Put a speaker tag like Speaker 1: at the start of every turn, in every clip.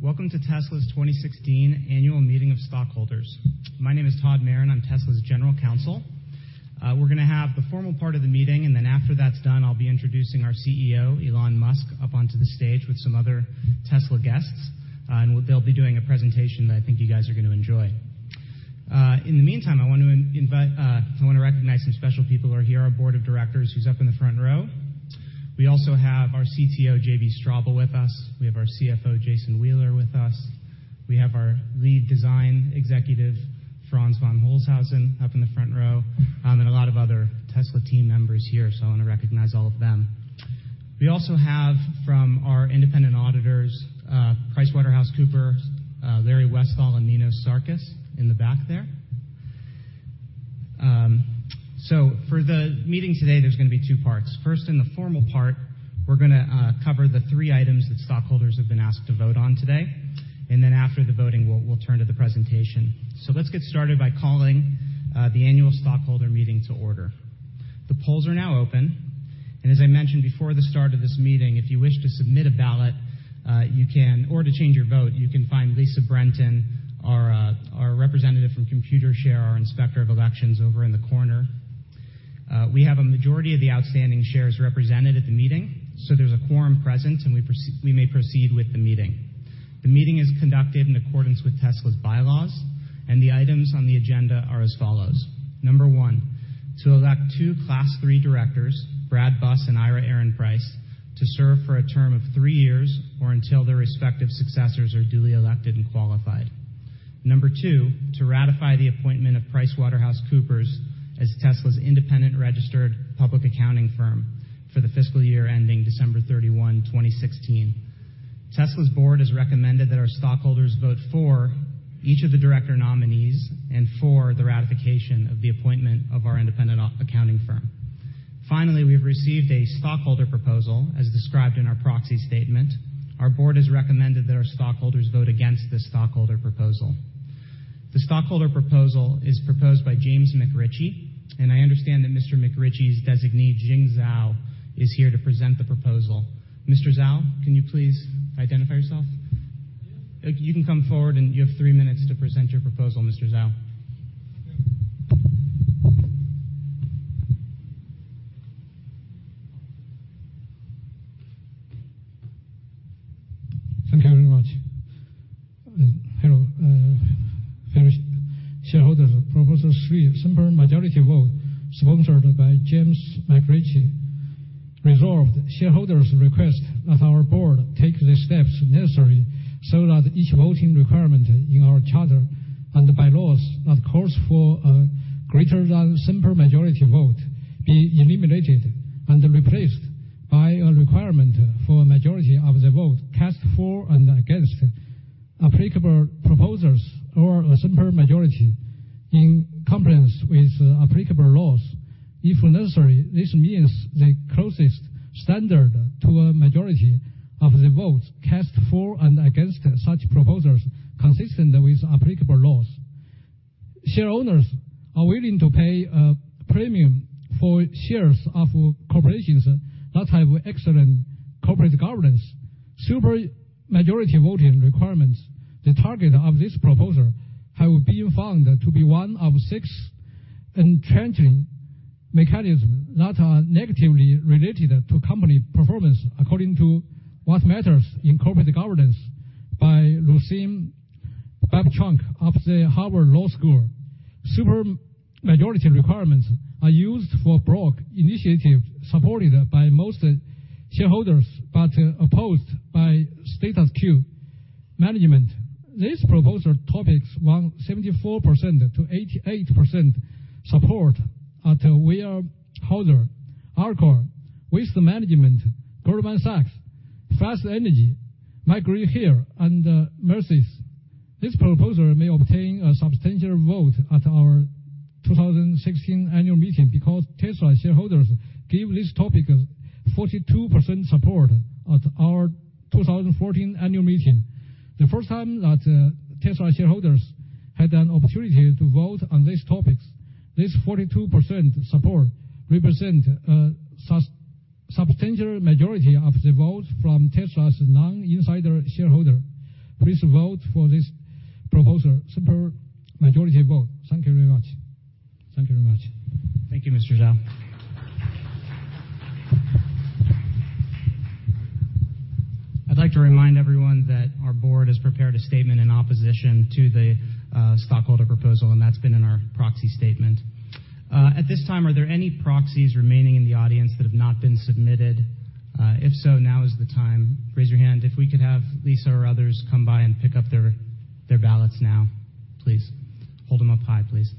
Speaker 1: Welcome to Tesla's 2016 annual meeting of stockholders. My name is Todd Maron. I'm Tesla's General Counsel. We're gonna have the formal part of the meeting, and then after that's done, I'll be introducing our CEO, Elon Musk, up onto the stage with some other Tesla guests. They'll be doing a presentation that I think you guys are gonna enjoy. In the meantime, I want to recognize some special people who are here, our Board of Directors, who's up in the front row. We also have our CTO, JB Straubel, with us. We have our CFO, Jason Wheeler, with us. We have our Lead Design Executive, Franz von Holzhausen, up in the front row, and a lot of other Tesla team members here, so I wanna recognize all of them. We also have from our independent auditors, PricewaterhouseCoopers, Larry Westfall and Ninos Sarkis in the back there. For the meeting today, there's gonna be two parts. First, in the formal part, we're gonna cover the three items that stockholders have been asked to vote on today. After the voting, we'll turn to the presentation. Let's get started by calling the annual stockholder meeting to order. The polls are now open. As I mentioned before the start of this meeting, if you wish to submit a ballot, or to change your vote, you can find Lisa Brenton, our representative from Computershare, our inspector of elections, over in the corner. We have a majority of the outstanding shares represented at the meeting, so there's a quorum present, and we may proceed with the meeting. The meeting is conducted in accordance with Tesla's bylaws, and the items on the agenda are as follows. Number one, to elect two Class III directors, Brad Buss and Ira Ehrenpreis, to serve for a term of three years or until their respective successors are duly elected and qualified. Number two, to ratify the appointment of PricewaterhouseCoopers as Tesla's independent registered public accounting firm for the fiscal year ending December 31, 2016. Tesla's board has recommended that our stockholders vote for each of the director nominees and for the ratification of the appointment of our independent accounting firm. Finally, we have received a stockholder proposal as described in our proxy statement. Our board has recommended that our stockholders vote against this stockholder proposal. The stockholder proposal is proposed by James McRitchie. I understand that Mr. McRitchie's designee, Jing Zhao, is here to present the proposal. Mr. Zhao, can you please identify yourself?
Speaker 2: Yeah.
Speaker 1: You can come forward, and you have three minutes to present your proposal, Mr. Zhao.
Speaker 2: Thank you. Thank you very much. Hello, shareholders. Proposal 3, simple majority vote, sponsored by James McRitchie. Resolved, shareholders request that our board take the steps necessary so that each voting requirement in our charter and the bylaws that calls for a greater than simple majority vote be eliminated and replaced by a requirement for a majority of the vote cast for and against applicable proposals or a simple majority in compliance with applicable laws. If necessary, this means the closest standard to a majority of the votes cast for and against such proposals consistent with applicable laws. Shareholders are willing to pay a premium for shares of corporations that have excellent corporate governance. Super majority voting requirements, the target of this proposal, have been found to be one of six entrenching mechanisms that are negatively related to company performance according to What Matters in Corporate Governance by Lucian Bebchuk of the Harvard Law School. Super majority requirements are used for broad initiatives supported by most shareholders but opposed by status quo management. This proposal topics won 74%-88% support at Weyerhaeuser, Alcoa, Waste Management, Goldman Sachs, FirstEnergy, McGraw-Hill, and Macy's. This proposal may obtain a substantial vote at our 2016 annual meeting because Tesla shareholders gave this topic 42% support at our 2014 annual meeting, the first time that Tesla shareholders had an opportunity to vote on these topics. This 42% support represent a substantial majority of the vote from Tesla's non-insider shareholder. Please vote for this proposal, supermajority vote. Thank you very much. Thank you very much.
Speaker 1: Thank you, Mr. Zhao. I'd like to remind everyone that our board has prepared a statement in opposition to the stockholder proposal. That's been in our proxy statement. At this time, are there any proxies remaining in the audience that have not been submitted? If so, now is the time. Raise your hand. If we could have Lisa or others come by and pick up their ballots now, please. Hold them up high, please.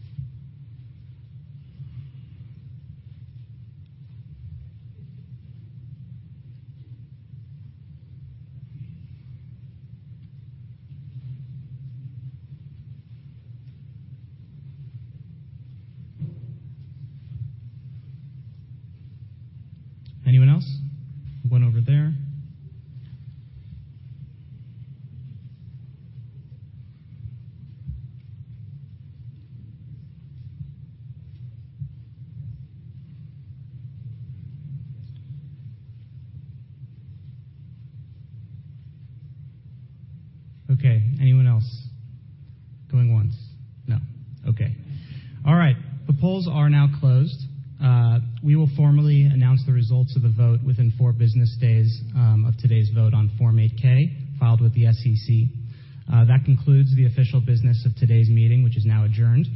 Speaker 1: Anyone else? One over there. Okay, anyone else? Going once. No. Okay. All right. The polls are now closed. We will formally announce the results of the vote within four business days of today's vote on Form 8-K filed with the SEC. That concludes the official business of today's meeting, which is now adjourned.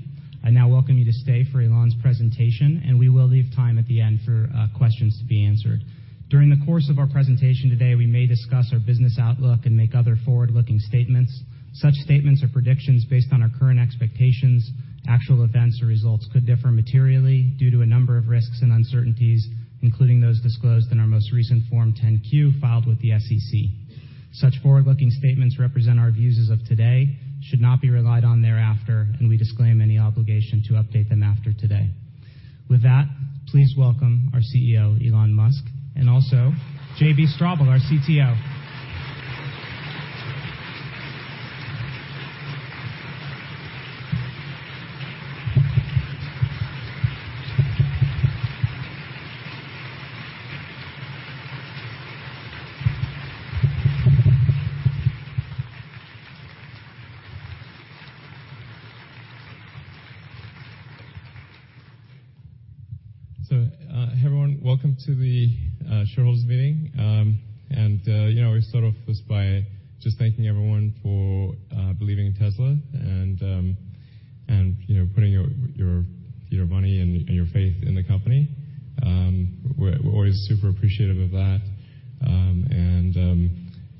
Speaker 1: I now welcome you to stay for Elon's presentation, and we will leave time at the end for questions to be answered. During the course of our presentation today, we may discuss our business outlook and make other forward-looking statements. Such statements are predictions based on our current expectations. Actual events or results could differ materially due to a number of risks and uncertainties, including those disclosed in our most recent Form 10-Q filed with the SEC. Such forward-looking statements represent our views as of today, should not be relied on thereafter, and we disclaim any obligation to update them after today. With that, please welcome our CEO, Elon Musk, and also JB Straubel, our CTO.
Speaker 3: Everyone, welcome to the shareholders meeting. You know, we'll start off just by thanking everyone for believing in Tesla and, you know, putting your money and your faith in the company. We're always super appreciative of that.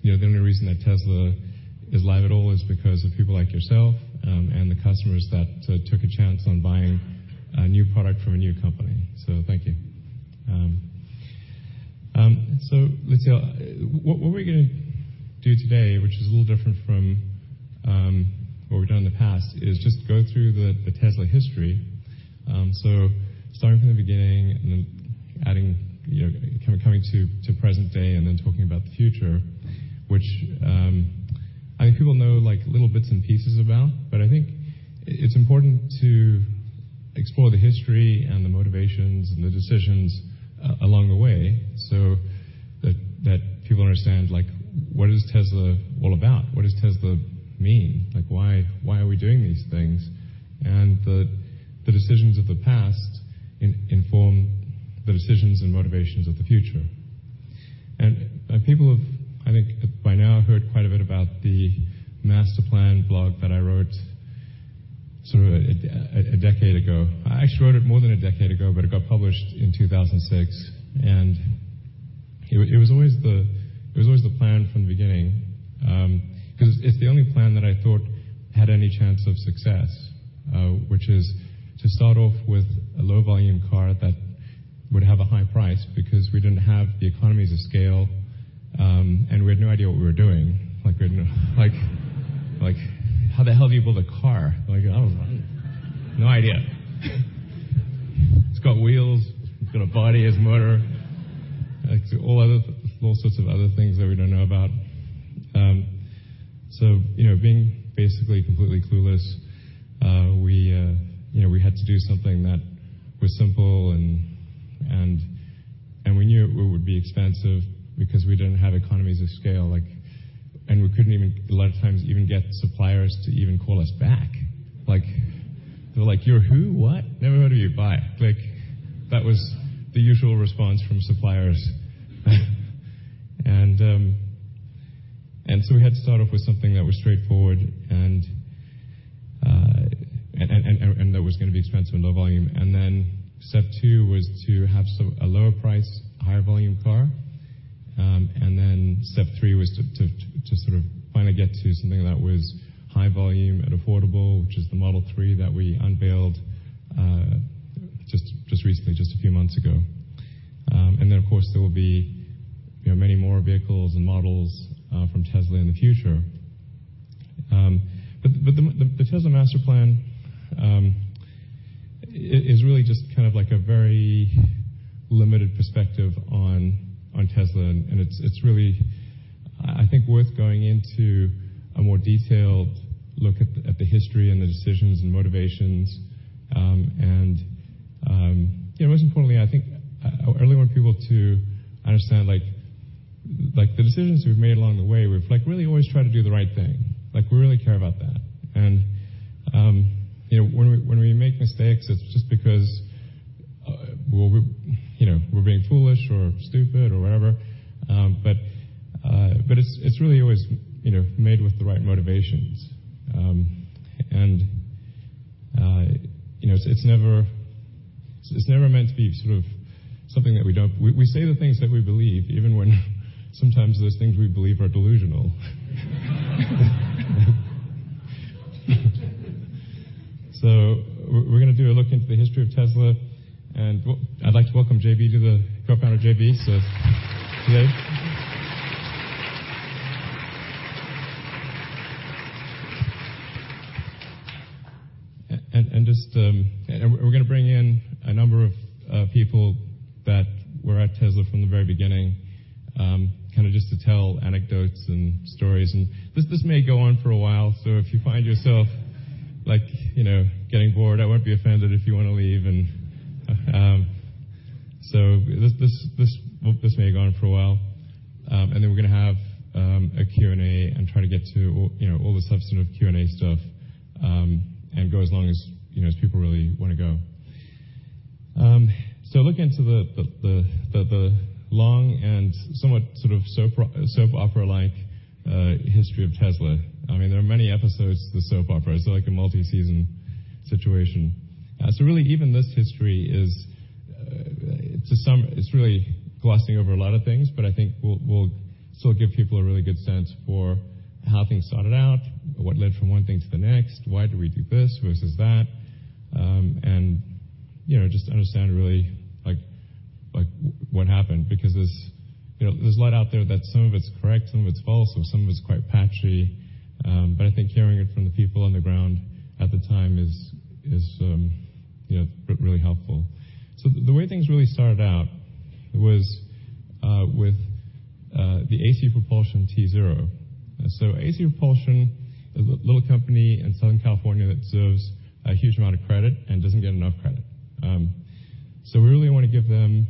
Speaker 3: You know, the only reason that Tesla is live at all is because of people like yourself and the customers that took a chance on buying a new product from a new company. Thank you. What we're gonna do today, which is a little different from what we've done in the past, is just go through the Tesla history. Starting from the beginning and then adding, you know, coming to present day and then talking about the future, which I think people know, like, little bits and pieces about. I think it's important to explore the history and the motivations and the decisions along the way so that people understand, like, what is Tesla all about? What does Tesla mean? Like, why are we doing these things? The decisions of the past inform the decisions and motivations of the future. People have, I think, by now heard quite a bit about the Master Plan blog that I wrote sort of a decade ago. I actually wrote it more than a decade ago, but it got published in 2006. It was always the plan from the beginning, 'cause it's the only plan that I thought had any chance of success, which is to start off with a low volume car that would have a high price because we didn't have the economies of scale, we had no idea what we were doing. Like, how the hell do you build a car? Like, I don't know. No idea. It's got wheels. It's got a body. It has a motor. Like, all sorts of other things that we don't know about. You know, being basically completely clueless, you know, we had to do something that was simple and we knew it would be expensive because we didn't have economies of scale, like, and we couldn't even, a lot of times, even get suppliers to even call us back. Like, they're like, "You're who? What? Never heard of you. Bye." Like, that was the usual response from suppliers. We had to start off with something that was straightforward and that was gonna be expensive and low volume. Step two was to have a lower price, higher volume car. Step 3 was to sort of finally get to something that was high volume and affordable, which is the Model 3 that we unveiled recently, just a few months ago. Of course, there will be, you know, many more vehicles and models from Tesla in the future. The Tesla Master Plan is really just kind of like a very limited perspective on Tesla, and it's really, I think worth going into a more detailed look at the history and the decisions and motivations. You know, most importantly, I think I really want people to understand, like, the decisions we've made along the way, we've really always tried to do the right thing. Like, we really care about that. When we make mistakes, it's just because we're being foolish or stupid or whatever. It's really always made with the right motivations. It's never meant to be sort of something that We say the things that we believe, even when sometimes those things we believe are delusional. We're gonna do a look into the history of Tesla, and I'd like to welcome JB co-founder JB. Just we're gonna bring in a number of people that were at Tesla from the very beginning, kinda just to tell anecdotes and stories. This may go on for a while, so if you find yourself, like, you know, getting bored, I won't be offended if you wanna leave. This may go on for a while. Then we're gonna have a Q&A and try to get to all, you know, all the substantive Q&A stuff, and go as long as, you know, as people really wanna go. Looking into the long and somewhat sort of soap opera-like history of Tesla. I mean, there are many episodes to the soap opera, so like a multi-season situation. Really even this history is to some. It's really glossing over a lot of things, but I think we'll still give people a really good sense for how things started out, what led from one thing to the next, why do we do this versus that, and, you know, just understand really, like, what happened. Because there's, you know, there's a lot out there that some of it's correct, some of it's false, so some of it's quite patchy. But I think hearing it from the people on the ground at the time is, you know, really helpful. The way things really started out was with the AC Propulsion tZero. AC Propulsion is a little company in Southern California that deserves a huge amount of credit and doesn't get enough credit. We really wanna give them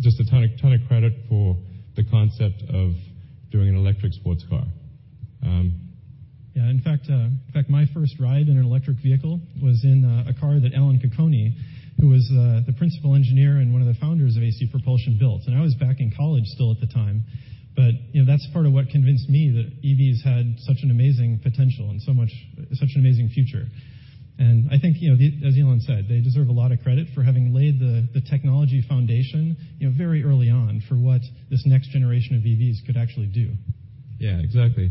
Speaker 3: just a ton of credit for the concept of doing an electric sports car.
Speaker 4: Yeah. In fact, my first ride in an electric vehicle was in a car that Alan Cocconi, who was the principal engineer and one of the founders of AC Propulsion, built. I was back in college still at the time, but, you know, that's part of what convinced me that EVs had such an amazing potential and such an amazing future. I think, you know, as Elon said, they deserve a lot of credit for having laid the technology foundation, you know, very early on for what this next generation of EVs could actually do.
Speaker 3: Exactly.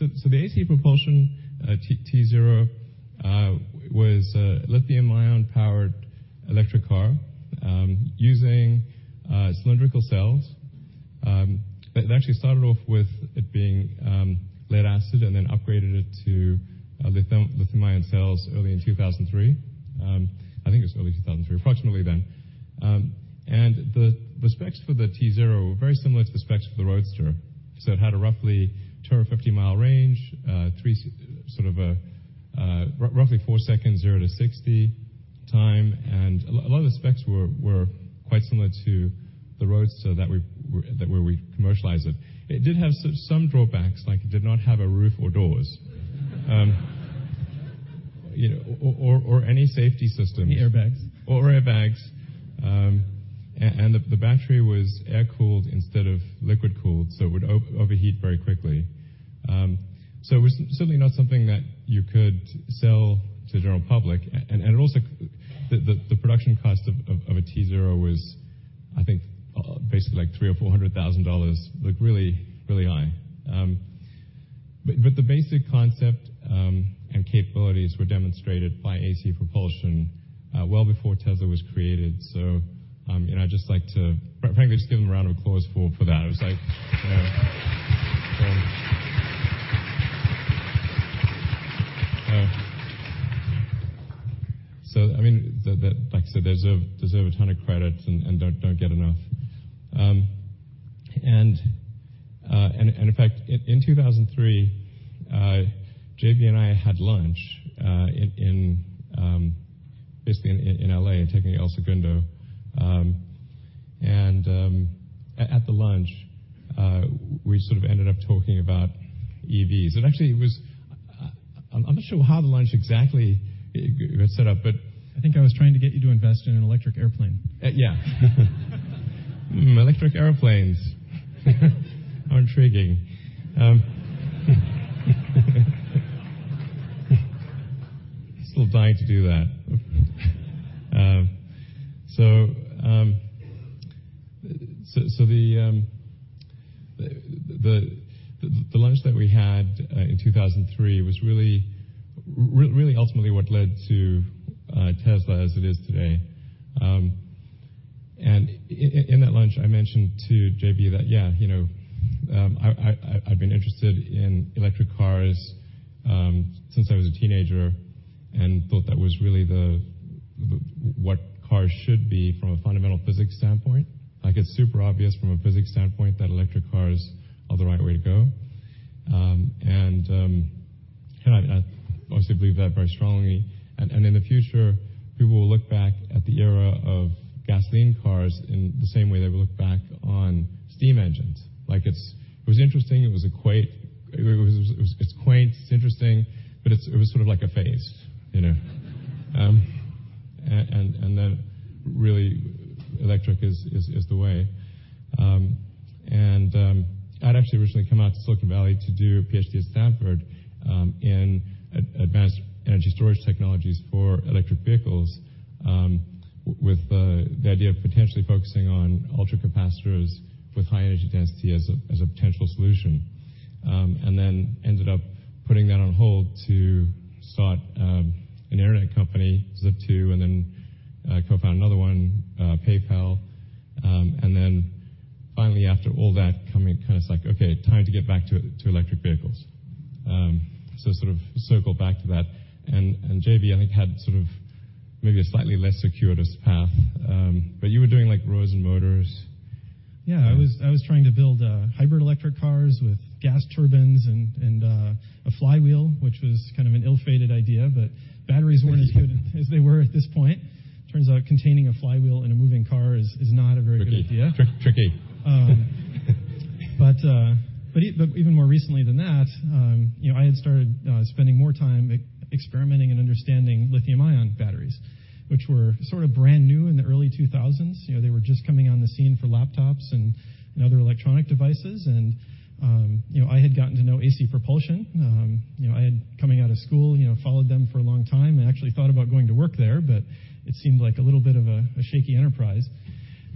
Speaker 3: The AC Propulsion tZero was a lithium-ion powered electric car, using cylindrical cells. It actually started off with it being lead acid and then upgraded it to lithium ion cells early in 2003. I think it was early 2003, approximately then. The specs for the tZero were very similar to the specs for the Roadster. It had a roughly 250-mile range, sort of a roughly four second zero to 60 time, a lot of the specs were quite similar to the Roadster that where we commercialized it. It did have some drawbacks, like it did not have a roof or doors. You know, or any safety systems.
Speaker 4: Any airbags?
Speaker 3: Airbags. The battery was air-cooled instead of liquid-cooled, so it would overheat very quickly. It was certainly not something that you could sell to the general public. The production cost of a tZero was, I think, like $300,000 or $400,000, like really, really high. The basic concept and capabilities were demonstrated by AC Propulsion well before Tesla was created. I'd just like to frankly just give them a round of applause for that. It was like, you know, I mean, like I said, they deserve a ton of credit and don't get enough. In fact, in 2003, JB and I had lunch, in, basically in L.A., in technically El Segundo. At the lunch, we sort of ended up talking about EVs. It actually was, I'm not sure how the lunch exactly got set up.
Speaker 4: I think I was trying to get you to invest in an electric airplane.
Speaker 3: Yeah. Electric airplanes. How intriguing. Still dying to do that. The lunch that we had in 2003 was really ultimately what led to Tesla as it is today. In that lunch, I mentioned to JB that, yeah, you know, I've been interested in electric cars since I was a teenager and thought that was really the what cars should be from a fundamental physics standpoint. Like it's super obvious from a physics standpoint that electric cars are the right way to go. I obviously believe that very strongly. In the future, people will look back at the era of gasoline cars in the same way they would look back on steam engines. Like it was interesting, it was a quaint, it was, it was, it's quaint, it's interesting, but it was sort of like a phase, you know. Then really electric is the way. I'd actually originally come out to Silicon Valley to do a PhD at Stanford in advanced energy storage technologies for electric vehicles with the idea of potentially focusing on ultracapacitors with high energy density as a potential solution. Then ended up putting that on hold to start an internet company, Zip2, and then co-found another one, PayPal. Finally, after all that, coming kind of like, okay, time to get back to electric vehicles. Sort of circle back to that. JB, I think, had sort of maybe a slightly less circuitous path. You were doing, like, Rosen Motors.
Speaker 4: Yeah.
Speaker 3: Um-
Speaker 4: I was trying to build hybrid electric cars with gas turbines and a flywheel, which was kind of an ill-fated idea, but batteries weren't as good as they were at this point. Turns out containing a flywheel in a moving car is not a very good idea.
Speaker 3: Tricky.
Speaker 4: Even more recently than that, you know, I had started spending more time experimenting and understanding lithium-ion batteries, which were sort of brand new in the early 2000s. You know, they were just coming on the scene for laptops and other electronic devices. You know, I had gotten to know AC Propulsion. You know, I had, coming out of school, you know, followed them for a long time, and actually thought about going to work there, but it seemed like a little bit of a shaky enterprise.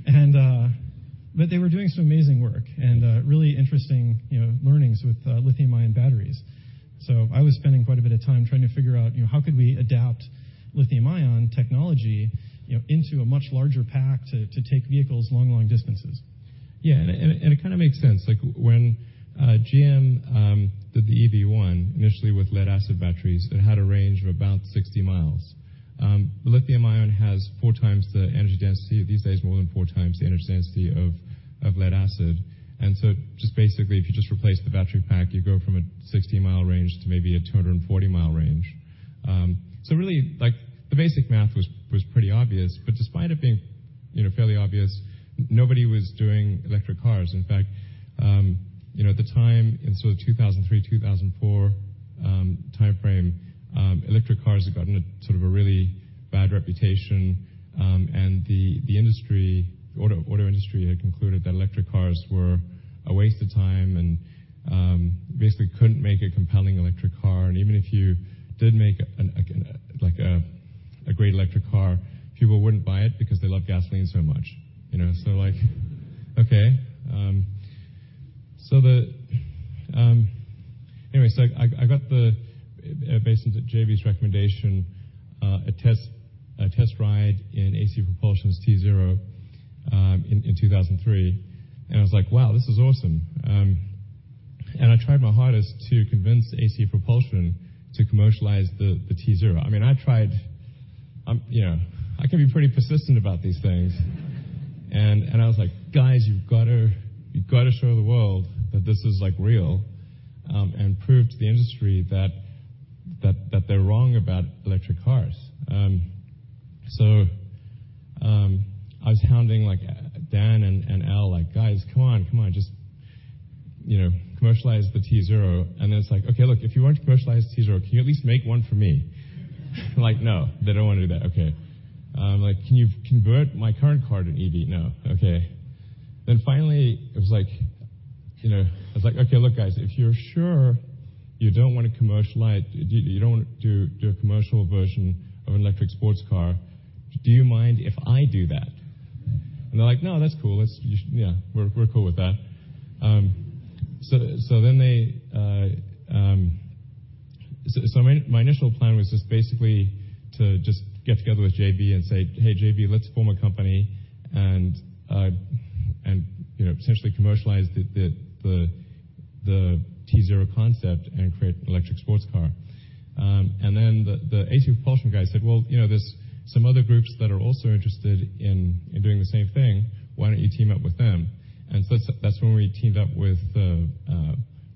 Speaker 4: They were doing some amazing work.
Speaker 3: Yeah
Speaker 4: Really interesting, you know, learnings with lithium-ion batteries. I was spending quite a bit of time trying to figure out, you know, how could we adapt lithium-ion technology, you know, into a much larger pack to take vehicles long, long distances.
Speaker 3: It kind of makes sense. When GM did the EV1, initially with lead-acid batteries, it had a range of about 60 miles. Lithium-ion has 4x the energy density, these days more than 4x the energy density of lead-acid. Just basically, if you just replace the battery pack, you go from a 60-mile range to maybe a 240-mile range. Really, the basic math was pretty obvious. Despite it being, you know, fairly obvious, nobody was doing electric cars. In fact, you know, at the time, in sort of 2003, 2004, timeframe, electric cars had gotten a sort of a really bad reputation. The auto industry had concluded that electric cars were a waste of time and basically couldn't make a compelling electric car. Even if you did make a great electric car, people wouldn't buy it because they love gasoline so much. You know, like okay. Anyway, I got the based on JB's recommendation, a test ride in AC Propulsion's tZero in 2003. I was like, "Wow, this is awesome." I tried my hardest to convince AC Propulsion to commercialize the tZero. I mean, I tried, you know, I can be pretty persistent about these things. I was like, "Guys, you've gotta, you've gotta show the world that this is, like, real, and prove to the industry that they're wrong about electric cars." I was hounding, like, Dan and Al, like, "Guys, just, you know, commercialize the tZero." It's like, "Okay, look, if you won't commercialize tZero, can you at least make one for me?" Like, no, they don't wanna do that. Okay. I'm like, "Can you convert my current car to an EV?" "No." "Okay." Finally, it was like, you know, I was like, "Okay, look, guys, if you're sure you don't wanna do a commercial version of an electric sports car, do you mind if I do that?" And they're like, "No, that's cool. Yeah, we're cool with that." My initial plan was just basically to just get together with JB and say, "Hey, JB, let's form a company and, you know, essentially commercialize the tZero concept and create an electric sports car." The AC Propulsion guy said, "Well, you know, there's some other groups that are also interested in doing the same thing. Why don't you team up with them?" That's when we teamed up with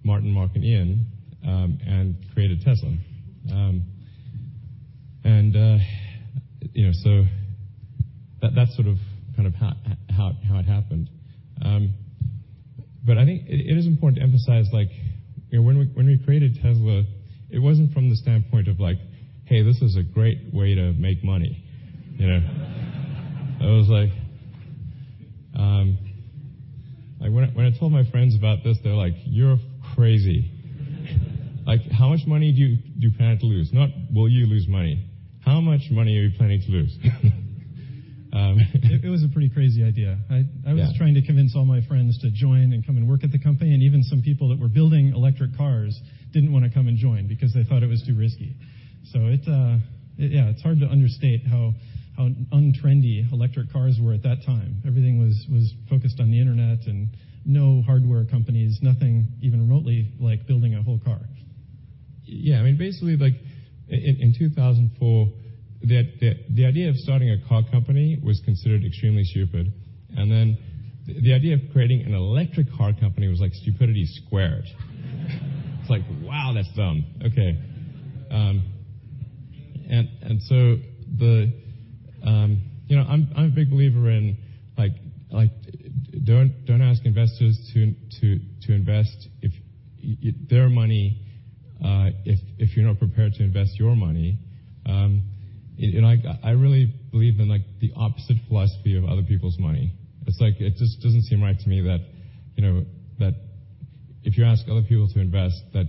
Speaker 3: Martin, Marc, and Ian and created Tesla. You know, that's sort of kind of how it happened. I think it is important to emphasize, like, you know, when we created Tesla, it wasn't from the standpoint of like, "Hey, this is a great way to make money." You know? It was like, when I told my friends about this, they're like, "You're crazy." Like, "How much money do you plan to lose?" Not, "Will you lose money?" "How much money are you planning to lose?
Speaker 4: It was a pretty crazy idea.
Speaker 3: Yeah
Speaker 4: I was trying to convince all my friends to join and come and work at the company, and even some people that were building electric cars didn't wanna come and join because they thought it was too risky. It, yeah, it's hard to understate how untrendy electric cars were at that time. Everything was focused on the internet and no hardware companies, nothing even remotely like building a whole car.
Speaker 3: Yeah, I mean, basically, like, in 2004, the idea of starting a car company was considered extremely stupid. The idea of creating an electric car company was like stupidity squared. It's like, wow, that's dumb. Okay. You know, I'm a big believer in, like, don't ask investors to invest their money if you're not prepared to invest your money. I really believe in, like, the opposite philosophy of other people's money. It's like, it just doesn't seem right to me that, you know, if you ask other people to invest, that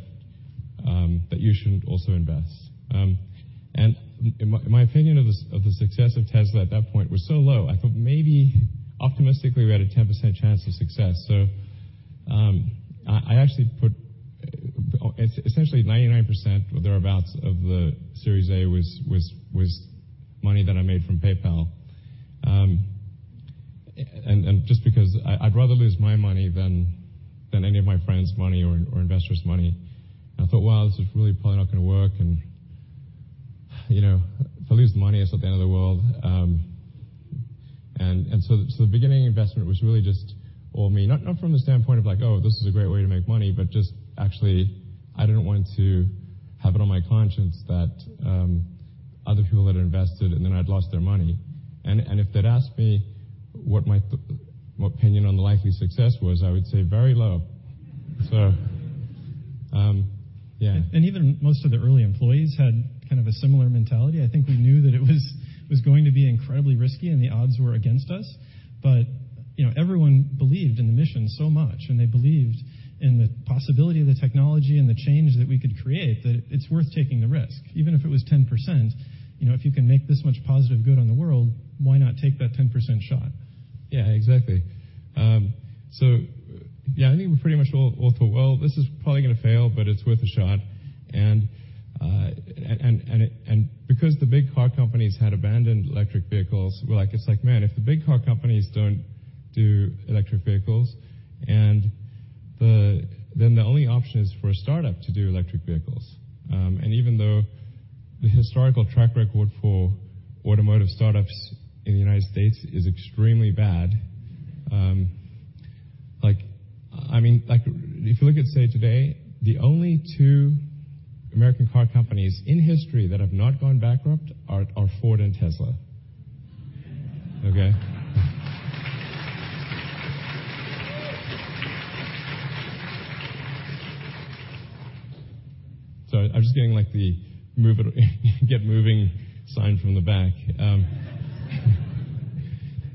Speaker 3: you shouldn't also invest. My opinion of the success of Tesla at that point was so low, I thought maybe optimistically we had a 10% chance of success. I actually put, essentially 99% or thereabouts of the Series A was money that I made from PayPal. Just because I'd rather lose my money than any of my friends' money or investors' money. I thought, "Well, this is really probably not gonna work, and, you know, if I lose the money, it's not the end of the world." The beginning investment was really just all me. Not from the standpoint of, like, "Oh, this is a great way to make money," but just actually I didn't want to have it on my conscience that other people had invested and then I'd lost their money. If they'd asked me what my opinion on the likely success was, I would say very low. Yeah.
Speaker 4: Even most of the early employees had kind of a similar mentality. I think we knew that it was going to be incredibly risky and the odds were against us. You know, everyone believed in the mission so much, and they believed in the possibility of the technology and the change that we could create, that it's worth taking the risk. Even if it was 10%, you know, if you can make this much positive good on the world, why not take that 10% shot?
Speaker 3: Yeah, exactly. I think we pretty much all thought, "Well, this is probably gonna fail, but it's worth a shot." Because the big car companies had abandoned electric vehicles, we're like, "Man, if the big car companies don't do electric vehicles, then the only option is for a startup to do electric vehicles." Even though the historical track record for automotive startups in the U.S. is extremely bad, I mean, if you look at, say, today, the only two American car companies in history that have not gone bankrupt are Ford and Tesla. Okay? Sorry, I'm just getting the get moving sign from the back.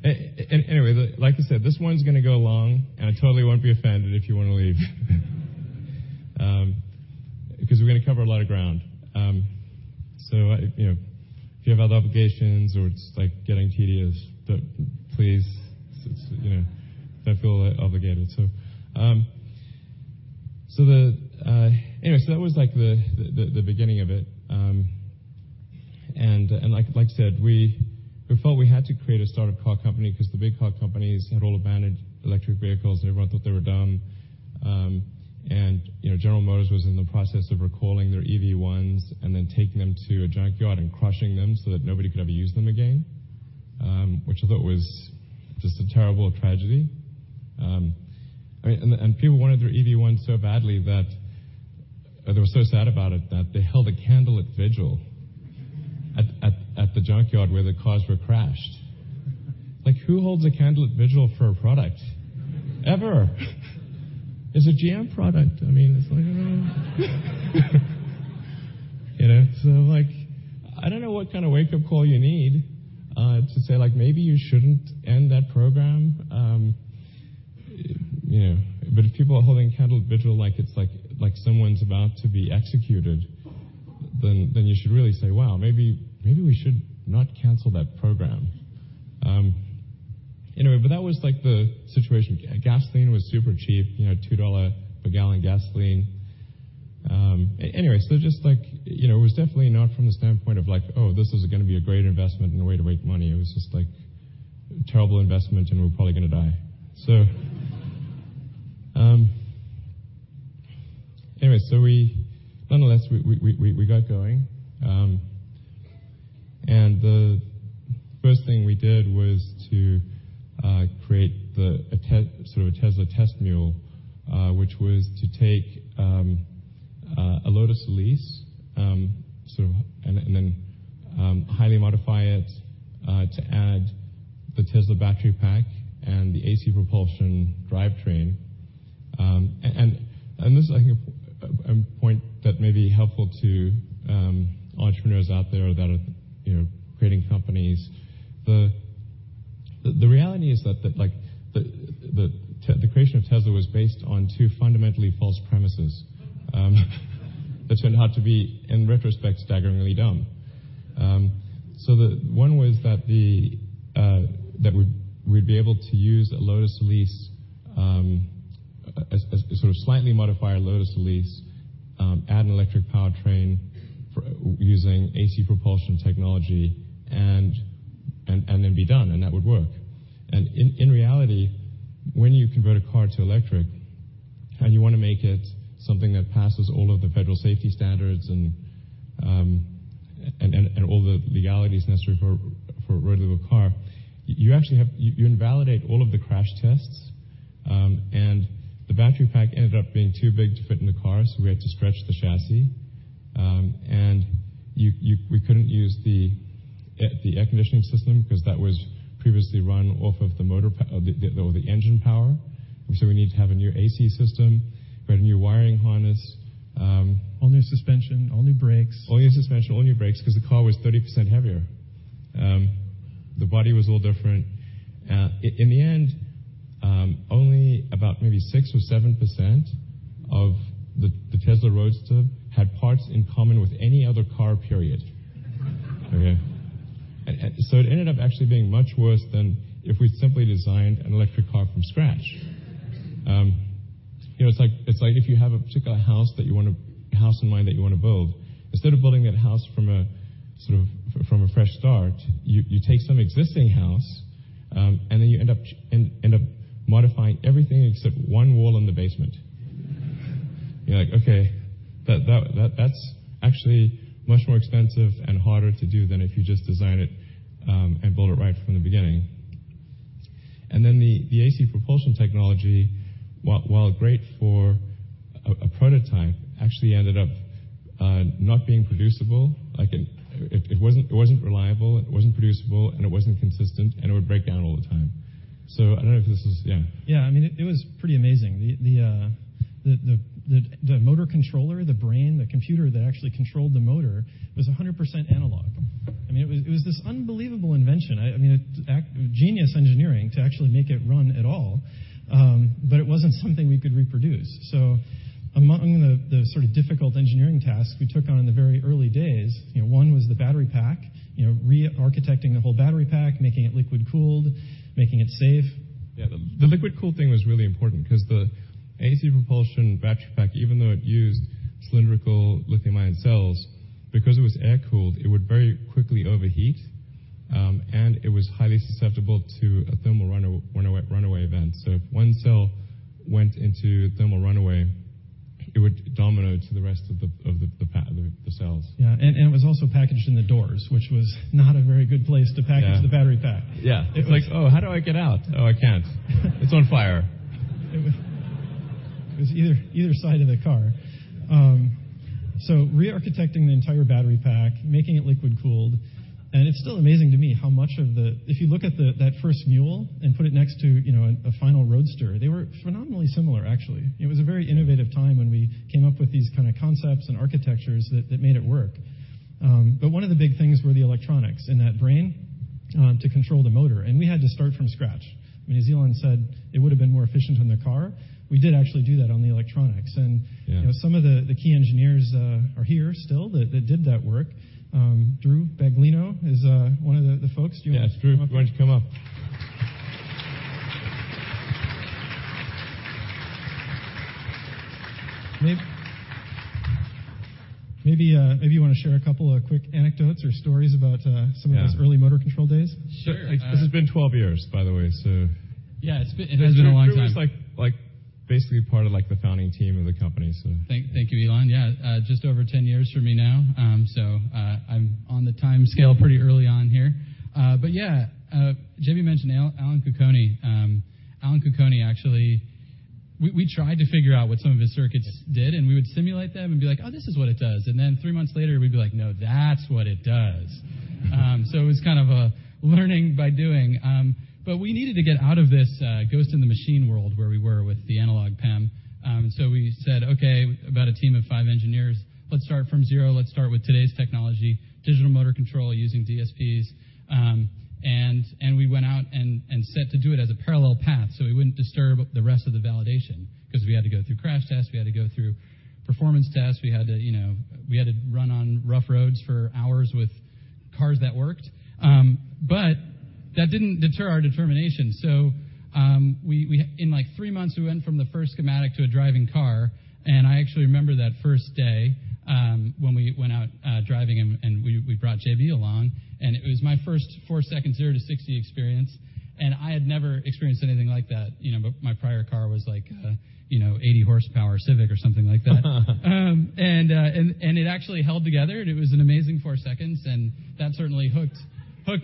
Speaker 3: Anyway, like I said, this one's gonna go long, and I totally won't be offended if you wanna leave. Because we're gonna cover a lot of ground. You know, if you have other obligations or it's, like, getting tedious, please, you know, don't feel obligated. Anyway, that was like the, the beginning of it. Like, like you said, we felt we had to create a startup car company 'cause the big car companies had all abandoned electric vehicles and everyone thought they were dumb. You know, General Motors was in the process of recalling their EV1s and then taking them to a junkyard and crushing them so that nobody could ever use them again, which I thought was just a terrible tragedy. I mean, people wanted their EV1 so badly that they were so sad about it that they held a candlelit vigil at the junkyard where the cars were crashed. Like, who holds a candlelit vigil for a product? Ever? It's a GM product. I mean, it's like. You know? I don't know what kind of wake-up call you need to say, like, "Maybe you shouldn't end that program," you know. If people are holding a candlelit vigil like it's like someone's about to be executed, then you should really say, "Wow, maybe we should not cancel that program." Anyway, that was, like, the situation. Gasoline was super cheap, you know, $2 per gallon gasoline. Anyway, just, like, you know, it was definitely not from the standpoint of, like, "Oh, this is gonna be a great investment and a way to make money." It was just, like, terrible investment and we're probably gonna die. Anyway, nonetheless, we got going. The first thing we did was to create the, a test, sort of a Tesla test mule, which was to take a Lotus Elise, then highly modify it to add the Tesla battery pack and the AC Propulsion drivetrain. This I think a point that may be helpful to entrepreneurs out there that are, you know, creating companies. The reality is that, like, the creation of Tesla was based on two fundamentally false premises that turned out to be, in retrospect, staggeringly dumb. One was that we'd be able to use a Lotus Elise, a sort of slightly modified Lotus Elise, add an electric powertrain using AC Propulsion technology and then be done, and that would work. In reality, when you convert a car to electric and you wanna make it something that passes all of the federal safety standards and all the legalities necessary for a road legal car, you actually invalidate all of the crash tests. The battery pack ended up being too big to fit in the car, so we had to stretch the chassis. We couldn't use the air conditioning system 'cause that was previously run off of the engine power. We needed to have a new AC system. We had a new wiring harness.
Speaker 4: All new suspension, all new brakes.
Speaker 3: All new suspension, all new brakes, 'cause the car was 30% heavier. The body was a little different. In the end, only about maybe 6% or 7% The Tesla Roadster had parts in common with any other car, period. Okay. It ended up actually being much worse than if we simply designed an electric car from scratch. You know, it's like if you have a particular house that you wanna house in mind that you wanna build, instead of building that house from a, sort of, from a fresh start, you take some existing house, and then you end up modifying everything except one wall in the basement. You're like, "Okay, that's actually much more expensive and harder to do than if you just design it and build it right from the beginning." The AC Propulsion technology, while great for a prototype, actually ended up not being producible. Like, it wasn't reliable, it wasn't producible, and it wasn't consistent, and it would break down all the time. I don't know if this is Yeah.
Speaker 4: I mean, it was pretty amazing. The motor controller, the brain, the computer that actually controlled the motor was 100% analog. I mean, it was this unbelievable invention. I mean, genius engineering to actually make it run at all. It wasn't something we could reproduce. Among the sort of difficult engineering tasks we took on in the very early days, you know, one was the battery pack, you know, re-architecting the whole battery pack, making it liquid-cooled, making it safe.
Speaker 3: The liquid cool thing was really important 'cause the AC Propulsion battery pack, even though it used cylindrical lithium-ion cells, because it was air-cooled, it would very quickly overheat, and it was highly susceptible to a thermal runaway event. If one cell went into thermal runaway, it would domino to the rest of the cells.
Speaker 4: Yeah, and it was also packaged in the doors, which was not a very good place to.
Speaker 3: Yeah.
Speaker 4: the battery pack.
Speaker 3: Yeah.
Speaker 4: It was like, "Oh, how do I get out?
Speaker 3: Oh, I can't." "It's on fire.
Speaker 4: It was either side of the car. Re-architecting the entire battery pack, making it liquid-cooled, and it's still amazing to me how much of the If you look at that first mule and put it next to, you know, a final Roadster, they were phenomenally similar, actually. It was a very innovative time when we came up with these kind of concepts and architectures that made it work. One of the big things were the electronics in that brain to control the motor, and we had to start from scratch. I mean, as Elon said, it would've been more efficient on the car. We did actually do that on the electronics.
Speaker 3: Yeah.
Speaker 4: you know, some of the key engineers are here still that did that work. Drew Baglino is one of the folks. Do you wanna come up here?
Speaker 3: Yeah, Drew, why don't you come up?
Speaker 4: Maybe you wanna share a couple of quick anecdotes or stories about.
Speaker 3: Yeah.
Speaker 4: some of those early motor control days.
Speaker 5: Sure.
Speaker 3: This has been 12 years, by the way.
Speaker 5: Yeah, it has been a long time.
Speaker 3: Drew was, basically part of the founding team of the company.
Speaker 5: Thank you, Elon. Yeah, just over 10 years for me now. I'm on the timescale pretty early on here. Yeah, JB mentioned Alan Cocconi. Alan Cocconi actually, we tried to figure out what some of his circuits did, and we would simulate them and be like, "Oh, this is what it does," and then 3 months later, we'd be like, "No, that's what it does." It was kind of a learning by doing. We needed to get out of this ghost in the machine world where we were with the analog PEM. We said, "Okay," about a team of five engineers, "let's start from zero. Let's start with today's technology, digital motor control using DSPs." We went out and set to do it as a parallel path, so we wouldn't disturb the rest of the validation. 'Cause we had to go through crash tests, we had to go through performance tests, we had to, you know, we had to run on rough roads for hours with cars that worked. That didn't deter our determination. We, in like 3 months, we went from the first schematic to a driving car, and I actually remember that first day when we went out driving and we brought JB along, and it was my first 4-second 0 to 60 experience, and I had never experienced anything like that. You know, my prior car was, like, you know, 80 horsepower Civic or something like that. It actually held together, and it was an amazing four seconds, and that certainly hooked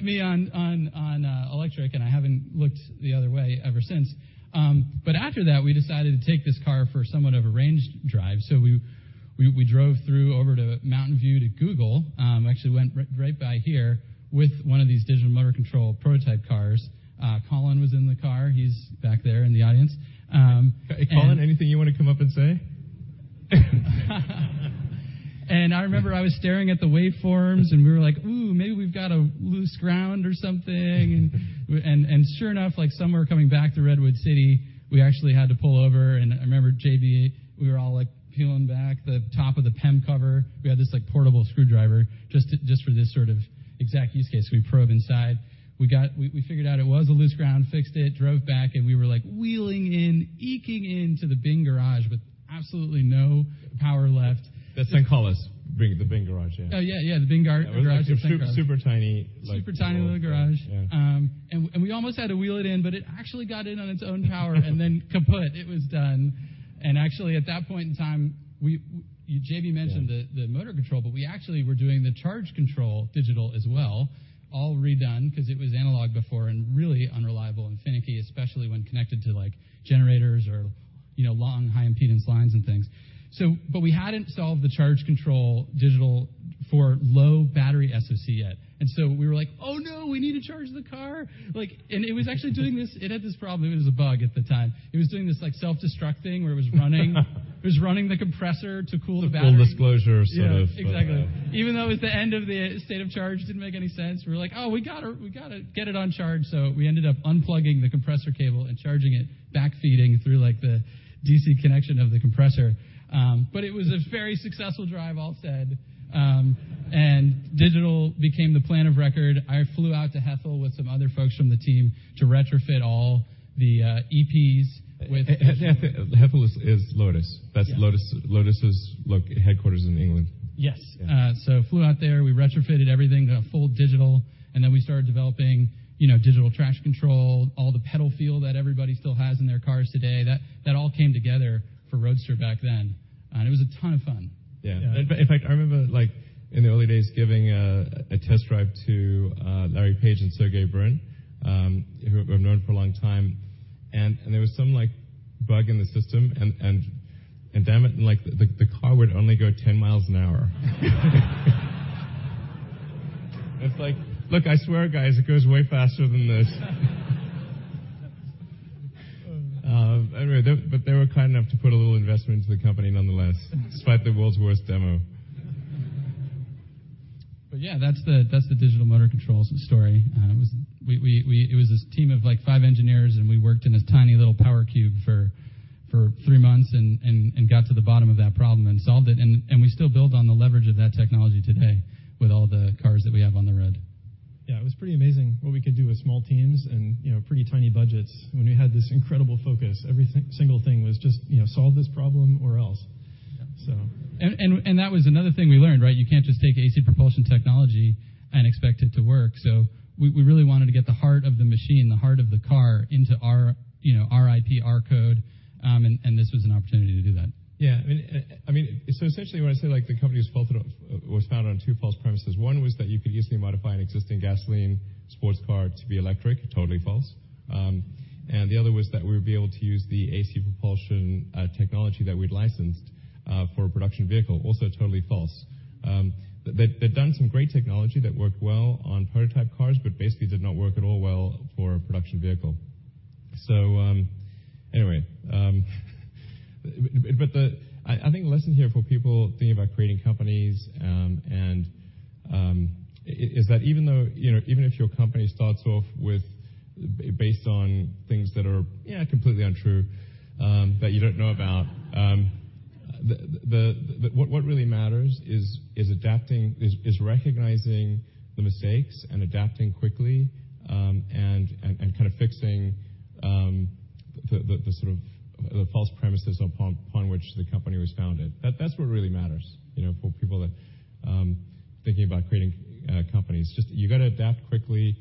Speaker 5: me on electric, and I haven't looked the other way ever since. After that, we decided to take this car for somewhat of a range drive, so we drove through over to Mountain View to Google, actually went right by here, with one of these digital motor control prototype cars. Colin was in the car. He's back there in the audience.
Speaker 3: Hey, Colin, anything you wanna come up and say?
Speaker 5: I remember I was staring at the waveforms, and we were like, "Ooh, maybe we've got a loose ground or something." Sure enough, like somewhere coming back through Redwood City, we actually had to pull over, I remember JB, we were all like peeling back the top of the PEM cover. We had this like portable screwdriver just for this sort of exact use case. We probe inside. We figured out it was a loose ground, fixed it, drove back, and we were like wheeling in, eking into the Bing garage with absolutely no power left.
Speaker 3: The San Carlos Bing, the Bing garage, yeah.
Speaker 5: Oh, yeah, the Bing garage or San Carlos.
Speaker 3: It was super tiny.
Speaker 5: Super tiny little garage.
Speaker 3: Yeah.
Speaker 5: We almost had to wheel it in, but it actually got in on its own power. Kaput. It was done.
Speaker 3: Yeah.
Speaker 5: The motor control, we actually were doing the charge control digital as well, all redone because it was analog before and really unreliable and finicky, especially when connected to like generators or, you know, long high impedance lines and things. We hadn't solved the charge control digital for low battery SOC yet. We were like, "Oh, no, we need to charge the car." It was actually doing this. It had this problem, it was a bug at the time. It was doing this like self-destruct thing where it was running the compressor to cool the battery.
Speaker 3: Full disclosure sort of.
Speaker 5: Yeah, exactly. Even though it was the end of the state of charge, didn't make any sense. We were like, "Oh, we gotta get it on charge." We ended up unplugging the compressor cable and charging it, back-feeding through like the DC connection of the compressor. It was a very successful drive all said. Digital became the plan of record. I flew out to Hethel with some other folks from the team to retrofit all the EPs with-
Speaker 3: Hethel is Lotus.
Speaker 5: Yeah.
Speaker 3: That's Lotus's headquarters in England.
Speaker 5: Yes.
Speaker 3: Yeah.
Speaker 5: Flew out there, we retrofitted everything to full digital, and then we started developing, you know, digital traction control, all the pedal feel that everybody still has in their cars today. That all came together for Roadster back then. It was a ton of fun.
Speaker 3: Yeah.
Speaker 5: Yeah.
Speaker 3: In fact, I remember like in the early days giving a test drive to Larry Page and Sergey Brin, who I've known for a long time. There was some like bug in the system and damn it, like the car would only go 10 miles an hour. It's like, "Look, I swear, guys, it goes way faster than this." Anyway, they were kind enough to put a little investment into the company nonetheless, despite the world's worst demo.
Speaker 5: Yeah, that's the, that's the digital motor controls story. It was this team of like five engineers, and we worked in this tiny little power cube for three months and got to the bottom of that problem and solved it. We still build on the leverage of that technology today with all the cars that we have on the road.
Speaker 4: Yeah, it was pretty amazing what we could do with small teams and, you know, pretty tiny budgets when we had this incredible focus. Every single thing was just, you know, solve this problem or else.
Speaker 5: Yeah.
Speaker 4: So-
Speaker 5: That was another thing we learned, right? You can't just take AC Propulsion technology and expect it to work. We really wanted to get the heart of the machine, the heart of the car into our, you know, our IP, our code. This was an opportunity to do that.
Speaker 3: Yeah. I mean, I mean, essentially when I say like the company was founded on two false premises, one was that you could easily modify an existing gasoline sports car to be electric, totally false. The other was that we would be able to use the AC Propulsion technology that we'd licensed for a production vehicle, also totally false. They'd done some great technology that worked well on prototype cars, but basically did not work at all well for a production vehicle. Anyway, but I think the lesson here for people thinking about creating companies, and is that even though, you know, even if your company starts off with, based on things that are, yeah, completely untrue, that you don't know about. What really matters is adapting, recognizing the mistakes and adapting quickly, and kind of fixing the sort of the false premises upon which the company was founded. That's what really matters, you know, for people that thinking about creating companies. Just you gotta adapt quickly,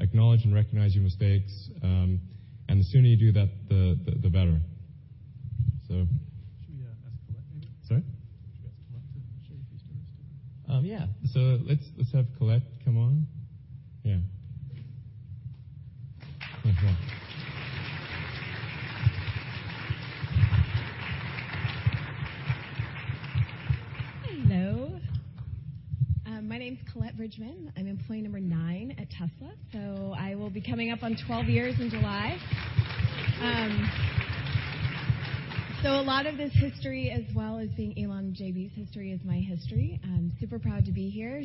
Speaker 3: acknowledge and recognize your mistakes, and the sooner you do that, the better.
Speaker 4: Should we ask Colette maybe?
Speaker 3: Sorry?
Speaker 4: Should we ask Colette to share a few stories too?
Speaker 3: Yeah. Let's have Colette come on. Yeah. Thank you.
Speaker 6: Hello. My name's Colette Bridgman. I'm employee number nine at Tesla, so I will be coming up on 12 years in July. A lot of this history as well as being Elon and JB's history is my history. I'm super proud to be here.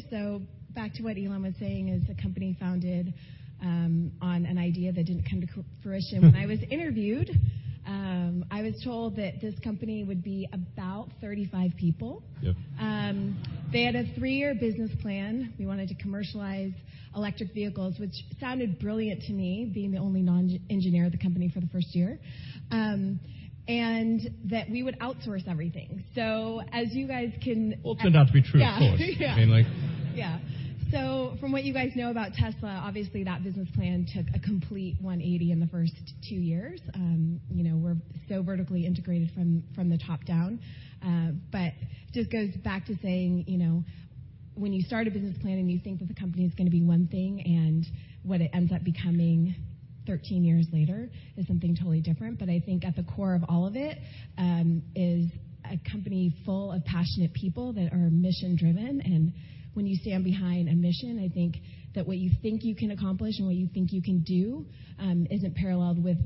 Speaker 6: Back to what Elon was saying is the company founded on an idea that didn't come to fruition. When I was interviewed, I was told that this company would be about 35 people. They had a three-year business plan. We wanted to commercialize electric vehicles, which sounded brilliant to me, being the only non-engineer of the company for the first year. That we would outsource everything.
Speaker 3: Well, turned out to be true, of course.
Speaker 6: Yeah. Yeah.
Speaker 3: I mean.
Speaker 6: Yeah. From what you guys know about Tesla, obviously, that business plan took a complete one eighty in the first two years. You know, we're so vertically integrated from the top down. Just goes back to saying, you know, when you start a business plan and you think that the company is gonna be one thing and what it ends up becoming 13 years later is something totally different. I think at the core of all of it is a company full of passionate people that are mission-driven. When you stand behind a mission, I think that what you think you can accomplish and what you think you can do isn't paralleled with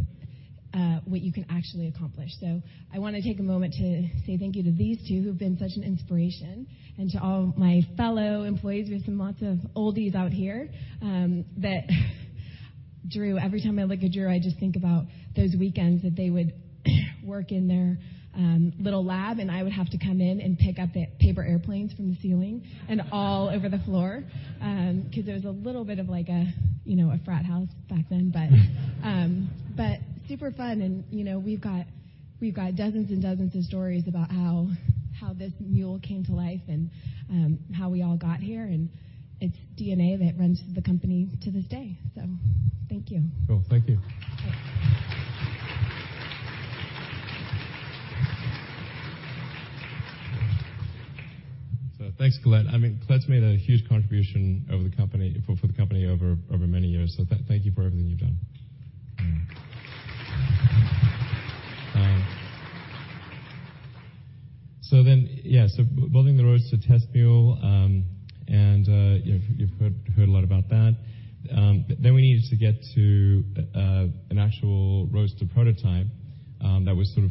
Speaker 6: what you can actually accomplish. I wanna take a moment to say thank you to these two who've been such an inspiration, and to all my fellow employees. We have some lots of oldies out here, that Drew, every time I look at Drew, I just think about those weekends that they would work in their little lab, and I would have to come in and pick up the paper airplanes from the ceiling. All over the floor, 'cause it was a little bit of like a, you know, a frat house back then, but super fun and, you know, we've got dozens and dozens of stories about how this mule came to life and, how we all got here, and it's DNA that runs the company to this day. Thank you.
Speaker 3: Cool. Thank you. Thanks, Colette. I mean, Colette's made a huge contribution over the company, for the company over many years. Thank you for everything you've done. Building the Roadster test mule, you've heard a lot about that. We needed to get to an actual Roadster prototype that was more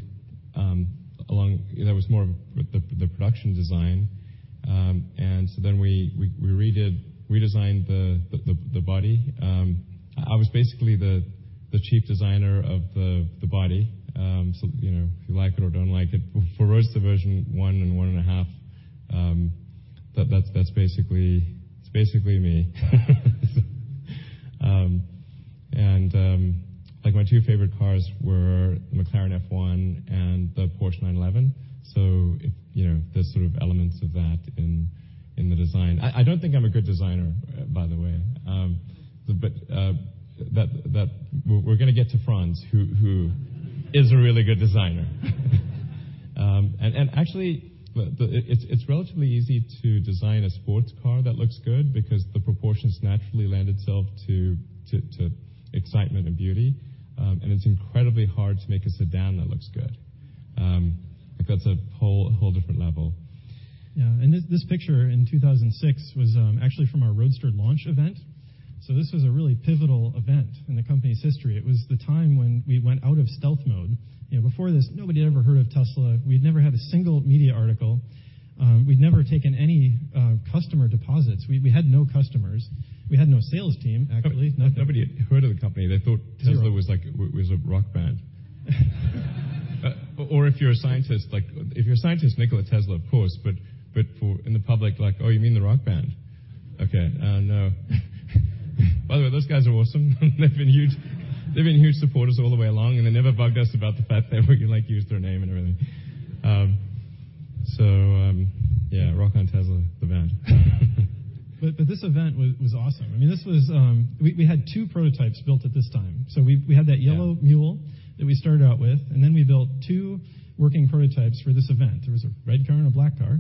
Speaker 3: of the production design. We redesigned the body. I was basically the chief designer of the body. You know, if you like it or don't like it, for Roadster version 1 and 1.5, that's basically me. Like my two favorite cars were McLaren F1 and the Porsche 911. If, you know, there's sort of elements of that in the design. I don't think I'm a good designer, by the way. That We're gonna get to Franz who is a really good designer. Actually, it's relatively easy to design a sports car that looks good because the proportions naturally lend itself to excitement and beauty. It's incredibly hard to make a sedan that looks good. Like that's a whole different level.
Speaker 4: Yeah. This picture in 2006 was actually from our Roadster launch event. This was a really pivotal event in the company's history. It was the time when we went out of stealth mode. You know, before this, nobody ever heard of Tesla. We'd never had a single media article. We'd never taken any customer deposits. We had no customers. We had no sales team, actually.
Speaker 3: Nobody had heard of the company.
Speaker 4: Zero
Speaker 3: Tesla was a rock band. Or if you're a scientist, like if you're a scientist, Nikola Tesla, of course, but for in the public, like, "Oh, you mean the rock band?" Okay. No. By the way, those guys are awesome. They've been huge supporters all the way along, they never bugged us about the fact that we, like, used their name and everything. Yeah, rock on, Tesla, the band.
Speaker 4: This event was awesome. I mean, this was, we had two prototypes built at this time. We had that yellow mule-
Speaker 3: Yeah
Speaker 4: that we started out with, and then we built two working prototypes for this event. There was a red car and a black car.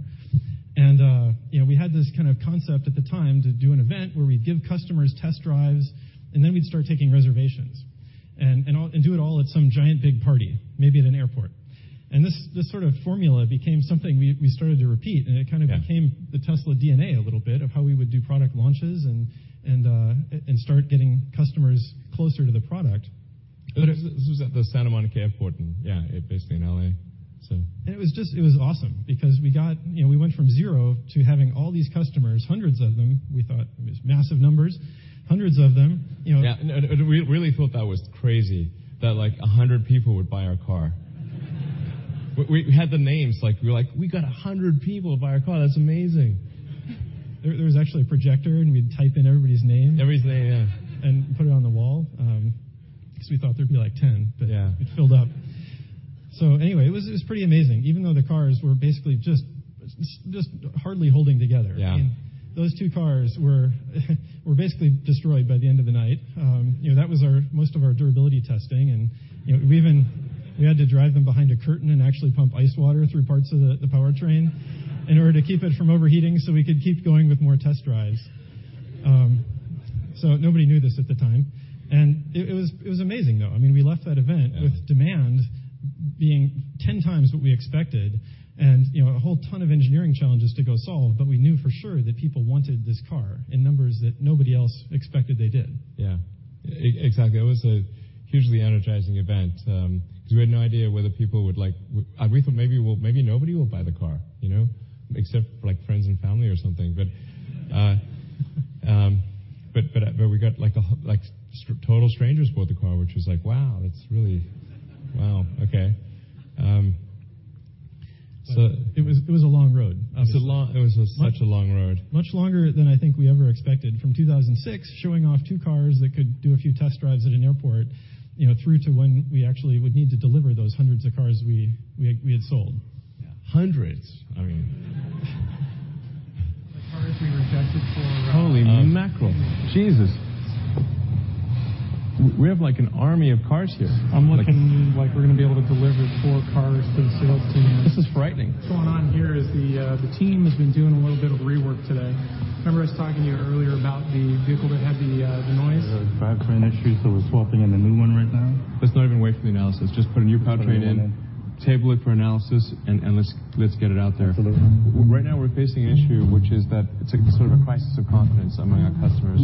Speaker 4: You know, we had this kind of concept at the time to do an event where we'd give customers test drives, and then we'd start taking reservations and all and do it all at some giant big party, maybe at an airport. This sort of formula became something we started to repeat.
Speaker 3: Yeah
Speaker 4: became the Tesla DNA a little bit of how we would do product launches and start getting customers closer to the product.
Speaker 3: This was at the Santa Monica Airport and yeah, basically in L.A.
Speaker 4: It was awesome because we got, you know, we went from 0 to having all these customers, hundreds of them. We thought it was massive numbers, hundreds of them, you know.
Speaker 3: Yeah. No, we really thought that was crazy, that like 100 people would buy our car. We had the names. Like, we were like, "We got 100 people to buy our car. That's amazing.
Speaker 4: There was actually a projector, and we'd type in everybody's name.
Speaker 3: Everybody's name, yeah.
Speaker 4: put it on the wall. 'cause we thought there'd be like ten.
Speaker 3: Yeah.
Speaker 4: It filled up. Anyway, it was pretty amazing. Even though the cars were basically just hardly holding together.
Speaker 3: Yeah.
Speaker 4: Those two cars were basically destroyed by the end of the night. You know, that was our most of our durability testing and, you know, we had to drive them behind a curtain and actually pump ice water through parts of the powertrain in order to keep it from overheating so we could keep going with more test drives. Nobody knew this at the time. It was amazing, though. I mean, we left that event-
Speaker 3: Yeah
Speaker 4: with demand being 10 times what we expected and, you know, a whole ton of engineering challenges to go solve. We knew for sure that people wanted this car in numbers that nobody else expected they did.
Speaker 3: Yeah. Exactly. It was a hugely energizing event, 'cause we had no idea whether people would like we thought maybe nobody will buy the car, you know, except for like friends and family or something. We got like total strangers bought the car, which was like, "Wow, that's really Wow, okay.
Speaker 4: It was a long road, obviously.
Speaker 3: It was a such a long road.
Speaker 4: Much, much longer than I think we ever expected. From 2006, showing off two cars that could do a few test drives at an airport, you know, through to when we actually would need to deliver those hundreds of cars we had sold.
Speaker 3: Yeah. Hundreds.
Speaker 4: The cars we were tested for.
Speaker 3: Holy mackerel. Jesus. We have like an army of cars here.
Speaker 4: I'm looking like we're gonna be able to deliver four cars to the sales team here.
Speaker 3: This is frightening.
Speaker 4: What's going on here is the team has been doing a little bit of rework today. Remember I was talking to you earlier about the vehicle that had the noise?
Speaker 7: We had a drivetrain issue, so we're swapping in a new one right now.
Speaker 3: Let's not even wait for the analysis. Just put a new powertrain in.
Speaker 7: Put a new one in.
Speaker 3: Table it for analysis and let's get it out there.
Speaker 7: Absolutely.
Speaker 3: Right now we're facing an issue, which is that it's like sort of a crisis of confidence among our customers.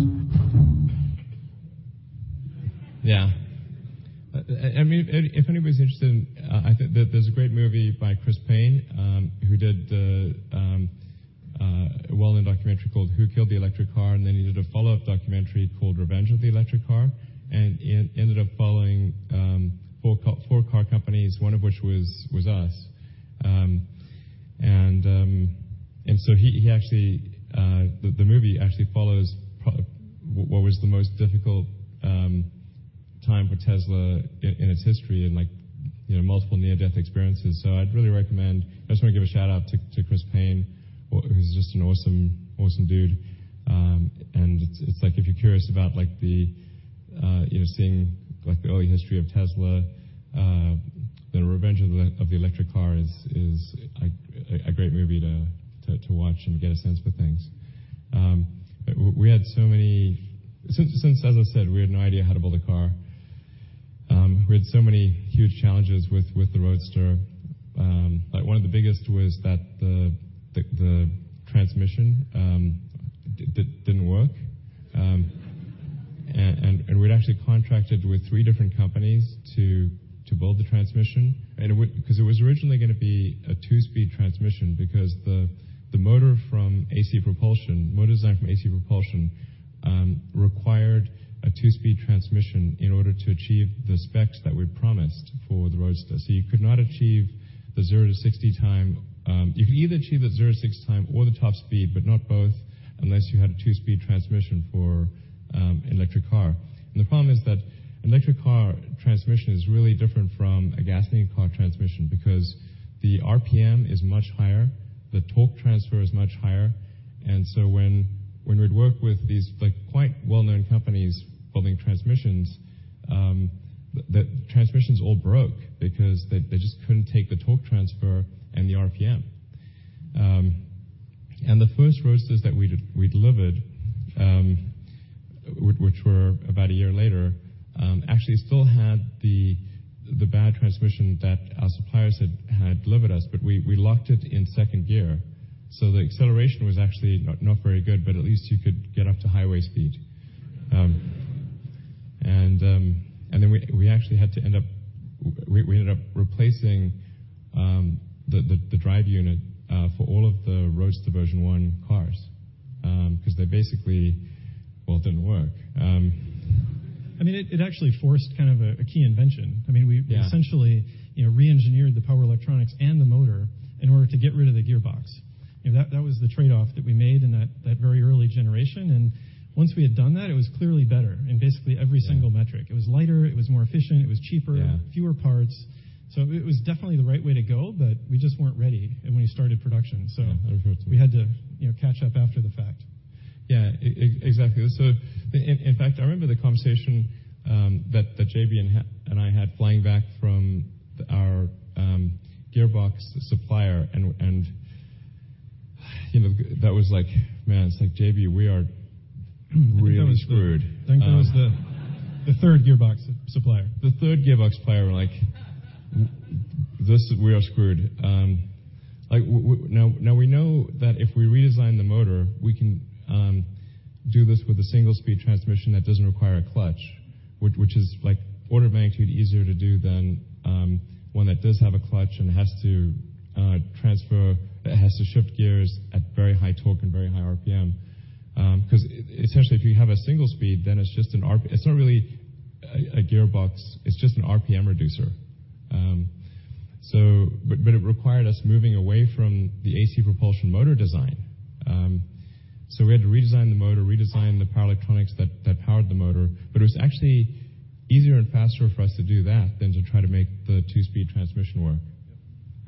Speaker 3: Yeah. I mean, if anybody's interested in, I think there's a great movie by Chris Paine, who did the well-known documentary called Who Killed the Electric Car?, and then he did a follow-up documentary called Revenge of the Electric Car. It ended up following four car companies, one of which was us. He actually, the movie actually follows what was the most difficult time for Tesla in its history and like, you know, multiple near-death experiences. I'd really recommend I just wanna give a shout-out to Chris Paine, who's just an awesome dude. It's like if you're curious about like the, you know, seeing like the early history of Tesla, That Revenge of the Electric Car is like a great movie to watch and get a sense for things. Since as I said, we had no idea how to build a car, we had so many huge challenges with the Roadster. Like, one of the biggest was that the transmission didn't work. We'd actually contracted with three different companies to build the transmission, 'cause it was originally gonna be a two-speed transmission because the motor from AC Propulsion, motor design from AC Propulsion, required a two-speed transmission in order to achieve the specs that we'd promised for the Roadster. You could not achieve the 0 to 60 time, you could either achieve the 0 to 60 time or the top speed, but not both, unless you had a 2-speed transmission for electric car. The problem is that electric car transmission is really different from a gasoline car transmission because the RPM is much higher, the torque transfer is much higher. When we'd work with these, like, quite well-known companies building transmissions, the transmissions all broke because they just couldn't take the torque transfer and the RPM. The first Roadsters that we delivered, which were about a year later, actually still had the bad transmission that our suppliers had delivered us, but we locked it in second gear. The acceleration was actually not very good, but at least you could get up to highway speed. We actually had to end up replacing the drive unit for all of the Roadster version 1 cars 'cause they basically, well, didn't work.
Speaker 4: I mean, it actually forced kind of a key invention.
Speaker 3: Yeah.
Speaker 4: We essentially, you know, re-engineered the power electronics and the motor in order to get rid of the gearbox. You know, that was the trade-off that we made in that very early generation, once we had done that, it was clearly better in basically every single metric.
Speaker 3: Yeah.
Speaker 4: It was lighter, it was more efficient, it was cheaper.
Speaker 3: Yeah.
Speaker 4: fewer parts. It was definitely the right way to go, but we just weren't ready when we started production.
Speaker 3: Yeah, that was hard too.
Speaker 4: We had to, you know, catch up after the fact.
Speaker 3: Yeah, exactly. In fact, I remember the conversation that JB and I had flying back from our gearbox supplier and, you know, that was like, "Man," it's like, "JB, we are really screwed.
Speaker 4: I think that was the third gearbox supplier.
Speaker 3: The third gearbox supplier, we're like, "We are screwed." Now we know that if we redesign the motor, we can do this with a single-speed transmission that doesn't require a clutch, which is, like, orders of magnitude easier to do than one that does have a clutch and has to shift gears at very high torque and very high RPM. 'Cause essentially, if you have a single-speed, then it's just an RPM reducer. It required us moving away from the AC Propulsion motor design. We had to redesign the motor, redesign the power electronics that powered the motor. It was actually easier and faster for us to do that than to try to make the 2-speed transmission work.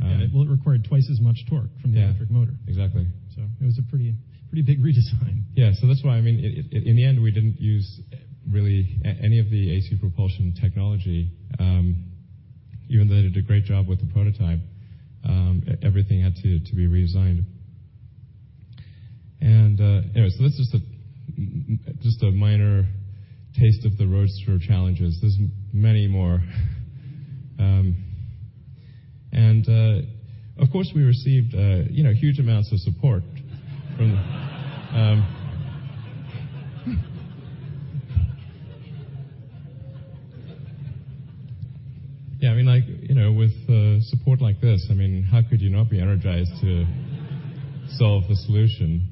Speaker 4: Yeah, well, it required twice as much torque from the electric motor.
Speaker 3: Yeah, exactly.
Speaker 4: It was a pretty big redesign.
Speaker 3: Yeah, that's why, I mean, in the end, we didn't use really any of the AC Propulsion technology, even though they did a great job with the prototype. Everything had to be redesigned. Anyway, that's just a minor taste of the Roadster challenges. There's many more. Of course, we received, you know, huge amounts of support from- Yeah, I mean, like, you know, with support like this, I mean, how could you not be energized to solve the solution,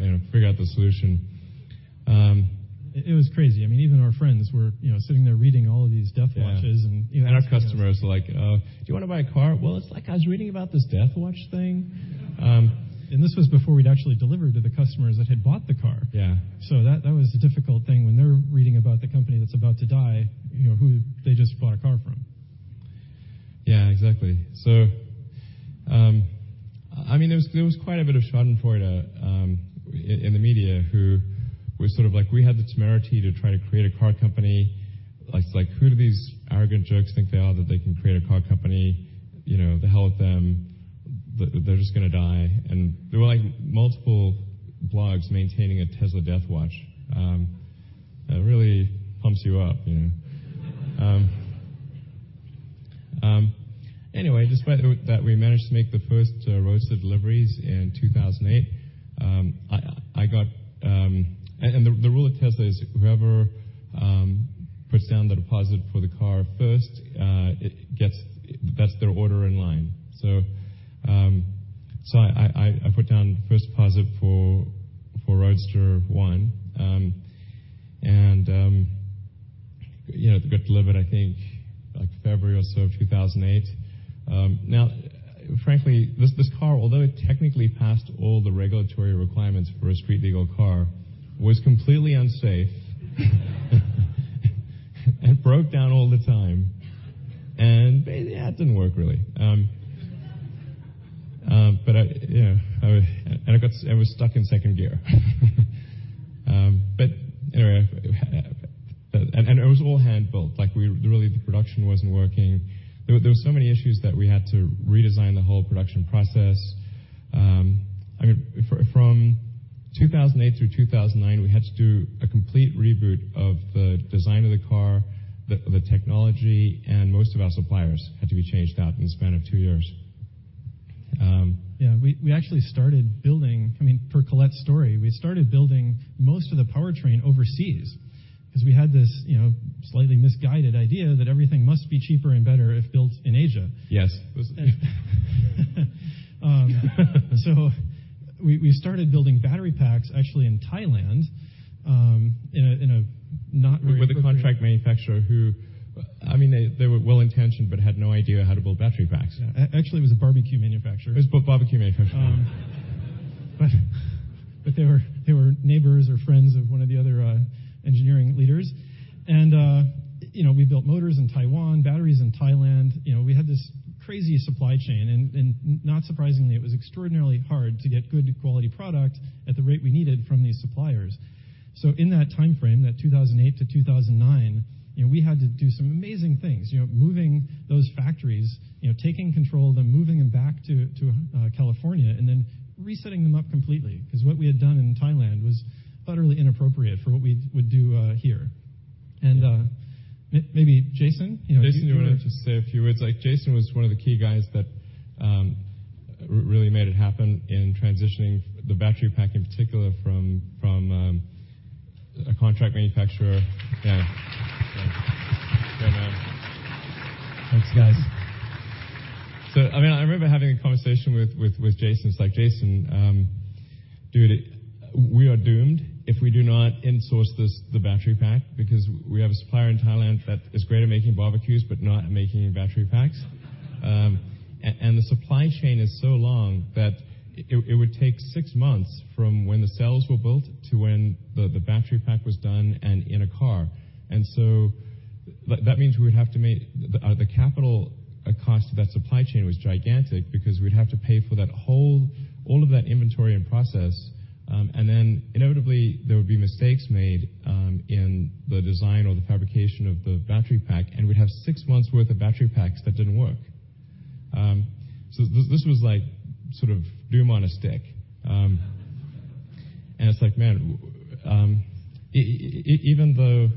Speaker 3: you know, figure out the solution?
Speaker 4: It was crazy. I mean, even our friends were, you know, sitting there reading all of these death watches.
Speaker 3: Yeah. Our customers were like, "do you wanna buy a car?" "Well, it's like I was reading about this death watch thing.
Speaker 4: This was before we'd actually delivered to the customers that had bought the car.
Speaker 3: Yeah.
Speaker 4: That was a difficult thing when they're reading about the company that's about to die, you know, who they just bought a car from.
Speaker 3: Yeah, exactly. I mean, there was quite a bit of schadenfreude in the media who were sort of like we had the temerity to try to create a car company. It's like, "Who do these arrogant jerks think they are that they can create a car company? You know, the hell with them. They're just gonna die." There were, like, multiple blogs maintaining a Tesla death watch. That really pumps you up, you know. Anyway, despite that we managed to make the first Roadster deliveries in 2008, I got. The rule at Tesla is whoever puts down the deposit for the car first, it gets, that's their order in line. I put down the first deposit for Roadster 1. You know, it got delivered, I think, like February or so of 2008. Frankly, this car, although it technically passed all the regulatory requirements for a street legal car, was completely unsafe and broke down all the time, it didn't work really. I, you know, I, and it was stuck in 2nd gear. It was all hand-built. Like really, the production wasn't working. There were so many issues that we had to redesign the whole production process. I mean, from 2008 through 2009, we had to do a complete reboot of the design of the car, the technology, and most of our suppliers had to be changed out in the span of two years.
Speaker 4: Yeah, we actually started building I mean, per Colette's story, we started building most of the powertrain overseas 'cause we had this, you know, slightly misguided idea that everything must be cheaper and better if built in Asia.
Speaker 3: Yes.
Speaker 4: We started building battery packs actually in Thailand, in a not very appropriate.
Speaker 3: With a contract manufacturer, I mean, they were well-intentioned but had no idea how to build battery packs.
Speaker 4: Yeah. Actually it was a barbecue manufacturer.
Speaker 3: It was a barbecue manufacturer.
Speaker 4: They were neighbors or friends of one of the other engineering leaders. You know, we built motors in Taiwan, batteries in Thailand. You know, we had this crazy supply chain, not surprisingly, it was extraordinarily hard to get good quality product at the rate we needed from these suppliers. In that timeframe, that 2008 to 2009, you know, we had to do some amazing things. You know, moving those factories, you know, taking control of them, moving them back to California, resetting them up completely. What we had done in Thailand was utterly inappropriate for what we would do here.
Speaker 3: Yeah.
Speaker 4: Maybe Jason, you know, do you wanna?
Speaker 3: Jason, do you wanna just say a few words? Like, Jason was one of the key guys that really made it happen in transitioning the battery pack in particular from a contract manufacturer. Yeah. Yeah. Fair enough.
Speaker 8: Thanks, guys.
Speaker 3: I mean, I remember having a conversation with Jason. It's like, "Jason, dude, we are doomed if we do not in-source this, the battery pack because we have a supplier in Thailand that is great at making barbecues, but not at making battery packs." The supply chain is so long that it would take six months from when the cells were built to when the battery pack was done and in a car. That means the capital cost of that supply chain was gigantic because we'd have to pay for that whole, all of that inventory and process. Inevitably there would be mistakes made in the design or the fabrication of the battery pack, and we'd have six months' worth of battery packs that didn't work. This was like sort of doom on a stick. It's like, man, even though,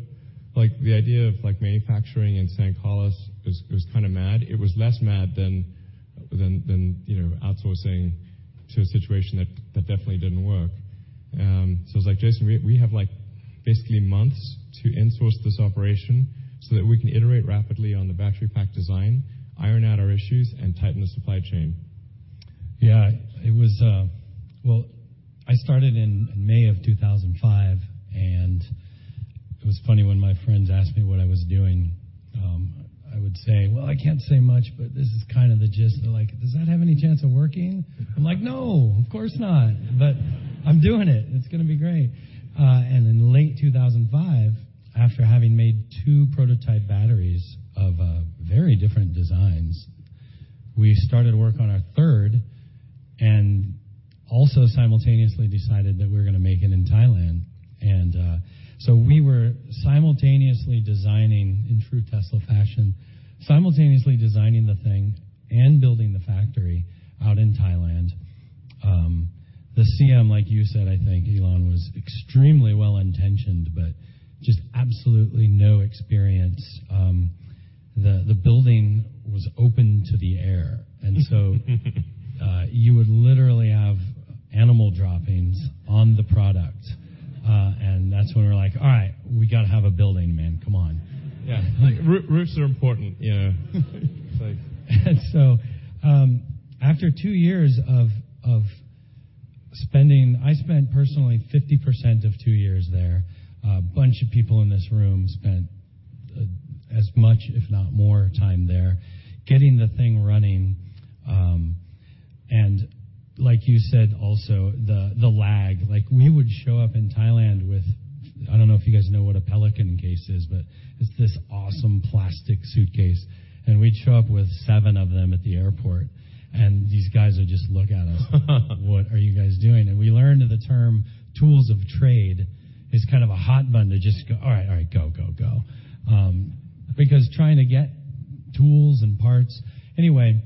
Speaker 3: like the idea of like manufacturing in San Carlos was kinda mad, it was less mad than, you know, outsourcing to a situation that definitely didn't work. I was like, "Jason, we have like basically months to in-source this operation so that we can iterate rapidly on the battery pack design, iron out our issues, and tighten the supply chain.
Speaker 8: Yeah. Well, I started in May of 2005. It was funny when my friends asked me what I was doing. I would say, "Well, I can't say much, but this is kind of the gist." They're like, "Does that have any chance of working?" I'm like, "No, of course not." "But I'm doing it, and it's gonna be great." In late 2005, after having made two prototype batteries of very different designs, we started work on our third and also simultaneously decided that we were gonna make it in Thailand. We were simultaneously designing, in true Tesla fashion, simultaneously designing the thing and building the factory out in Thailand. The CM, like you said, I think, Elon, was extremely well-intentioned, but just absolutely no experience. The building was open to the air. You would literally have animal droppings on the product. That's when we were like, "All right. We gotta have a building, man. Come on.
Speaker 3: Yeah. Like roofs are important, you know?
Speaker 8: After two years of spending, I spent personally 50% of two years there. A bunch of people in this room spent as much if not more time there getting the thing running. Like you said, also the lag. We would show up in Thailand with, I don't know if you guys know what a Pelican case is, but it's this awesome plastic suitcase. We'd show up with seven of them at the airport, and these guys would just look at us. "What are you guys doing?" We learned the term tools of trade is kind of a hot button to just go, "All right, all right. Go, go." Because trying to get tools and parts. Anyway,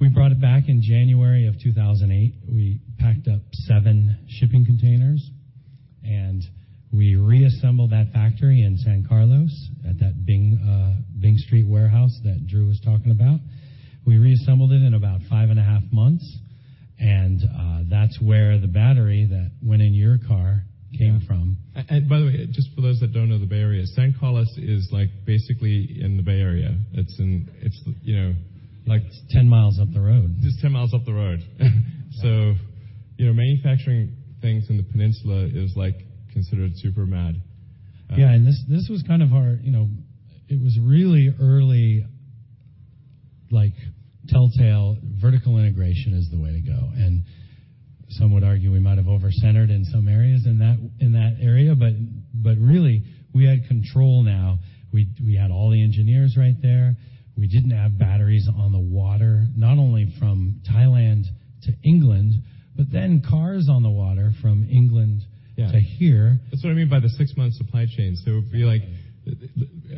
Speaker 8: we brought it back in January of 2008. We packed up seven shipping containers, we reassembled that factory in San Carlos at that Bing Street warehouse that Drew was talking about. We reassembled it in about 5.5 months, that's where the battery that went in your car came from.
Speaker 3: Yeah. By the way, just for those that don't know the Bay Area, San Carlos is like basically in the Bay Area.
Speaker 8: Like it's 10 miles up the road.
Speaker 3: Just 10 miles up the road.
Speaker 8: Yeah.
Speaker 3: You know, manufacturing things in the Peninsula is like considered super mad.
Speaker 8: Yeah, this was kind of our, you know, it was really early, like telltale vertical integration is the way to go. Some would argue we might have over-centered in some areas in that area, really we had control now. We had all the engineers right there. We didn't have batteries on the water, not only from Thailand to England, cars on the water from England.
Speaker 3: Yeah
Speaker 8: to here.
Speaker 3: That's what I mean by the six-month supply chain.
Speaker 8: Yeah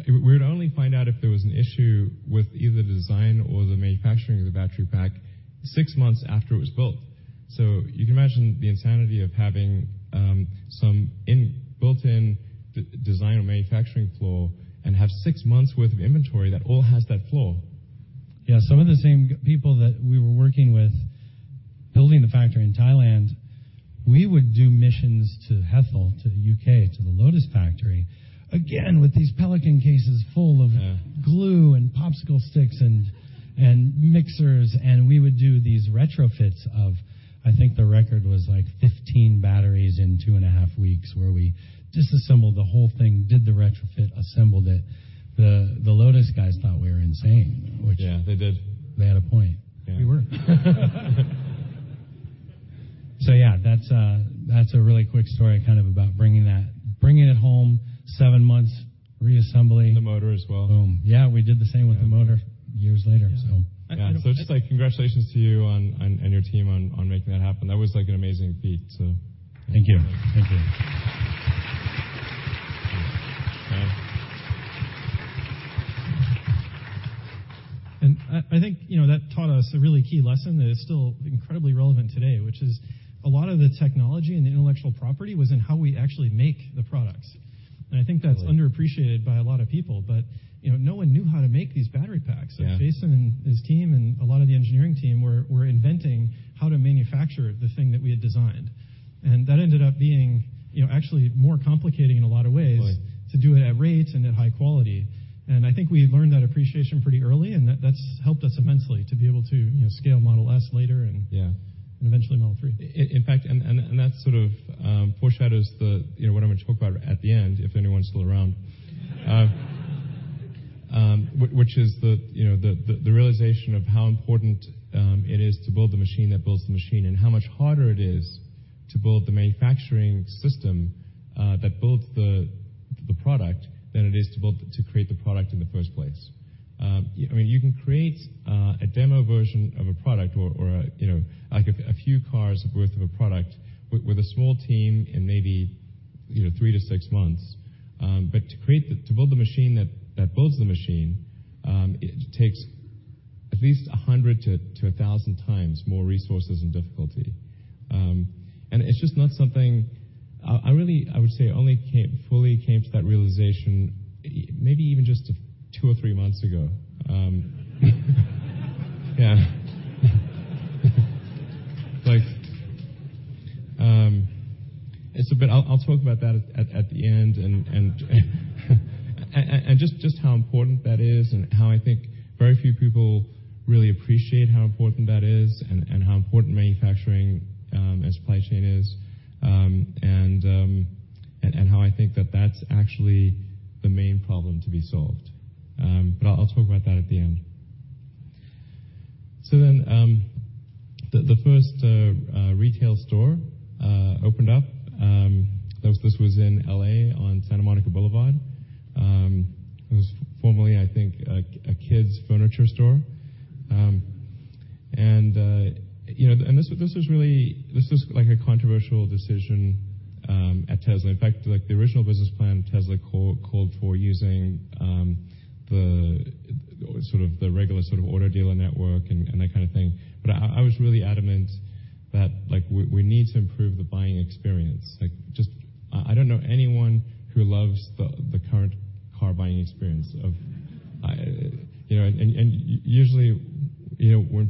Speaker 3: we would only find out if there was an issue with either the design or the manufacturing of the battery pack six months after it was built. You can imagine the insanity of having some in-built design or manufacturing flaw and have six months worth of inventory that all has that flaw.
Speaker 8: Yeah, some of the same people that we were working with building the factory in Thailand, we would do missions to Hethel, to the U.K., to the Lotus factory, again, with these Pelican cases.
Speaker 3: Yeah
Speaker 8: glue and popsicle sticks and mixers, and we would do these retrofits of, I think the record was, like, 15 batteries in two and a half weeks, where we disassembled the whole thing, did the retrofit, assembled it. The Lotus guys thought we were insane.
Speaker 3: Yeah, they did
Speaker 8: they had a point.
Speaker 3: Yeah.
Speaker 8: We were. Yeah, that's a really quick story kind of about bringing that, bringing it home, seven months reassembling.
Speaker 3: The motor as well.
Speaker 8: Boom. Yeah, we did the same-
Speaker 3: Yeah
Speaker 8: with the motor years later, so.
Speaker 3: Yeah. Just, like, congratulations to you on, and your team on making that happen. That was, like, an amazing feat, so.
Speaker 8: Thank you. Thank you.
Speaker 3: All right.
Speaker 4: I think, you know, that taught us a really key lesson that is still incredibly relevant today, which is a lot of the technology and intellectual property was in how we actually make the products.
Speaker 3: Right
Speaker 4: underappreciated by a lot of people, but, you know, no one knew how to make these battery packs.
Speaker 3: Yeah.
Speaker 4: Like Jason and his team and a lot of the engineering team were inventing how to manufacture the thing that we had designed. That ended up being, you know, actually more complicating in a lot of ways.
Speaker 3: Right
Speaker 4: to do it at rates and at high quality. I think we learned that appreciation pretty early, and that's helped us immensely to be able to, you know, scale Model S later.
Speaker 3: Yeah
Speaker 4: Eventually Model 3.
Speaker 3: In fact, that sort of, you know, foreshadows what I'm gonna talk about at the end, if anyone's still around. Which is the, you know, the realization of how important it is to build the machine that builds the machine, and how much harder it is to build the manufacturing system that builds the product than it is to create the product in the first place. I mean, you can create a demo version of a product or, you know, like a few cars worth of a product with a small team in maybe, you know, three to six months. To build the machine that builds the machine, it takes at least 100x to 1,000x more resources and difficulty. It's just not something I really, I would say, only fully came to that realization maybe even just two or three months ago. Yeah. Like, it's a bit I'll talk about that at the end and just how important that is and how I think very few people really appreciate how important that is and how important manufacturing, and supply chain is, and how I think that that's actually the main problem to be solved. I'll talk about that at the end. The first retail store opened up, this was in L.A. on Santa Monica Boulevard. It was formerly, I think, a kids furniture store. You know, this was, like, a controversial decision at Tesla. In fact, like, the original business plan Tesla called for using the sort of the regular sort of auto dealer network and that kind of thing. I was really adamant that, like, we need to improve the buying experience. Just, I don't know anyone who loves the current car buying experience of, you know, usually, you know, when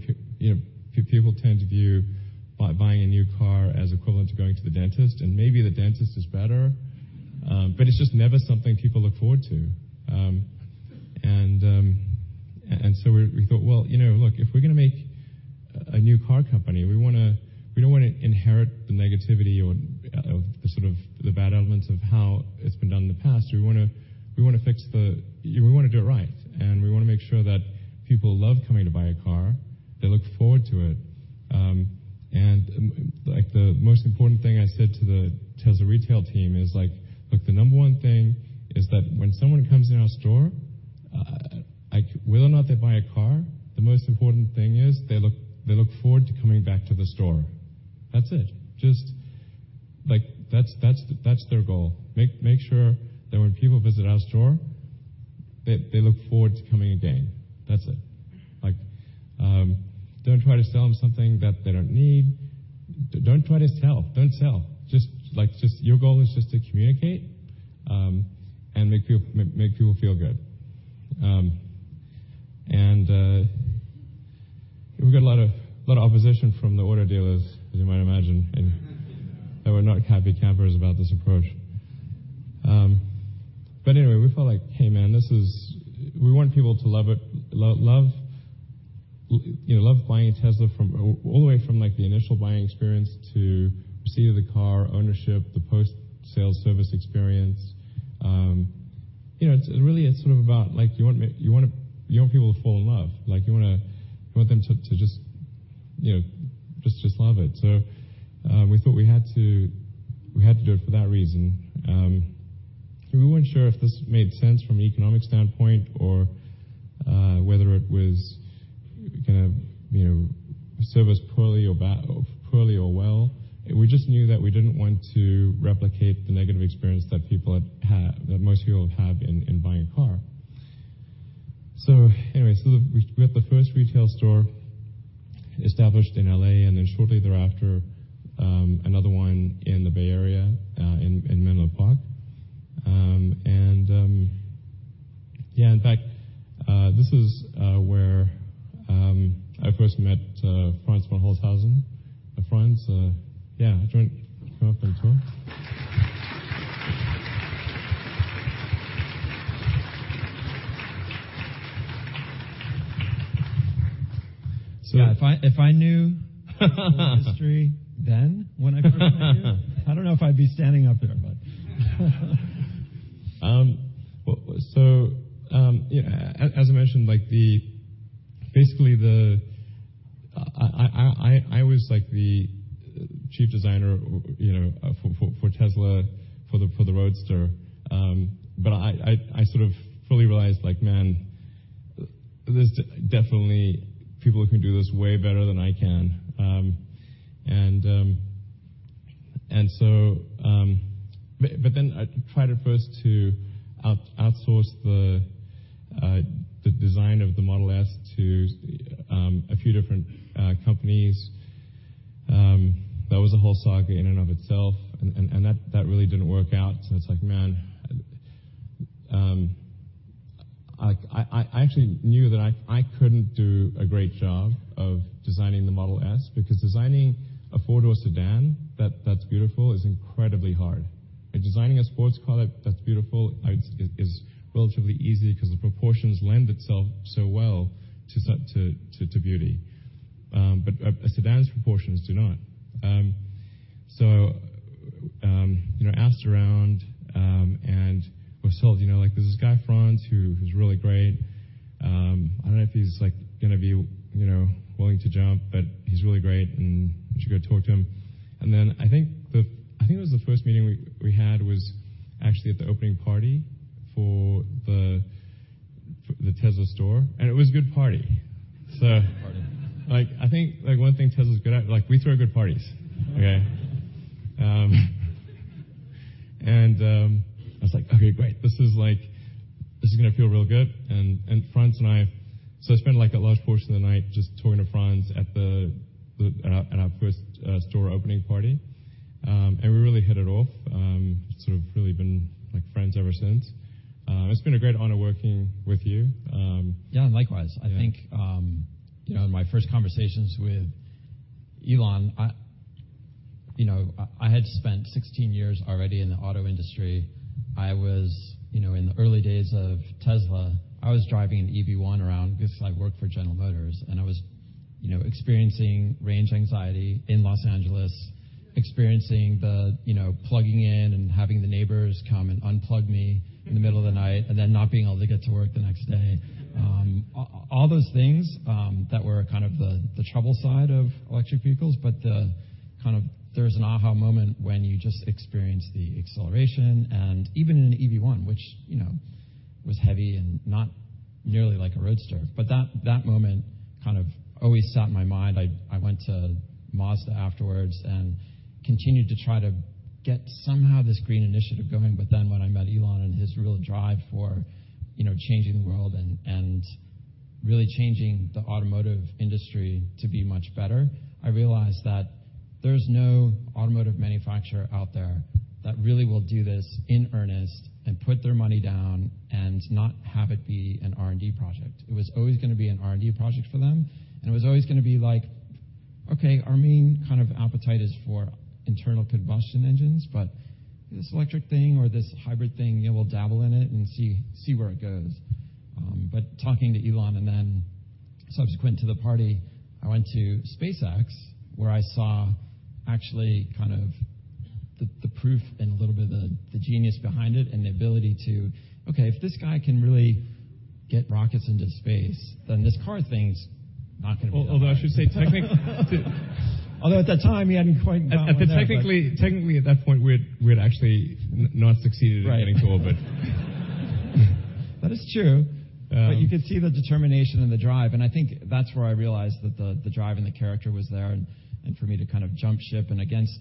Speaker 3: people tend to view buying a new car as equivalent to going to the dentist, and maybe the dentist is better, it's just never something people look forward to. We thought, well, you know, look, if we're gonna make a new car company, we don't wanna inherit the negativity or the sort of the bad elements of how it's been done in the past. We wanna do it right, and we wanna make sure that people love coming to buy a car. They look forward to it. Like, the most important thing I said to the Tesla retail team is, like, look, the number one thing is that when someone comes in our store, like whether or not they buy a car, the most important thing is they look forward to coming back to the store. That's it. Just, like, that's their goal. Make sure that when people visit our store, they look forward to coming again. That's it. Don't try to sell them something that they don't need. Don't try to sell. Don't sell. Like, your goal is just to communicate, and make people feel good. We got a lot of opposition from the auto dealers, as you might imagine, and they were not happy campers about this approach. We felt like, hey, man, We want people to love it. love, you know, love buying a Tesla from all the way from, like, the initial buying experience to see the car, ownership, the post-sale service experience. you know, it's really, it's sort of about, like, you want people to fall in love. Like, you want them to just, you know, just love it. We thought we had to do it for that reason. We weren't sure if this made sense from an economic standpoint or whether it was gonna, you know, serve us poorly or well. We just knew that we didn't want to replicate the negative experience that people had that most people have in buying a car. We got the first retail store established in L.A., and then shortly thereafter, another one in the Bay Area in Menlo Park. In fact, this is where I first met Franz von Holzhausen. Franz, join. Come up and tour.
Speaker 9: Yeah, if I knew the history then when I first met you, I don't know if I'd be standing up here.
Speaker 3: Basically, I was, like, the chief designer, you know, for Tesla for the Roadster. I sort of fully realized, like, man, there's definitely people who can do this way better than I can. Then I tried at first to outsource the design of the Model S to a few different companies. That was a whole saga in and of itself, and that really didn't work out. It's like, man, I actually knew that I couldn't do a great job of designing the Model S because designing a four-door sedan that's beautiful is incredibly hard. Designing a sports car that's beautiful is relatively easy 'cause the proportions lend itself so well to beauty. A sedan's proportions do not. You know, asked around, and was told, you know, like, "There's this guy, Franz, who's really great. I don't know if he's, like, gonna be, you know, willing to jump, but he's really great, and you should go talk to him." I think it was the first meeting we had was actually at the opening party for the Tesla store, and it was a good party.
Speaker 9: Good party.
Speaker 3: Like, I think, like, one thing Tesla's good at, like, we throw good parties, okay. I was like, "Okay, great, this is gonna feel real good." Franz and I. I spent, like, a large portion of the night just talking to Franz at our first store opening party. We really hit it off. Sort of really been, like, friends ever since. It's been a great honor working with you.
Speaker 9: Yeah, likewise.
Speaker 3: Yeah.
Speaker 9: I think, you know, in my first conversations with Elon, I, you know, I had spent 16 years already in the auto industry. I was, you know, in the early days of Tesla, I was driving an EV1 around because I worked for General Motors, and I was, you know, experiencing range anxiety in Los Angeles, experiencing the, you know, plugging in and having the neighbors come and unplug me in the middle of the night and then not being able to get to work the next day. All those things that were kind of the trouble side of electric vehicles, but the kind of there's an aha moment when you just experience the acceleration and even in an EV1, which, you know, was heavy and not nearly like a Roadster. That moment kind of always sat in my mind. I went to Mazda afterwards and continued to try to get somehow this green initiative going. When I met Elon and his real drive for, you know, changing the world and really changing the automotive industry to be much better, I realized that there's no automotive manufacturer out there that really will do this in earnest and put their money down and not have it be an R&D project. It was always gonna be an R&D project for them, and it was always gonna be like, "Okay, our main kind of appetite is for internal combustion engines, but this electric thing or this hybrid thing, yeah, we'll dabble in it and see where it goes." Talking to Elon, and then subsequent to the party, I went to SpaceX, where I saw actually kind of the proof and a little bit of the genius behind it and the ability to, "Okay, if this guy can really get rockets into space, then this car thing's not gonna be that hard.
Speaker 3: Although I should say technically.
Speaker 9: Although at that time, he hadn't quite gotten there.
Speaker 3: At the technically at that point, we had actually not succeeded.
Speaker 9: Right
Speaker 3: in getting to orbit.
Speaker 9: That is true. You could see the determination and the drive. I think that's where I realized that the drive and the character was there. For me to kind of jump ship and against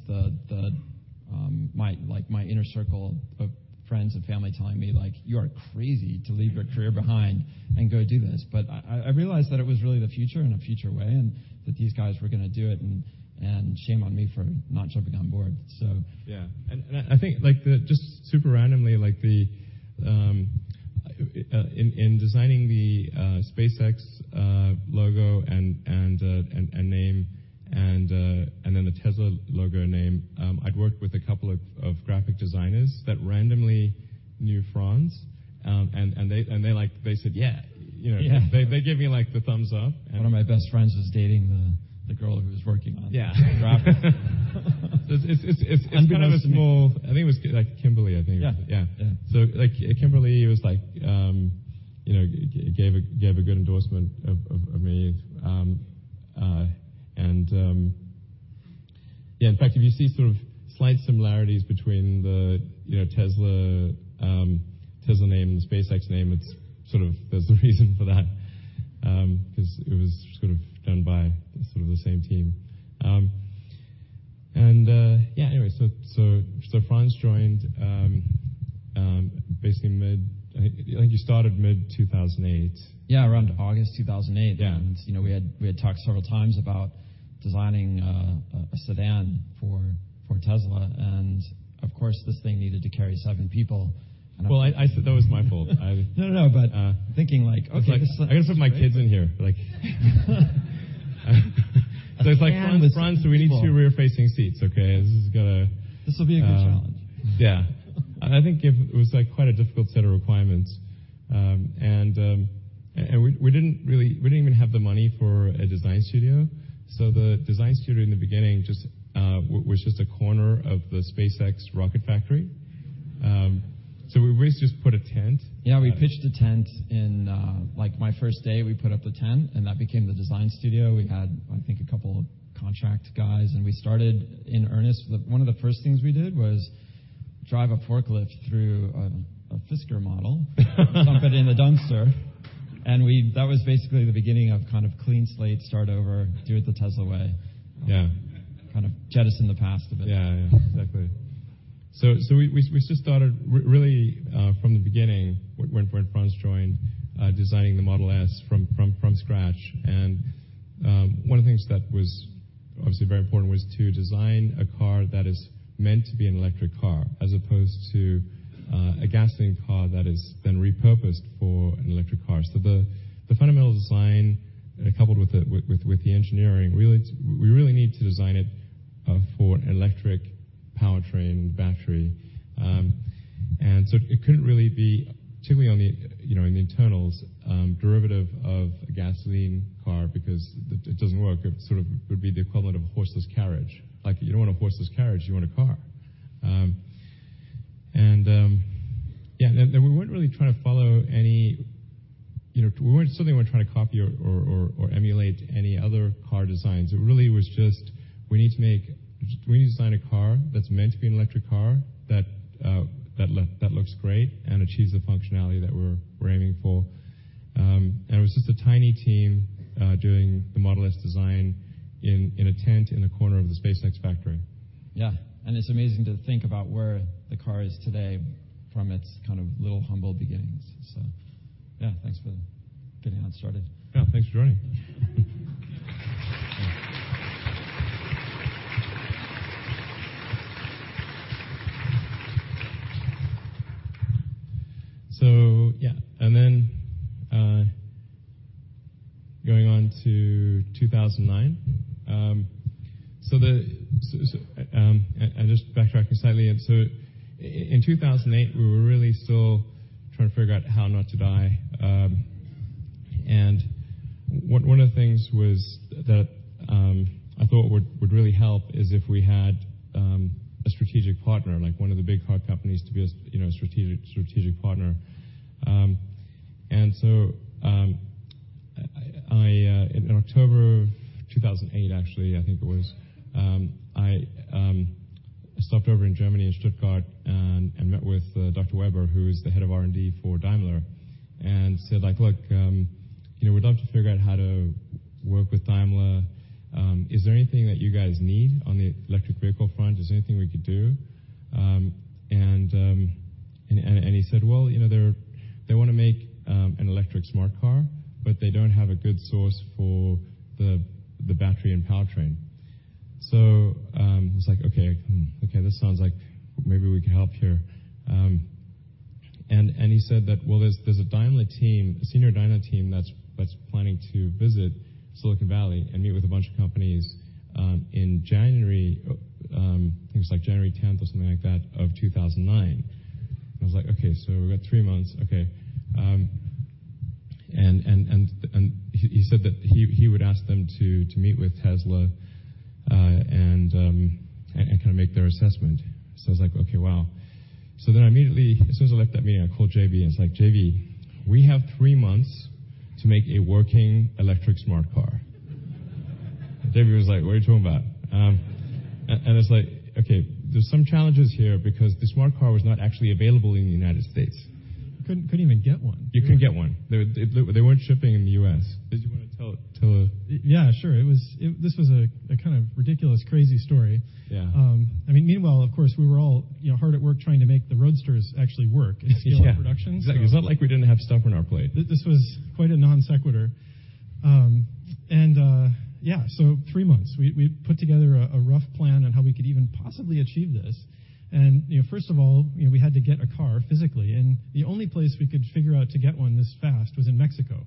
Speaker 9: my, like, my inner circle of friends and family telling me, like, "You are crazy to leave your career behind and go do this." I realized that it was really the future in a future way and that these guys were gonna do it. Shame on me for not jumping on board.
Speaker 3: Yeah. I think, like, the just super randomly, like the in designing the SpaceX logo and name and then the Tesla logo and name, I'd worked with a couple of graphic designers that randomly knew Franz. And they like, they said, "Yeah," you know.
Speaker 9: Yeah.
Speaker 3: They gave me, like, the thumbs up.
Speaker 9: One of my best friends was dating the girl who was working on-
Speaker 3: Yeah.
Speaker 9: the graphic.
Speaker 3: It's kind of a small I think it was K-like Kimberly, I think.
Speaker 9: Yeah.
Speaker 3: Kimberly was like, you know, gave a good endorsement of me. Yeah, in fact, if you see sort of slight similarities between the, you know, Tesla name and the SpaceX name, it's sort of, there's a reason for that, 'cause it was sort of done by sort of the same team. Yeah, anyway, so Franz joined, basically mid, I think you started mid-2008.
Speaker 9: Yeah, around August 2008.
Speaker 3: Yeah.
Speaker 9: You know, we had talked several times about designing a sedan for Tesla. Of course, this thing needed to carry seven people.
Speaker 3: Well, I said that was my fault.
Speaker 9: No.
Speaker 3: Uh-
Speaker 9: -thinking like, okay, this-
Speaker 3: I gotta put my kids in here, like.
Speaker 9: A sedan that seats seven.
Speaker 3: Franz, we need two rear-facing seats, okay?
Speaker 9: This will be a good challenge.
Speaker 3: Yeah. I think it was, like, quite a difficult set of requirements. We didn't even have the money for a design studio. The design studio in the beginning just was a corner of the SpaceX rocket factory. We basically just put a tent.
Speaker 9: Yeah, we pitched a tent in, like my first day, we put up the tent, and that became the design studio. We had, I think, a couple of contract guys, and we started in earnest. One of the first things we did was drive a forklift through a Fisker model, dump it in a dumpster. That was basically the beginning of kind of clean slate, start over, do it the Tesla way.
Speaker 3: Yeah.
Speaker 9: Kind of jettison the past a bit.
Speaker 3: Yeah, yeah. Exactly. We just started really from the beginning when Franz joined designing the Model S from scratch. One of the things that was obviously very important was to design a car that is meant to be an electric car as opposed to a gasoline car that is then repurposed for an electric car. The fundamental design, coupled with the engineering, we really need to design it for an electric powertrain battery. It couldn't really be, particularly on the, you know, in the internals, derivative of a gasoline car because it doesn't work. It sort of would be the equivalent of a horseless carriage. Like, you don't want a horseless carriage, you want a car. Yeah, we weren't really trying to follow any, you know, we weren't certainly weren't trying to copy or emulate any other car designs. It really was just, we need to design a car that's meant to be an electric car that looks great and achieves the functionality that we're aiming for. It was just a tiny team doing the Model S design in a tent in a corner of the SpaceX factory.
Speaker 4: Yeah. It's amazing to think about where the car is today from its kind of little humble beginnings. Yeah. Thanks for getting us started.
Speaker 3: Thanks for joining. Going on to 2009. Just backtracking slightly. In 2008, we were really still trying to figure out how not to die. One of the things was that I thought would really help is if we had a strategic partner, like one of the big car companies to be a you know, strategic partner. In October 2008 actually, I think it was, I stopped over in Germany, in Stuttgart, and met with Thomas Weber, who is the head of R&D for Daimler, and said like: "Look, you know, we'd love to figure out how to work with Daimler. Is there anything that you guys need on the electric vehicle front? Is there anything we could do? He said, "Well, you know, they're-- they wanna make an electric Smart car, but they don't have a good source for the battery and powertrain." I was like, "Okay. Hmm, okay, this sounds like maybe we can help here." He said that, well, there's a Daimler team, a senior Daimler team that's planning to visit Silicon Valley and meet with a bunch of companies, in January, I think it was like January 10th or something like that, of 2009. I was like, "Okay, we've got three months. Okay." And he said that he would ask them to meet with Tesla, and kinda make their assessment. I was like, "Okay. Wow." I immediately, as soon as I left that meeting, I called JB and was like: "JB, we have three months to make a working electric Smart car." JB was like, "What are you talking about?" And it's like, okay, there's some challenges here because the Smart car was not actually available in the U.S.
Speaker 4: Couldn't even get one.
Speaker 3: You couldn't get one. They weren't shipping in the U.S. Did you wanna tell?
Speaker 4: Yeah, sure. This was a kind of ridiculous, crazy story.
Speaker 3: Yeah.
Speaker 4: I mean, meanwhile, of course, we were all, you know, hard at work trying to make the Roadsters actually work and scale up production.
Speaker 3: Yeah, exactly. It's not like we didn't have stuff on our plate.
Speaker 4: This was quite a non-sequitur. Three months, we put together a rough plan on how we could even possibly achieve this. You know, first of all, you know, we had to get a car physically, and the only place we could figure out to get one this fast was in Mexico.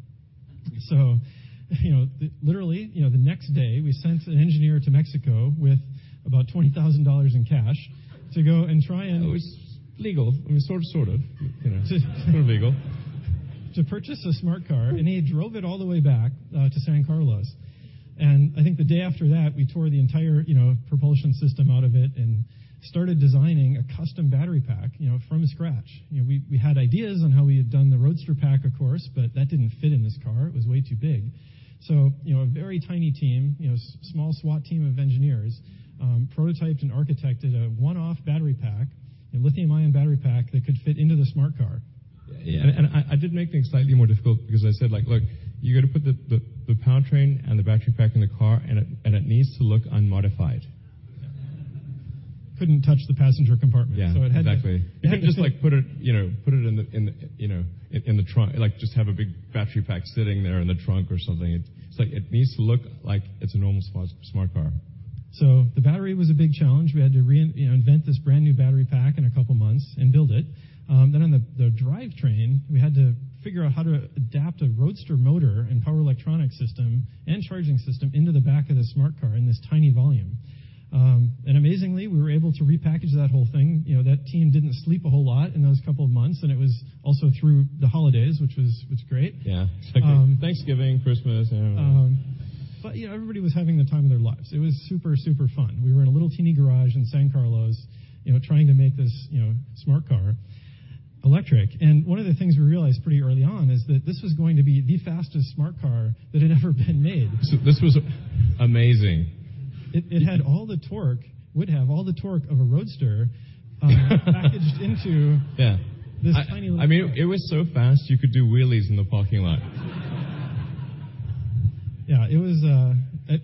Speaker 4: You know, literally, you know, the next day, we sent an engineer to Mexico with about $20,000 in cash.
Speaker 3: It was legal. I mean, sort of, you know. Sort of legal.
Speaker 4: To purchase a Smart car, and he drove it all the way back to San Carlos. I think the day after that, we tore the entire, you know, propulsion system out of it and started designing a custom battery pack, you know, from scratch. You know, we had ideas on how we had done the Roadster pack, of course, but that didn't fit in this car. It was way too big. You know, a very tiny team, you know, small SWAT team of engineers prototyped and architected a one-off battery pack, a lithium-ion battery pack that could fit into the Smart car.
Speaker 3: Yeah. I did make things slightly more difficult because I said, like, "Look, you gotta put the powertrain and the battery pack in the car, and it, and it needs to look unmodified." Couldn't touch the passenger compartment.
Speaker 4: Yeah, exactly. So it had to-
Speaker 3: You couldn't just, like, put it, you know, put it in the, in the, you know, in the trunk. Like, just have a big battery pack sitting there in the trunk or something. It's like, it needs to look like it's a normal Smart car.
Speaker 4: The battery was a big challenge. We had to you know, invent this brand-new battery pack in two months and build it. On the drivetrain, we had to figure out how to adapt a Roadster motor and power electronics system and charging system into the back of the Smart car in this tiny volume. Amazingly, we were able to repackage that whole thing. You know, that team didn't sleep a whole lot in those two months, and it was also through the holidays, which was great.
Speaker 3: Yeah.
Speaker 4: Um-
Speaker 3: Thanksgiving, Christmas, you know.
Speaker 4: You know, everybody was having the time of their lives. It was super fun. We were in a little teeny garage in San Carlos, you know, trying to make this, you know, Smart car electric. One of the things we realized pretty early on is that this was going to be the fastest Smart car that had ever been made.
Speaker 3: This was amazing.
Speaker 4: It would have all the torque of a Roadster.
Speaker 3: Yeah
Speaker 4: this tiny little car.
Speaker 3: I mean, it was so fast, you could do wheelies in the parking lot.
Speaker 4: Yeah, it was,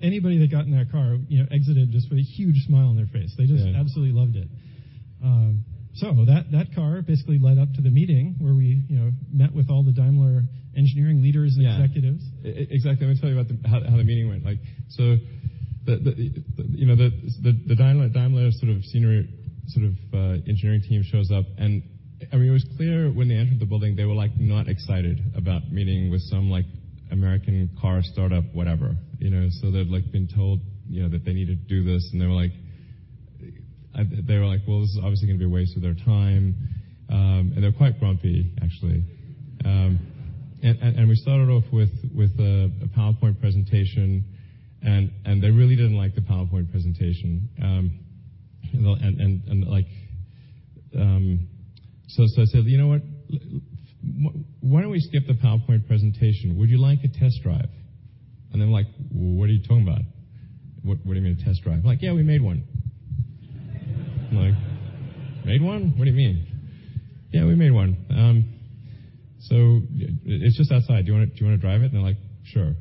Speaker 4: anybody that got in that car, you know, exited just with a huge smile on their face.
Speaker 3: Yeah.
Speaker 4: They just absolutely loved it. That, that car basically led up to the meeting where we, you know, met with all the Daimler engineering leaders.
Speaker 3: Yeah
Speaker 4: and executives.
Speaker 3: Exactly. Let me tell you about how the meeting went. Like, you know, Daimler senior engineering team shows up and, I mean, it was clear when they entered the building they were, like, not excited about meeting with some, like, American car startup whatever, you know. They've, like, been told, you know, that they need to do this, and they were like, well, this is obviously gonna be a waste of their time. They were quite grumpy, actually. We started off with a PowerPoint presentation and they really didn't like the PowerPoint presentation. They'll, like, I said, "You know what? Why don't we skip the PowerPoint presentation? Would you like a test drive?" They're like, "What are you talking about? What do you mean a test drive?" I'm like, "Yeah, we made one." Like, "Made one? What do you mean?" "Yeah, we made one. It's just outside. Do you wanna drive it?" They're like, "Sure."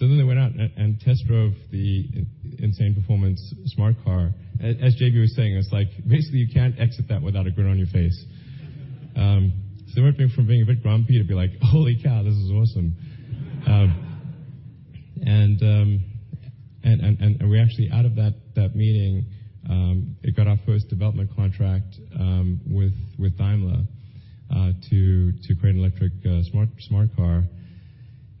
Speaker 3: They went out and test drove the insane performance Smart car. As JB was saying, it's like, basically you can't exit that without a grin on your face. They went from being a bit grumpy to being like, "Holy cow, this is awesome." We actually out of that meeting, it got our first development contract with Daimler to create an electric Smart car.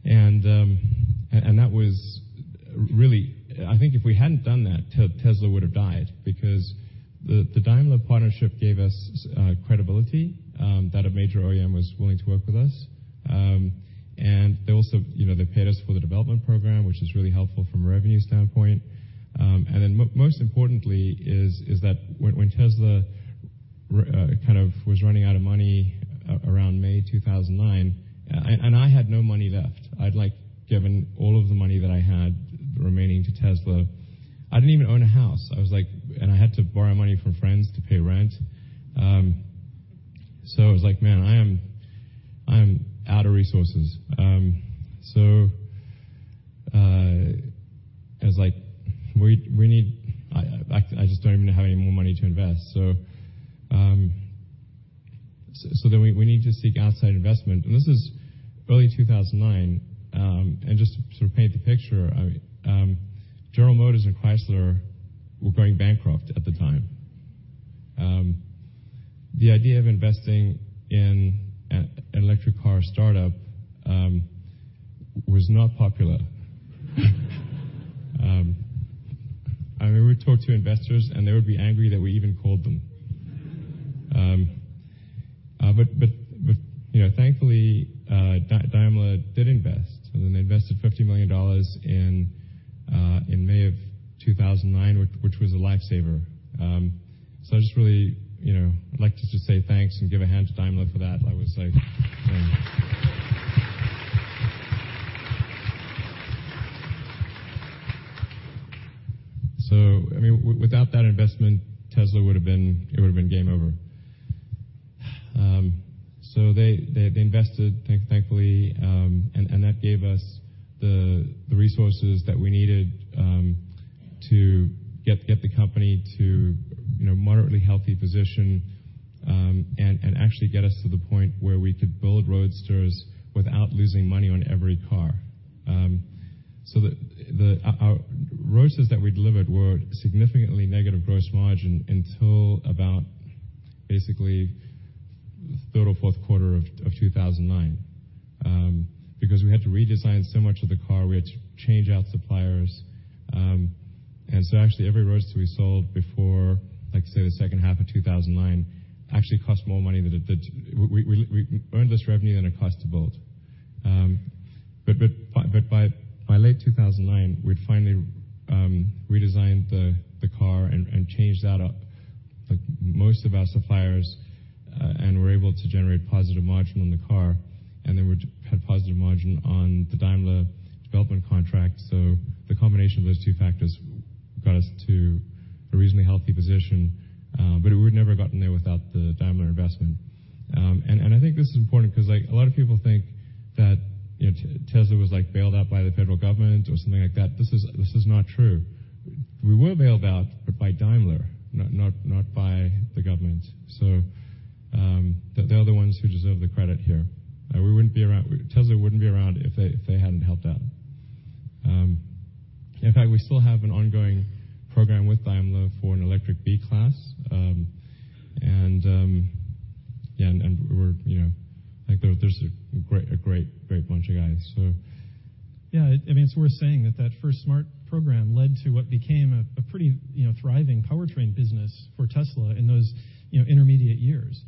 Speaker 3: That was really I think if we hadn't done that, Tesla would have died because the Daimler partnership gave us credibility that a major OEM was willing to work with us. They also, you know, they paid us for the development program, which was really helpful from a revenue standpoint. Then most importantly is that when Tesla kind of was running out of money around May 2009, and I had no money left. I'd, like, given all of the money that I had remaining to Tesla. I didn't even own a house. I was like I had to borrow money from friends to pay rent. I was like, "Man, I am out of resources." I was like, "I just don't even have any more money to invest, we need to seek outside investment." This is early 2009, and just to sort of paint the picture, General Motors and Chrysler were going bankrupt at the time. The idea of investing in an electric car startup was not popular. I remember we'd talk to investors, and they would be angry that we even called them. You know, thankfully, Daimler did invest, and then they invested $50 million in May of 2009, which was a lifesaver. I just really, you know, I'd like to just say thanks and give a hand to Daimler for that. That was like, you know. I mean, without that investment, Tesla would've been game over. They invested, thankfully, and that gave us the resources that we needed to get the company to, you know, moderately healthy position, and actually get us to the point where we could build Roadsters without losing money on every car. Our Roadsters that we delivered were significantly negative gross margin until about basically 3rd or 4th quarter of 2009. Because we had to redesign so much of the car, we had to change out suppliers. Actually every Roadster we sold before, like say, the second half of 2009, actually cost more money. We earned less revenue than it cost to build. By late 2009, we'd finally redesigned the car and changed out, like, most of our suppliers and were able to generate positive margin on the car, and then we had positive margin on the Daimler development contract. The combination of those two factors got us to a reasonably healthy position, but we would never have gotten there without the Daimler investment. I think this is important 'cause, like, a lot of people think that, you know, Tesla was, like, bailed out by the federal government or something like that. This is not true. We were bailed out by Daimler, not by the government. They're the ones who deserve the credit here. Tesla wouldn't be around if they hadn't helped out. In fact, we still have an ongoing program with Daimler for an electric B-Class, and yeah, we're, you know Like, they're just a great bunch of guys, so.
Speaker 4: Yeah, I mean, it's worth saying that that first Smart program led to what became a pretty, you know, thriving powertrain business for Tesla in those, you know, intermediate years.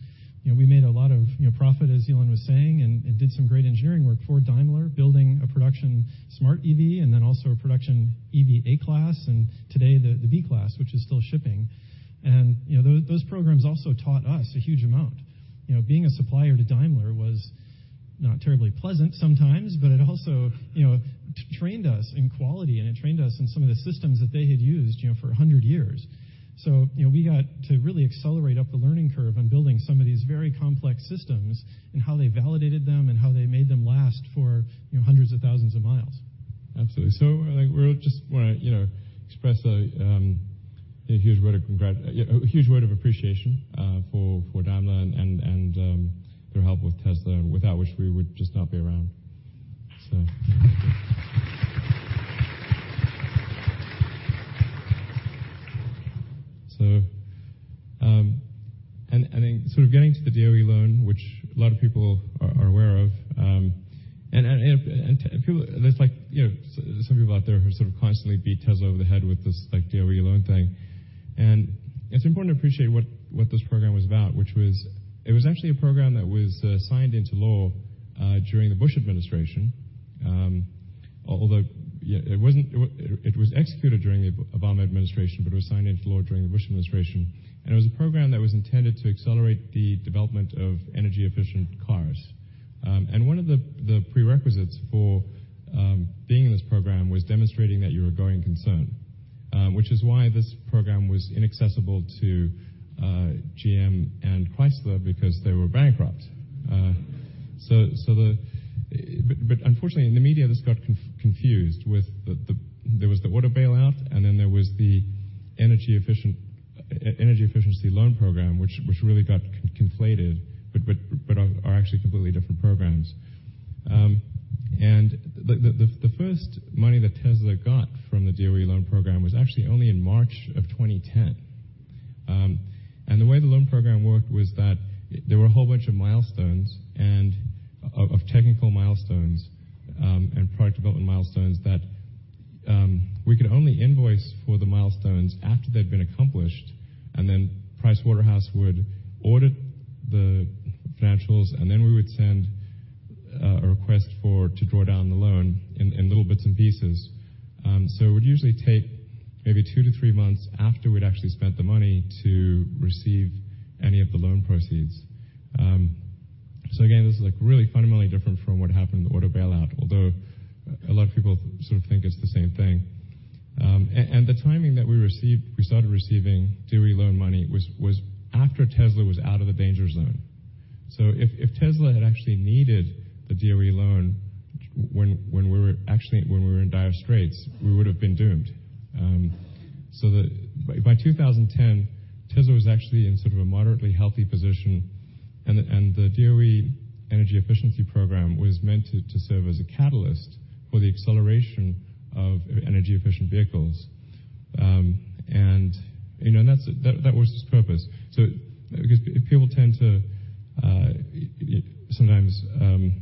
Speaker 4: You know, we made a lot of profit, as Elon was saying, and did some great engineering work for Daimler, building a production Smart EV and then also a production EV A-Class, and today the B-Class, which is still shipping. You know, those programs also taught us a huge amount. You know, being a supplier to Daimler was not terribly pleasant sometimes, but it also, you know, trained us in quality, and it trained us in some of the systems that they had used, you know, for 100 years. You know, we got to really accelerate up the learning curve on building some of these very complex systems and how they validated them and how they made them last for, you know, hundreds of thousands of miles.
Speaker 3: Absolutely. like, we just wanna, you know, express a huge word of appreciation for Daimler and their help with Tesla, without which we would just not be around, so. then sort of getting to the DOE loan, which a lot of people are aware of. There's like, you know, some people out there who sort of constantly beat Tesla over the head with this, like, DOE loan thing. it's important to appreciate what this program was about, which was it was actually a program that was signed into law during the Bush administration. although, yeah, it was executed during the Obama administration, but it was signed into law during the Bush administration. It was a program that was intended to accelerate the development of energy-efficient cars. One of the prerequisites for being in this program was demonstrating that you were a growing concern, which is why this program was inaccessible to GM and Chrysler because they were bankrupt. Unfortunately, in the media, this got confused with the There was the auto bailout, and then there was the energy efficiency loan program, which really got conflated, but are actually completely different programs. The first money that Tesla got from the DOE loan program was actually only in March of 2010. The way the loan program worked was that there were a whole bunch of milestones of technical milestones and product development milestones that we could only invoice for the milestones after they'd been accomplished. Pricewaterhouse would audit the financials, then we would send a request to draw down the loan in little bits and pieces. It would usually take maybe two to three months after we'd actually spent the money to receive any of the loan proceeds. Again, this is, like, really fundamentally different from what happened in the auto bailout, although a lot of people sort of think it's the same thing. The timing that we started receiving DOE loan money was after Tesla was out of the danger zone. If Tesla had actually needed the DOE loan when we were in dire straits, we would have been doomed. By 2010, Tesla was actually in sort of a moderately healthy position, and the DOE energy efficiency program was meant to serve as a catalyst for the acceleration of energy-efficient vehicles. You know, that was its purpose. I guess people tend to sometimes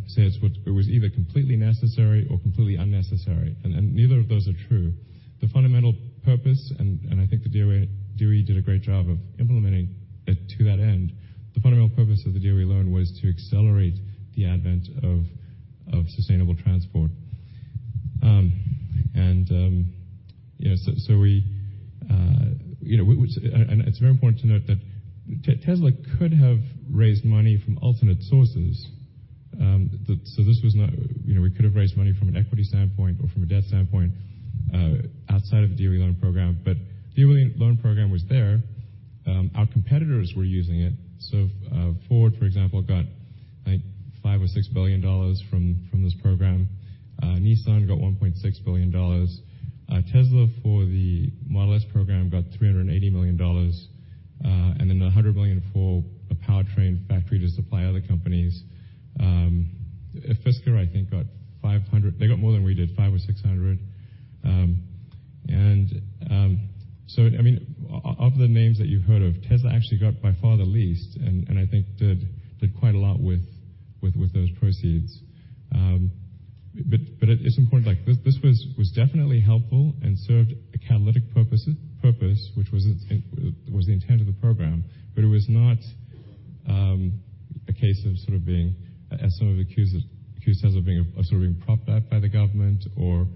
Speaker 3: say it was either completely necessary or completely unnecessary, and neither of those are true. The fundamental purpose, and I think the DOE did a great job of implementing it to that end, the fundamental purpose of the DOE loan was to accelerate the advent of sustainable transport. It's very important to note that Tesla could have raised money from alternate sources. This was not, we could have raised money from an equity standpoint or from a debt standpoint outside of the DOE loan program. DOE loan program was there. Our competitors were using it. Ford, for example, got $5 billion-$6 billion from this program. Nissan got $1.6 billion. Tesla, for the Model S program, got $380 million, and then $100 million for a powertrain factory to supply other companies. Fisker got more than we did, $500 million-$600 million. I mean, of the names that you've heard of, Tesla actually got by far the least, and I think did quite a lot with those proceeds. It is important, like, this was definitely helpful and served a catalytic purpose, which was in the intent of the program. It was not a case of sort of being accused of being propped up by the government or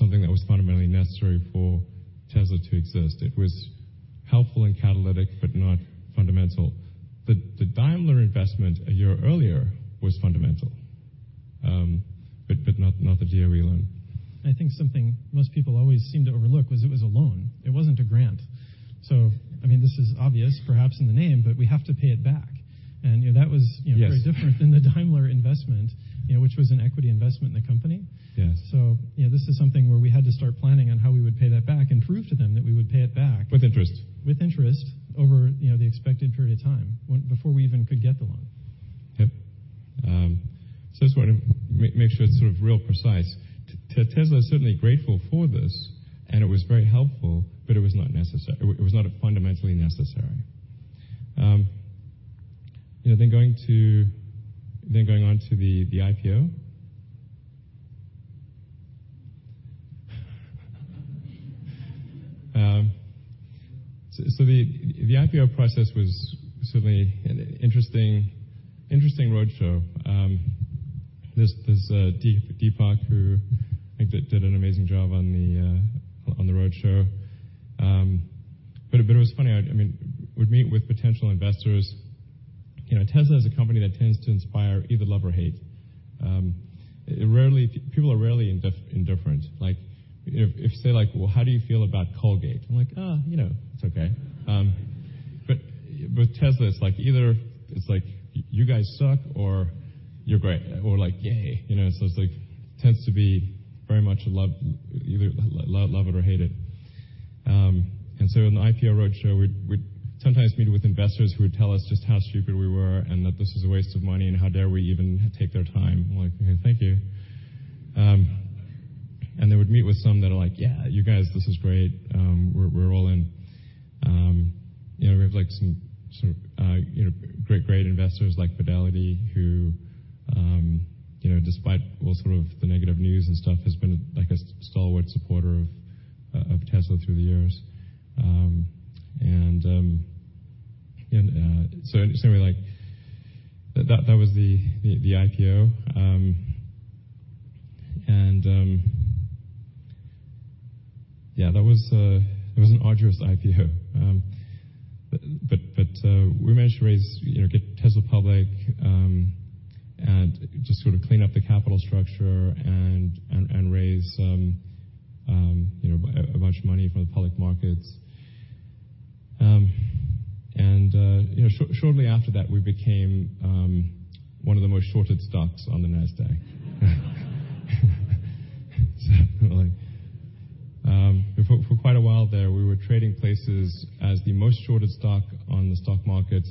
Speaker 3: something that was fundamentally necessary for Tesla to exist. It was helpful and catalytic, but not fundamental. The Daimler investment a year earlier was fundamental, but not the DOE loan.
Speaker 4: I think something most people always seem to overlook was it was a loan. It wasn't a grant. I mean, this is obvious perhaps in the name, but we have to pay it back.
Speaker 3: Yes.
Speaker 4: You know, very different than the Daimler investment, you know, which was an equity investment in the company.
Speaker 3: Yes.
Speaker 4: you know, this is something where we had to start planning on how we would pay that back and prove to them that we would pay it back.
Speaker 3: With interest.
Speaker 4: With interest over, you know, the expected period of time before we even could get the loan.
Speaker 3: Yep. Just wanted to make sure it's sort of real precise. Tesla is certainly grateful for this, and it was very helpful, but it was not necessary. It was not fundamentally necessary. You know, going on to the IPO. The IPO process was certainly an interesting roadshow. There's Deepak, who I think did an amazing job on the roadshow. It was funny. I mean, we'd meet with potential investors. You know, Tesla is a company that tends to inspire either love or hate. People are rarely indifferent. If they're like, "Well, how do you feel about Colgate?" I'm like, "you know, it's okay." With Tesla, it's like either you guys suck or you're great or like, yay, you know? It tends to be very much either love it or hate it. In the IPO roadshow, we'd sometimes meet with investors who would tell us just how stupid we were and that this is a waste of money and how dare we even take their time. I'm like, "Thank you." We'd meet with some that are like, "Yeah, you guys, this is great. We're all in." You know, we have like some sort of, you know, great investors like Fidelity who, you know, despite all sort of the negative news and stuff, has been like a stalwart supporter of Tesla through the years. So we're like, that was the IPO. Yeah, it was an arduous IPO. We managed to raise, you know, get Tesla public, and just sort of clean up the capital structure and raise some, you know, a bunch of money from the public markets. You know, shortly after that, we became one of the most shorted stocks on the Nasdaq. Like quite a while there, we were trading places as the most shorted stock on the stock market.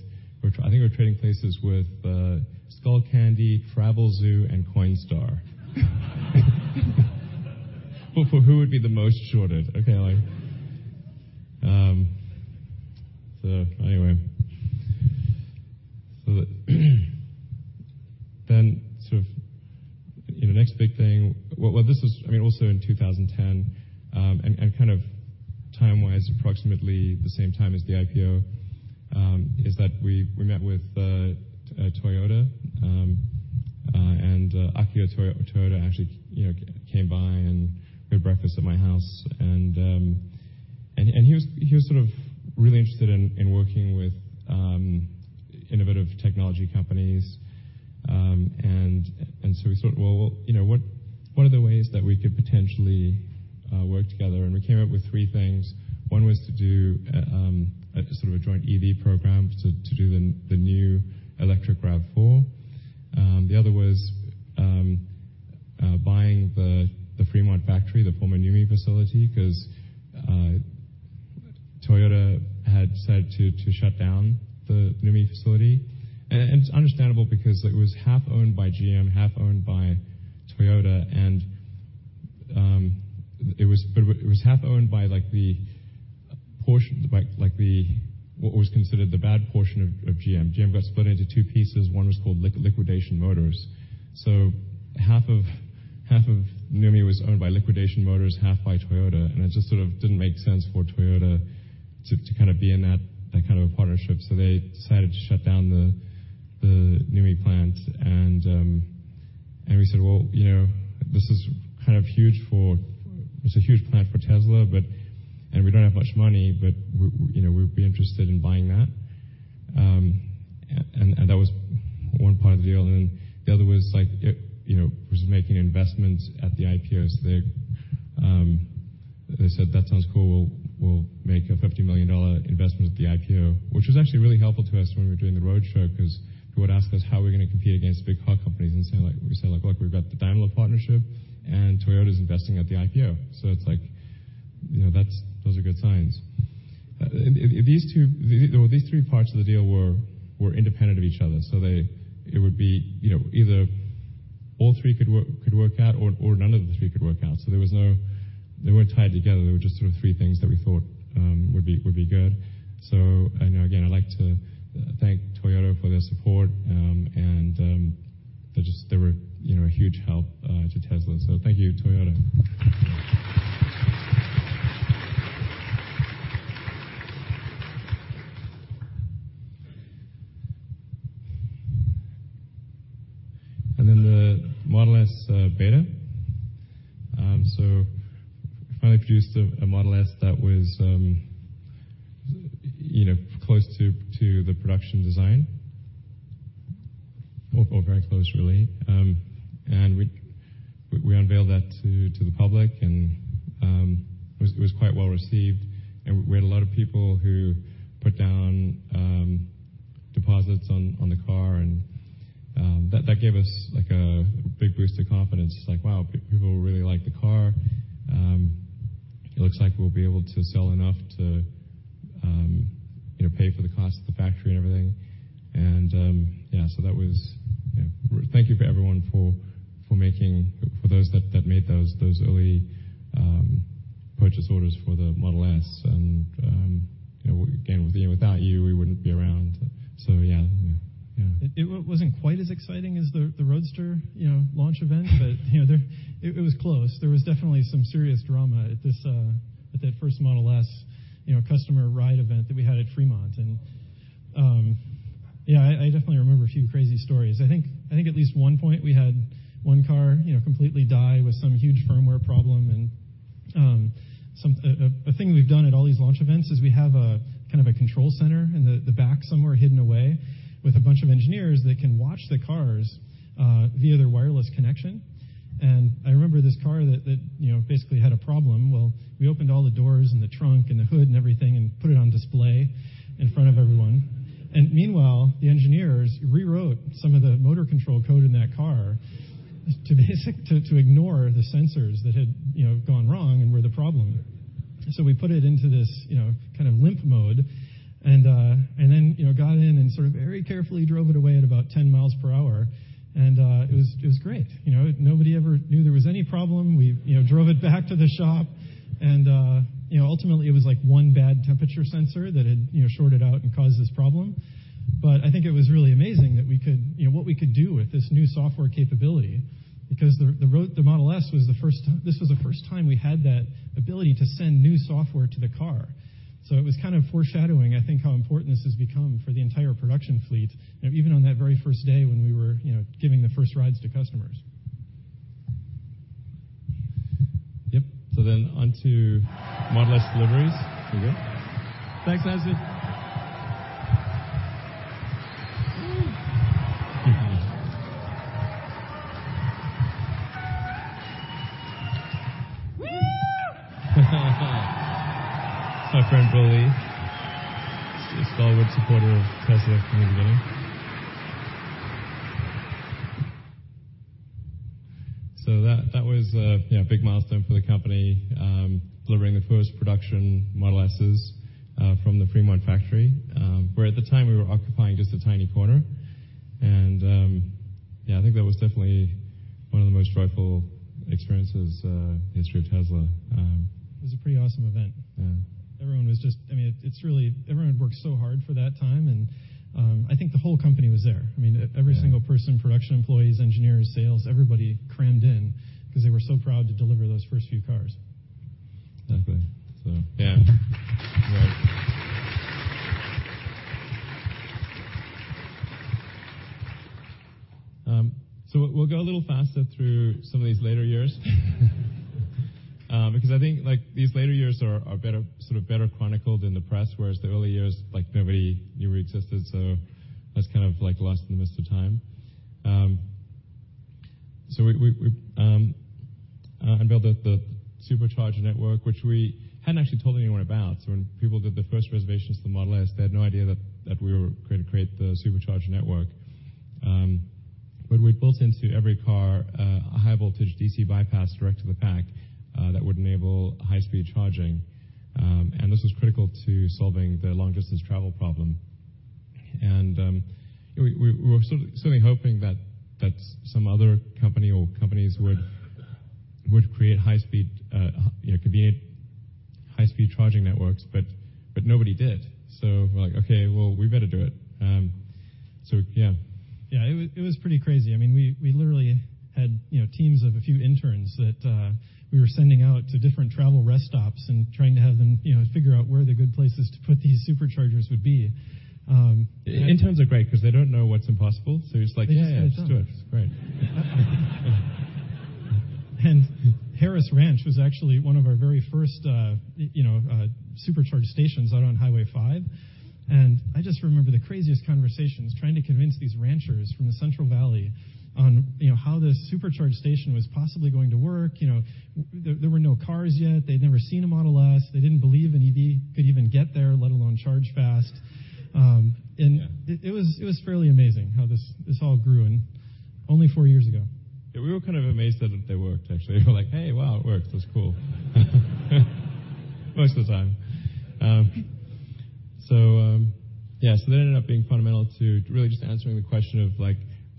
Speaker 3: We were trading places with Skullcandy, Travelzoo, and Coinstar. For who would be the most shorted. Okay, like, anyway. Next big thing, you know, this was, I mean, also in 2010, and kind of time-wise, approximately the same time as the IPO, we met with Toyota, and Akio Toyoda actually, you know, came by and we had breakfast at my house. He was sort of really interested in working with innovative technology companies. We thought, "Well, you know what? What are the ways that we could potentially work together? We came up with three things. One was to do a sort of a joint EV program to do the new electric RAV4. The other was buying the Fremont factory, the former NUMMI facility, 'cause Toyota had decided to shut down the NUMMI facility. It's understandable because it was half-owned by GM, half-owned by Toyota, and it was half-owned by like the portion, by like the what was considered the bad portion of GM. GM got split into two pieces. One was called Liquidation Motors. Half of NUMMI was owned by Liquidation Motors, half by Toyota, and it just sort of didn't make sense for Toyota to kind of be in that kind of a partnership. They decided to shut down the NUMMI plant, and we said, "Well, you know, it's a huge plant for Tesla, but we don't have much money, but we're, you know, we'd be interested in buying that." That was one part of the deal. Then the other was like, you know, was making investments at the IPO. They said, "That sounds cool. We'll make a $50 million investment at the IPO," which was actually really helpful to us when we were doing the roadshow, 'cause people would ask us how we're gonna compete against big car companies. We said, "Look, we've got the Daimler partnership, and Toyota's investing at the IPO." You know, those are good signs. These three parts of the deal were independent of each other. You know, either all three could work out or none of the three could work out. They weren't tied together. They were just sort of three things that we thought would be good. I know, again, I'd like to thank Toyota for their support. They were, you know, a huge help to Tesla. Thank you, Toyota. The Model S beta. We finally produced a Model S that was, you know, close to the production design. Or very close, really. And we unveiled that to the public and it was quite well-received. And we had a lot of people who put down deposits on the car and that gave us like a big boost of confidence. Like, wow, people really like the car. It looks like we'll be able to sell enough to, you know, pay for the cost of the factory and everything. Yeah, so that was, you know, thank you for everyone for making, for those that made those early purchase orders for the Model S. You know, again, without you, we wouldn't be around. Yeah.
Speaker 4: It wasn't quite as exciting as the Roadster, you know, launch event. It was close. There was definitely some serious drama at this, at that first Model S, you know, customer ride event that we had at Fremont. Yeah, I definitely remember a few crazy stories. I think at least one point we had one car, you know, completely die with some huge firmware problem. A thing we've done at all these launch events is we have a kind of a control center in the back somewhere hidden away with a bunch of engineers that can watch the cars via their wireless connection. I remember this car that, you know, basically had a problem. Well, we opened all the doors and the trunk and the hood and everything and put it on display in front of everyone. Meanwhile, the engineers rewrote some of the motor control code in that car to ignore the sensors that had, you know, gone wrong and were the problem. We put it into this, you know, kind of limp mode, got in and sort of very carefully drove it away at about 10 miles per hour. It was great. You know, nobody ever knew there was any problem. We, you know, drove it back to the shop and, ultimately it was like one bad temperature sensor that had, you know, shorted out and caused this problem. I think it was really amazing that we could, you know, what we could do with this new software capability because the Model S was the first time we had that ability to send new software to the car. It was kind of foreshadowing, I think, how important this has become for the entire production fleet, you know, even on that very first day when we were, you know, giving the first rides to customers.
Speaker 3: Yep, onto Model S deliveries. Here we go. Thanks, Nancy.
Speaker 4: Whoo!
Speaker 3: That's my friend Billy. He's a stalwart supporter of Tesla from the beginning. That, that was a, you know, big milestone for the company, delivering the first production Model S's, from the Fremont factory, where at the time we were occupying just a tiny corner. Yeah, I think that was definitely one of the most joyful experiences in the history of Tesla.
Speaker 4: It was a pretty awesome event.
Speaker 3: Yeah.
Speaker 4: I mean, it's Everyone worked so hard for that time, and I think the whole company was there.
Speaker 3: Yeah
Speaker 4: every single person, production employees, engineers, sales, everybody crammed in 'cause they were so proud to deliver those first few cars.
Speaker 3: Exactly. Yeah. Right. We'll go a little faster through some of these later years. Because I think, like, these later years are better, sort of better chronicled in the press, whereas the early years, like, nobody knew we existed, that's kind of, like, lost in the midst of time. We unveiled the Supercharger network, which we hadn't actually told anyone about. When people did the first reservations for the Model S, they had no idea that we were going to create the Supercharger network. We built into every car a high voltage DC bypass direct to the pack that would enable high-speed charging. This was critical to solving the long-distance travel problem. We were sort of, certainly hoping that some other company or companies would create high-speed, you know, convenient high-speed charging networks, but nobody did. We're like, "Okay, well, we better do it." Yeah.
Speaker 4: Yeah, it was pretty crazy. I mean, we literally had, you know, teams of a few interns that we were sending out to different travel rest stops and trying to have them, you know, figure out where the good places to put these Superchargers would be.
Speaker 3: I-interns are great 'cause they don't know what's impossible.
Speaker 4: They just get it done.
Speaker 3: Yeah, yeah, let's do it. Great.
Speaker 4: Harris Ranch was actually one of our very first, you know, Supercharger stations out on Highway 5. I just remember the craziest conversations trying to convince these ranchers from the Central Valley on, you know, how this Supercharger station was possibly going to work. You know, there were no cars yet. They'd never seen a Model S. They didn't believe an EV could even get there.
Speaker 3: Yeah
Speaker 4: It was fairly amazing how this all grew, only four years ago.
Speaker 3: Yeah, we were kind of amazed that they worked, actually. We're like, "Hey, wow, it works. That's cool." Most of the time. Yeah, that ended up being fundamental to really just answering the question of, like,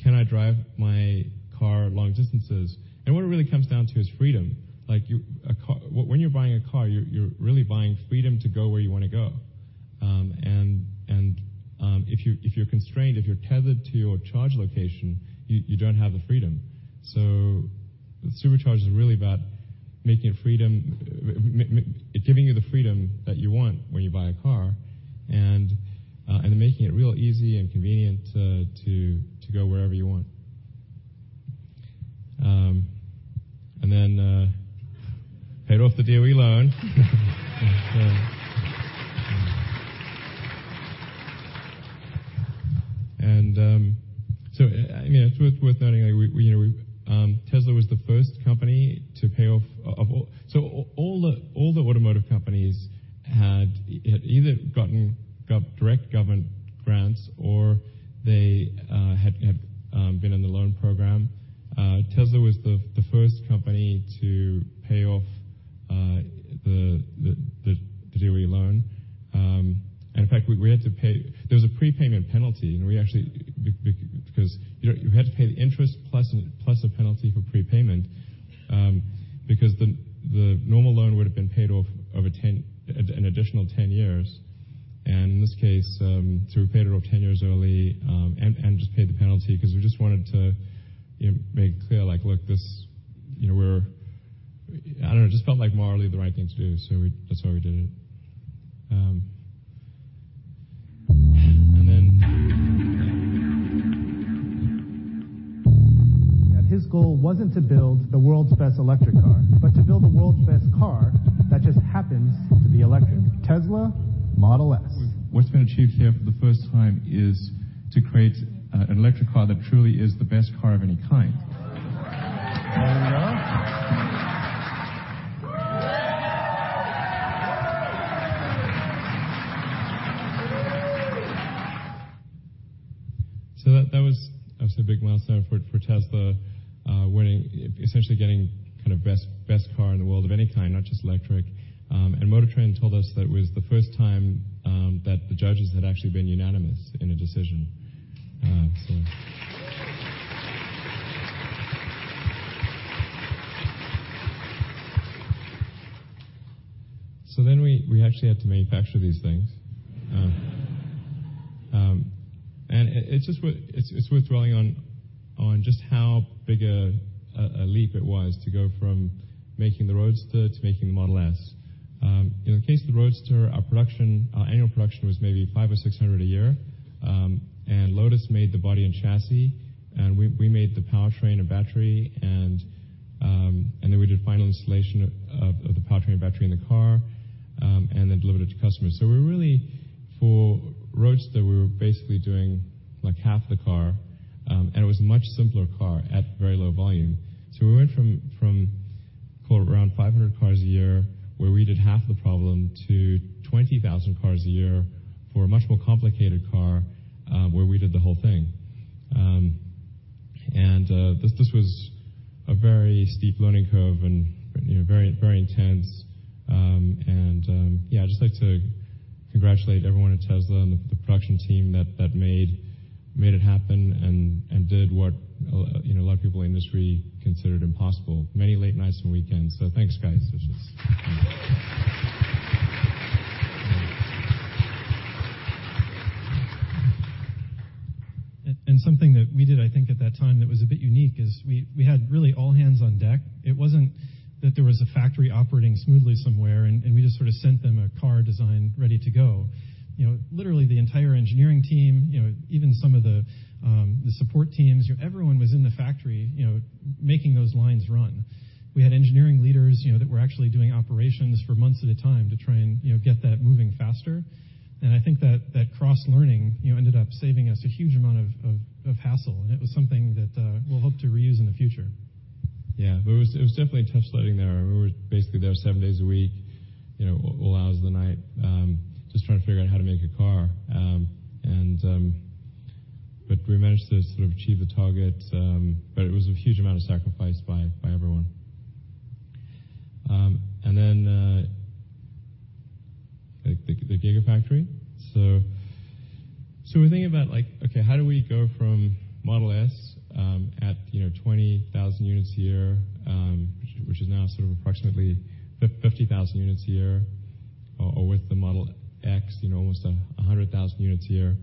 Speaker 3: can I drive my car long distances? What it really comes down to is freedom. Like, when you're buying a car, you're really buying freedom to go where you wanna go. If you're constrained, if you're tethered to your charge location, you don't have the freedom. Supercharger is really about making it freedom, giving you the freedom that you want when you buy a car and making it real easy and convenient to go wherever you want. Paid off the DOE loan. Yeah, it's worth noting, like, we, you know, we, Tesla was the first company to pay off of all. All the automotive companies had either gotten direct government grants or they had been in the loan program. Tesla was the first company to pay off the DOE loan. In fact, we had to pay. There was a prepayment penalty, and we actually because, you know, you had to pay the interest plus a penalty for prepayment, because the normal loan would have been paid off over 10 additional years. In this case, we paid it off 10 years early, and just paid the penalty 'cause we just wanted to, you know, make clear like, Look, this, you know, we're. I don't know, it just felt like morally the right thing to do, so that's how we did it.
Speaker 10: His goal wasn't to build the world's best electric car, but to build the world's best car that just happens to be electric. Tesla Model S.
Speaker 3: What's been achieved here for the first time is to create an electric car that truly is the best car of any kind. That was obviously a big milestone for Tesla, winning, essentially getting kind of best car in the world of any kind, not just electric. MotorTrend told us that it was the first time that the judges had actually been unanimous in a decision. We actually had to manufacture these things. It's just worth dwelling on just how big a leap it was to go from making the Roadster to making the Model S. In the case of the Roadster, our production, our annual production was maybe 500 or 600 a year. Lotus made the body and chassis, and we made the powertrain and battery and then we did final installation of the powertrain and battery in the car, and then delivered it to customers. We were really, for Roadster, we were basically doing, like, half the car, and it was a much simpler car at very low volume. We went from call it around 500 cars a year, where we did half the problem, to 20,000 cars a year for a much more complicated car, where we did the whole thing. This was a very steep learning curve and, you know, very, very intense. I'd just like to congratulate everyone at Tesla and the production team that made it happen and did what you know, a lot of people in industry considered impossible. Many late nights and weekends. Thanks, guys.
Speaker 4: Something that we did, I think, at that time that was a bit unique is we had really all hands on deck. It wasn't that there was a factory operating smoothly somewhere and we just sort of sent them a car design ready to go. You know, literally the entire engineering team, you know, even some of the support teams, you know, everyone was in the factory, you know, making those lines run. We had engineering leaders, you know, that were actually doing operations for months at a time to try and, you know, get that moving faster. I think that that cross-learning, you know, ended up saving us a huge amount of hassle, and it was something that we'll hope to reuse in the future.
Speaker 3: Yeah. It was definitely tough sledding there. We were basically there seven days a week, you know, all hours of the night, just trying to figure out how to make a car. We managed to sort of achieve the target, but it was a huge amount of sacrifice by everyone. Like the Gigafactory. We're thinking about, like, okay, how do we go from Model S at, you know, 20,000 units a year, which is now sort of approximately 50,000 units a year or with the Model X, you know, almost 100,000 units a year.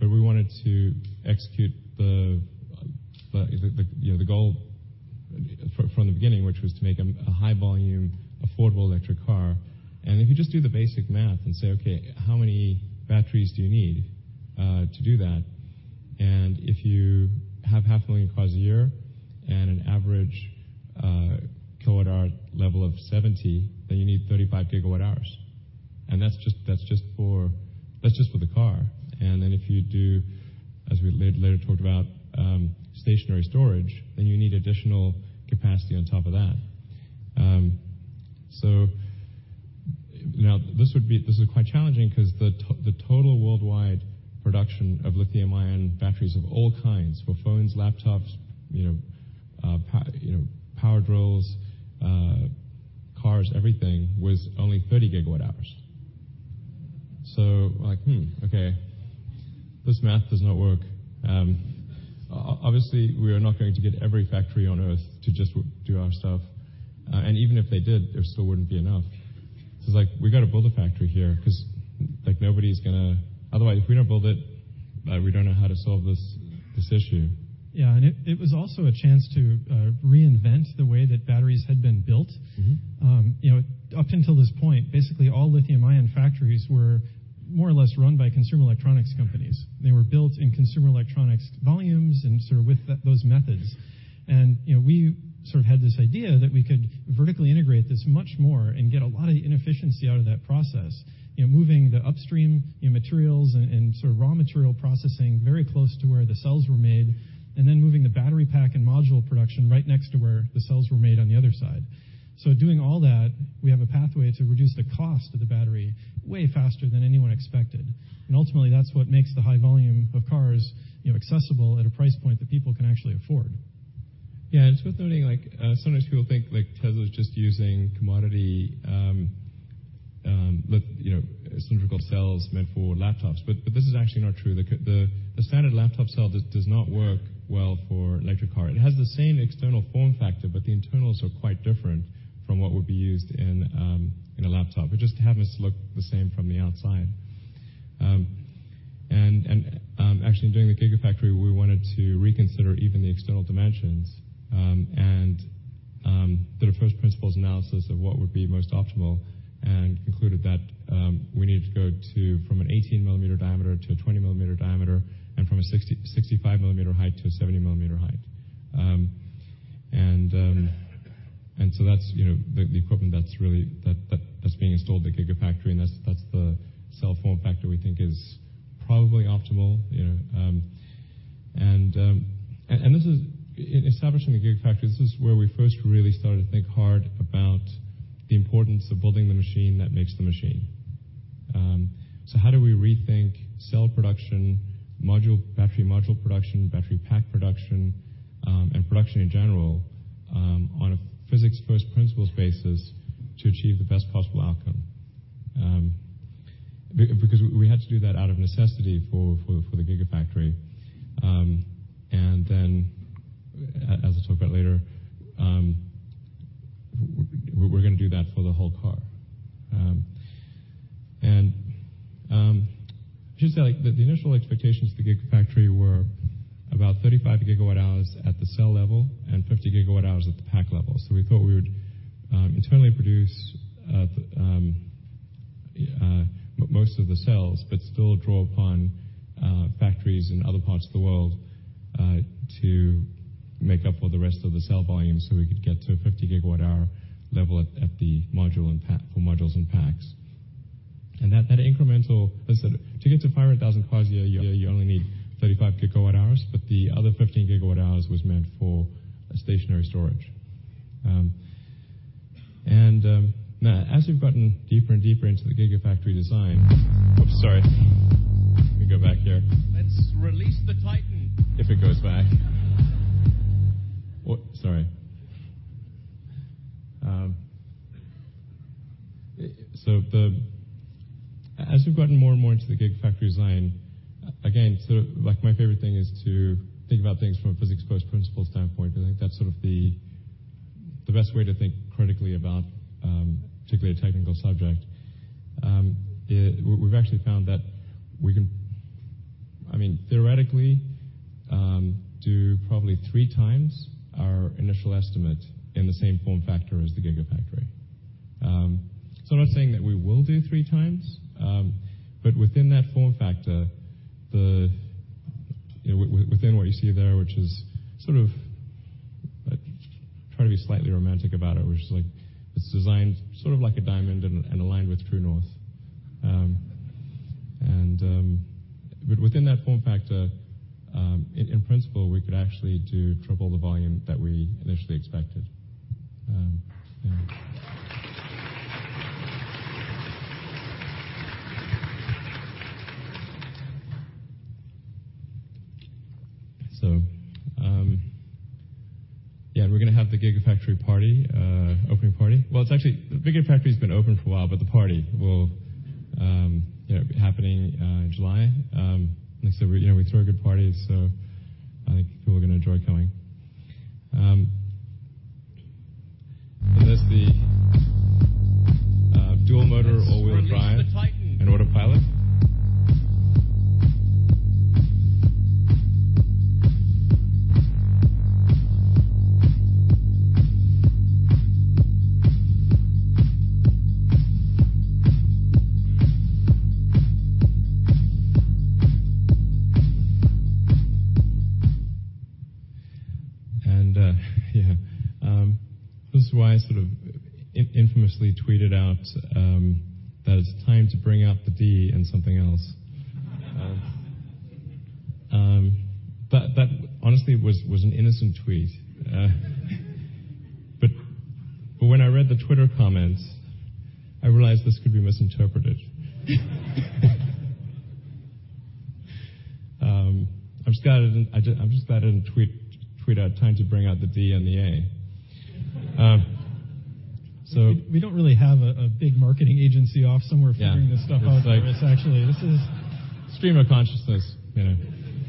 Speaker 3: We wanted to execute the, you know, the goal from the beginning, which was to make a high-volume, affordable electric car. If you just do the basic math and say, "Okay, how many batteries do you need to do that?" If you have 500,000 cars a year and an average kilowatt-hour level of 70, then you need 35 gigawatt-hours. That's just for the car. Then if you do, as we later talked about, stationary storage, then you need additional capacity on top of that. Now this is quite challenging 'cause the total worldwide production of lithium-ion batteries of all kinds, for phones, laptops, power drills, cars, everything, was only 30 gigawatt-hours. We're like, "Hmm, okay, this math does not work." Obviously, we are not going to get every factory on earth to just do our stuff. Even if they did, there still wouldn't be enough. It's like, we gotta build a factory here 'cause, otherwise, if we don't build it, we don't know how to solve this issue.
Speaker 4: Yeah, it was also a chance to reinvent the way that batteries had been built. You know, up until this point, basically all lithium-ion factories were more or less run by consumer electronics companies. They were built in consumer electronics volumes and sort of with those methods. You know, we sort of had this idea that we could vertically integrate this much more and get a lot of the inefficiency out of that process, you know, moving the upstream, you know, materials and sort of raw material processing very close to where the cells were made, and then moving the battery pack and module production right next to where the cells were made on the other side. Doing all that, we have a pathway to reduce the cost of the battery way faster than anyone expected. Ultimately, that's what makes the high volume of cars, you know, accessible at a price point that people can actually afford.
Speaker 3: It's worth noting, like, sometimes people think, like, Tesla's just using commodity, you know, cylindrical cells meant for laptops, but this is actually not true. The standard laptop cell does not work well for electric car. It has the same external form factor, but the internals are quite different from what would be used in a laptop. It just happens to look the same from the outside. Actually, during the Gigafactory, we wanted to reconsider even the external dimensions, and did a first principles analysis of what would be most optimal and concluded that we needed to go to, from an 18-millimeter diameter to a 20-millimeter diameter and from a 65-millimeter height to a 70-millimeter height. That's, you know, the equipment that's really, that's being installed at the Gigafactory, and that's the cell form factor we think is probably optimal, you know. This is, in establishing the Gigafactory, this is where we first really started to think hard about the importance of building the machine that makes the machine. How do we rethink cell production, module, battery module production, battery pack production, and production in general, on a physics first principles basis to achieve the best possible outcome? Because we had to do that out of necessity for the Gigafactory. As I'll talk about later, we're gonna do that for the whole car. I should say, the initial expectations for the Gigafactory were about 35 gigawatt-hours at the cell level and 50 gigawatt-hours at the pack level. We thought we would internally produce most of the cells, but still draw upon factories in other parts of the world to make up for the rest of the cell volume, so we could get to a 50 gigawatt-hour level at the module and for modules and packs. That incremental As I said, to get to 500,000 cars a year, you only need 35 gigawatt-hours, but the other 15 gigawatt-hours was meant for stationary storage. Now as we've gotten deeper and deeper into the Gigafactory Oops, sorry. Let me go back here. Let's release the Titan. If it goes back. What? Sorry. As we've gotten more and more into the Gigafactory design, again, sort of, like, my favorite thing is to think about things from a physics first principles standpoint, 'cause I think that's sort of the best way to think critically about particularly a technical subject. We've actually found that we can, I mean, theoretically, do probably 3x our initial estimate in the same form factor as the Gigafactory. I'm not saying that we will do 3x, but within that form factor, you know, within what you see there, which is sort of, I try to be slightly romantic about it, which is, like, it's designed sort of like a diamond and aligned with true north. Within that form factor, in principle, we could actually do triple the volume that we initially expected. Yeah. Yeah, we're gonna have the Gigafactory party, opening party. Well, it's actually, the Gigafactory's been open for a while, but the party will, you know, be happening in July. Like I said, we, you know, we throw a good party, so I think people are gonna enjoy coming. And that's the dual motor all-wheel drive- Let's release the Titan and Autopilot. This is why I sort of infamously tweeted out that it's time to bring out the D and something else. That honestly was an innocent tweet. When I read the Twitter comments, I realized this could be misinterpreted. I'm just glad I didn't, I'm just glad I didn't tweet out, "Time to bring out the D and the A.
Speaker 4: We don't really have a big marketing agency off somewhere-
Speaker 3: Yeah
Speaker 4: figuring this stuff out for us, actually.
Speaker 3: It's like stream of consciousness, you know.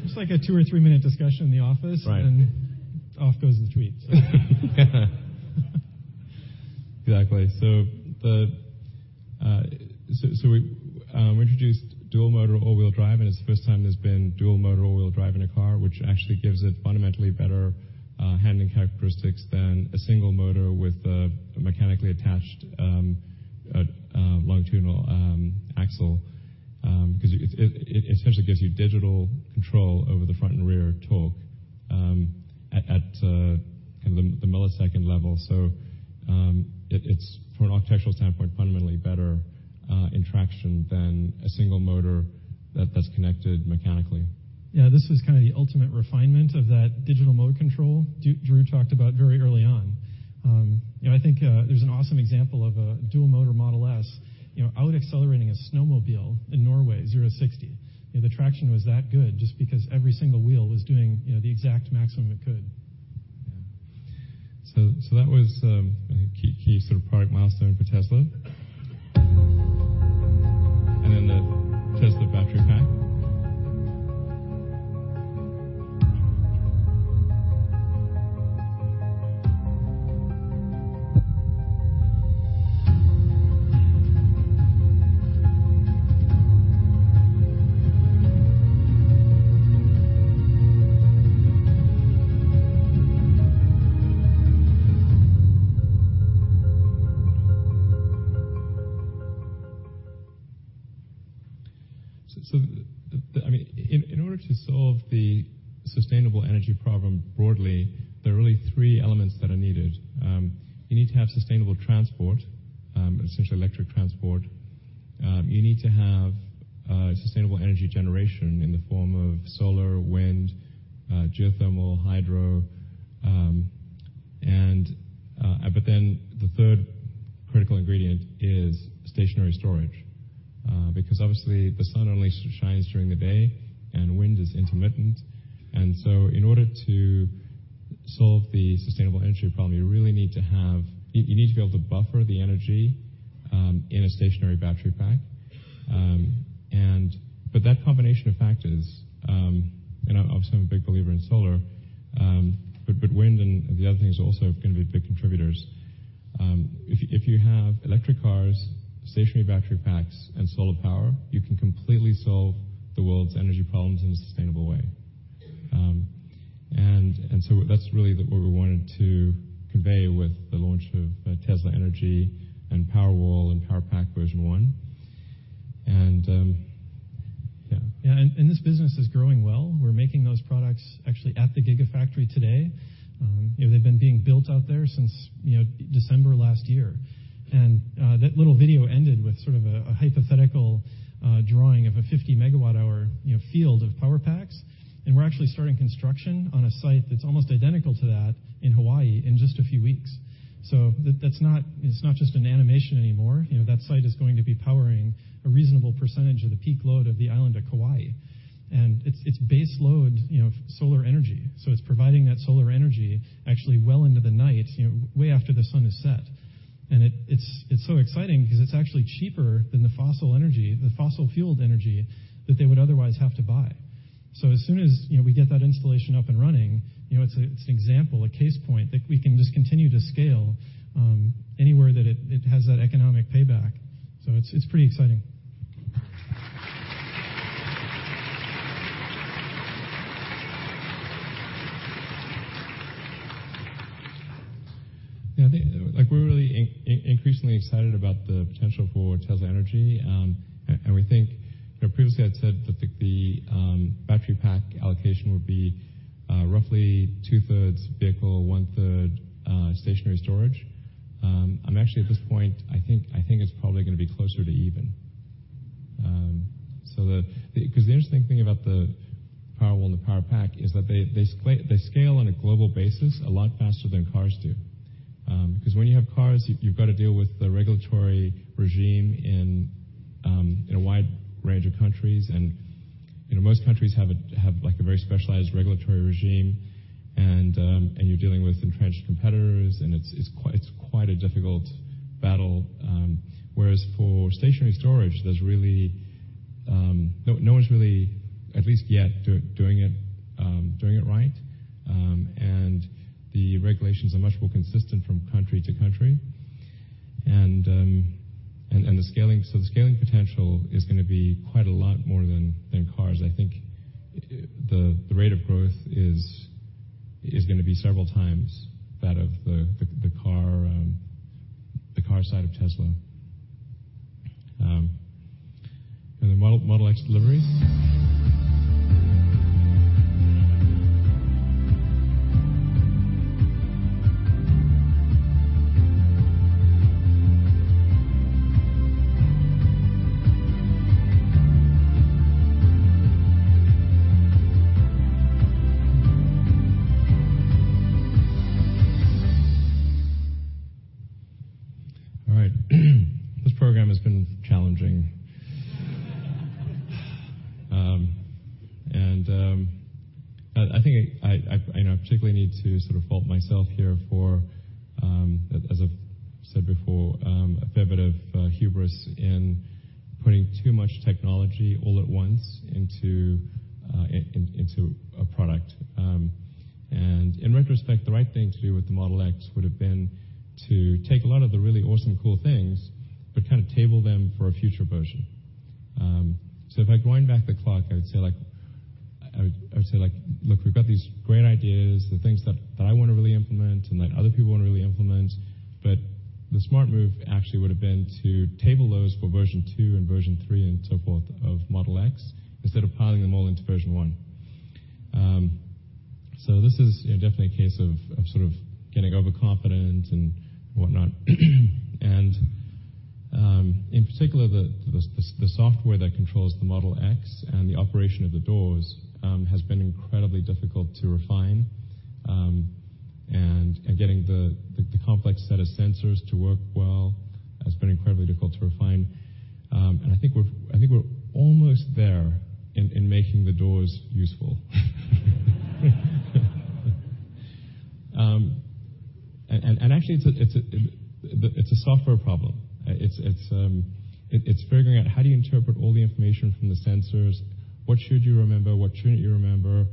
Speaker 4: It's like a two or three-minute discussion in the office. Off goes the tweet.
Speaker 3: Exactly. We introduced dual motor all-wheel drive, and it's the first time there's been dual motor all-wheel drive in a car, which actually gives it fundamentally better handling characteristics than a single motor with a mechanically attached longitudinal axle. 'Cause it essentially gives you digital control over the front and rear torque at kind of the millisecond level. It's, from an architectural standpoint, fundamentally better in traction than a single motor that's connected mechanically.
Speaker 4: Yeah, this was kinda the ultimate refinement of that digital motor control Drew talked about very early on. You know, I think, there's an awesome example of a dual motor Model S, you know, out accelerating a snowmobile in Norway, zero to sixty. You know, the traction was that good just because every single wheel was doing, you know, the exact maximum it could.
Speaker 3: Yeah. That was a key sort of product milestone for Tesla. The Tesla battery pack. I mean, in order to solve the sustainable energy problem broadly, there are really three elements that are needed. You need to have sustainable transport, essentially electric transport. You need to have sustainable energy generation in the form of solar, wind, geothermal, hydro. The third critical ingredient is stationary storage because obviously the sun only shines during the day, and wind is intermittent. In order to solve the sustainable energy problem, you really need to be able to buffer the energy in a stationary battery pack. That combination of factors, and I obviously am a big believer in solar, but wind and the other things also are gonna be big contributors. If you have electric cars, stationary battery packs, and solar power, you can completely solve the world's energy problems in a sustainable way. So that's really what we wanted to convey with the launch of Tesla Energy and Powerwall and Powerpack version 1. Yeah.
Speaker 4: This business is growing well. We're making those products actually at the Gigafactory today. You know, they've been being built out there since, you know, December last year. That little video ended with sort of a hypothetical drawing of a 50-megawatt hour, you know, field of Powerpacks, and we're actually starting construction on a site that's almost identical to that in Hawaii in just a few weeks. That's not just an animation anymore. You know, that site is going to be powering a reasonable percentage of the peak load of the island of Kauai. It's base load, you know, solar energy, so it's providing that solar energy actually well into the night, you know, way after the sun has set. It's so exciting 'cause it's actually cheaper than the fossil energy, the fossil fueled energy that they would otherwise have to buy. As soon as, you know, we get that installation up and running, you know, it's an example, a case point that we can just continue to scale anywhere that it has that economic payback. It's pretty exciting.
Speaker 3: Yeah, I think, like, we're really increasingly excited about the potential for Tesla Energy. We think, you know, previously I'd said that the battery pack allocation would be roughly 2/3 vehicle, 1/3 stationary storage. I'm actually at this point, I think it's probably gonna be closer to even. 'Cause the interesting thing about the Powerwall and the Powerpack is that they scale on a global basis a lot faster than cars do. 'Cause when you have cars, you've gotta deal with the regulatory regime in a wide range of countries. You know, most countries have a, like, a very specialized regulatory regime, you're dealing with entrenched competitors, it's quite a difficult battle. Whereas for stationary storage, there's really no one's really, at least yet, doing it right. The regulations are much more consistent from country to country. The scaling potential is gonna be quite a lot more than cars. I think the rate of growth is gonna be several times that of the car side of Tesla. The Model X deliveries. All right. This program has been challenging. I think I, you know, particularly need to sort of fault myself here for, as I've said before, a fair bit of hubris in putting too much technology all at once into a product. In retrospect, the right thing to do with the Model X would've been to take a lot of the really awesome, cool things, but kind of table them for a future version. If I wind back the clock, I would say like, "Look, we've got these great ideas, the things that I want to really implement, and that other people want to really implement," but the smart move actually would've been to table those for version 2 and version 3 and so forth of Model X instead of piling them all into version 1. This is, you know, definitely a case of sort of getting overconfident and whatnot. In particular, the software that controls the Model X and the operation of the doors has been incredibly difficult to refine. Getting the complex set of sensors to work well has been incredibly difficult to refine. I think we're almost there in making the doors useful. Actually it's a software problem. It's figuring out how do you interpret all the information from the sensors, what should you remember, what shouldn't you remember,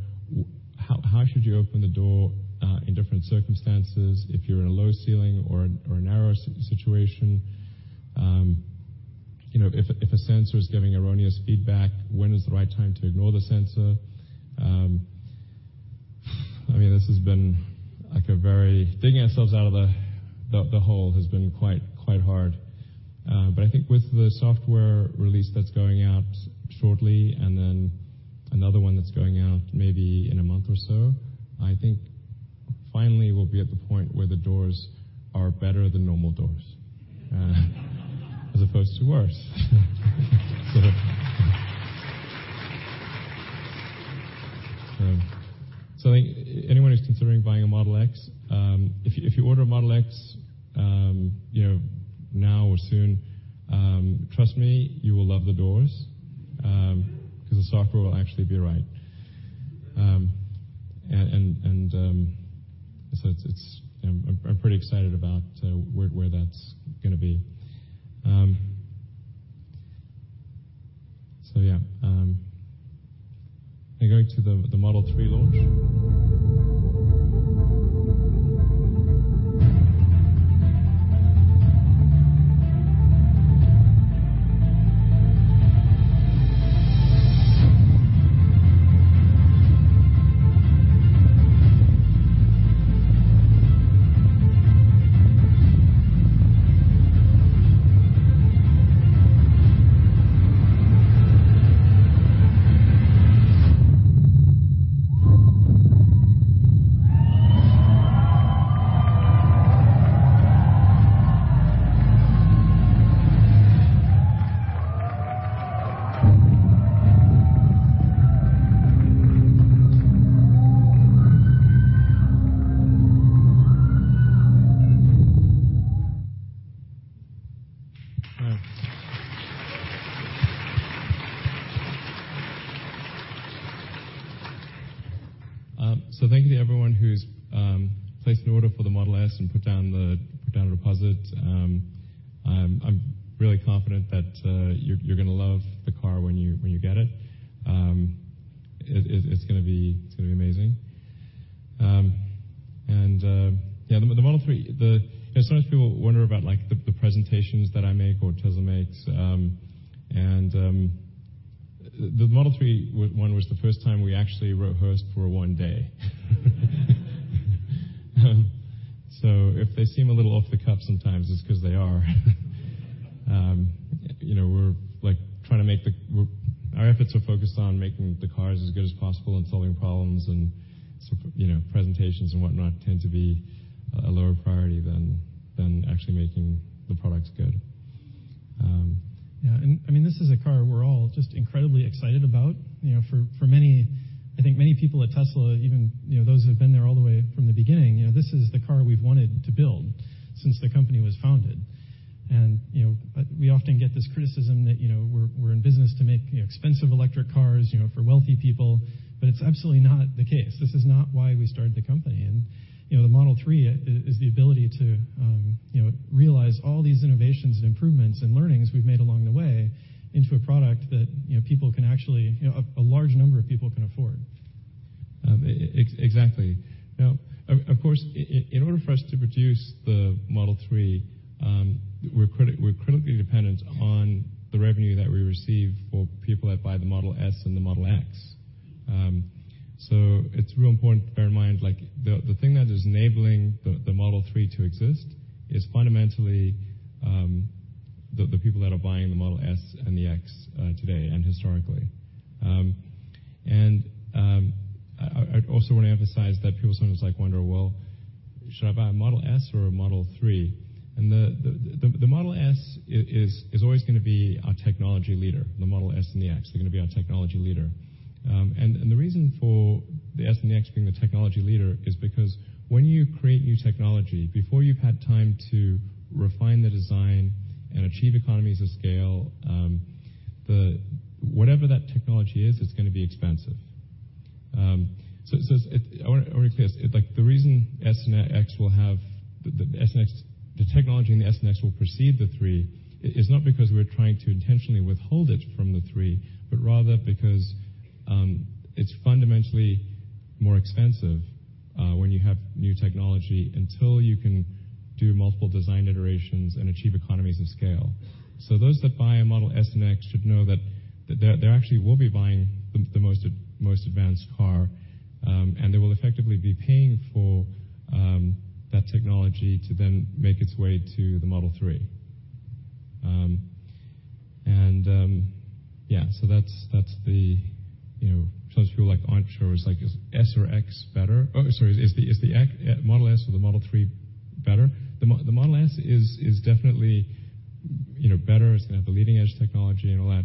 Speaker 3: how should you open the door, in different circumstances if you're in a low ceiling or a narrow situation. You know, if a sensor is giving erroneous feedback, when is the right time to ignore the sensor? I mean, this has been, like, Digging ourselves out of the hole has been quite hard. I think with the software release that's going out shortly, and then another one that's going out maybe in a month or so, I think finally we'll be at the point where the doors are better than normal doors. As opposed to worse. I think anyone who's considering buying a Model X, if you order a Model X, you know, now or soon, trust me, you will love the doors, 'cause the software will actually be right. And it's, I'm pretty excited about where that's gonna be. Now going to the Model 3 launch. Thank I wanna, I wanna emphasize, like, the reason the technology in the Model S and Model X will precede the Model 3 is not because we're trying to intentionally withhold it from the Model 3, but rather because it's fundamentally more expensive when you have new technology until you can do multiple design iterations and achieve economies of scale. Those that buy a Model S and Model X should know that they actually will be buying the most advanced car, and they will effectively be paying for that technology to then make its way to the Model 3. That's the, you know, sometimes people, like, aren't sure. It's like, is S or X better? Oh, sorry, is the X, Model S or the Model 3 better? The Model S is definitely, you know, better. It's gonna have the leading-edge technology and all that.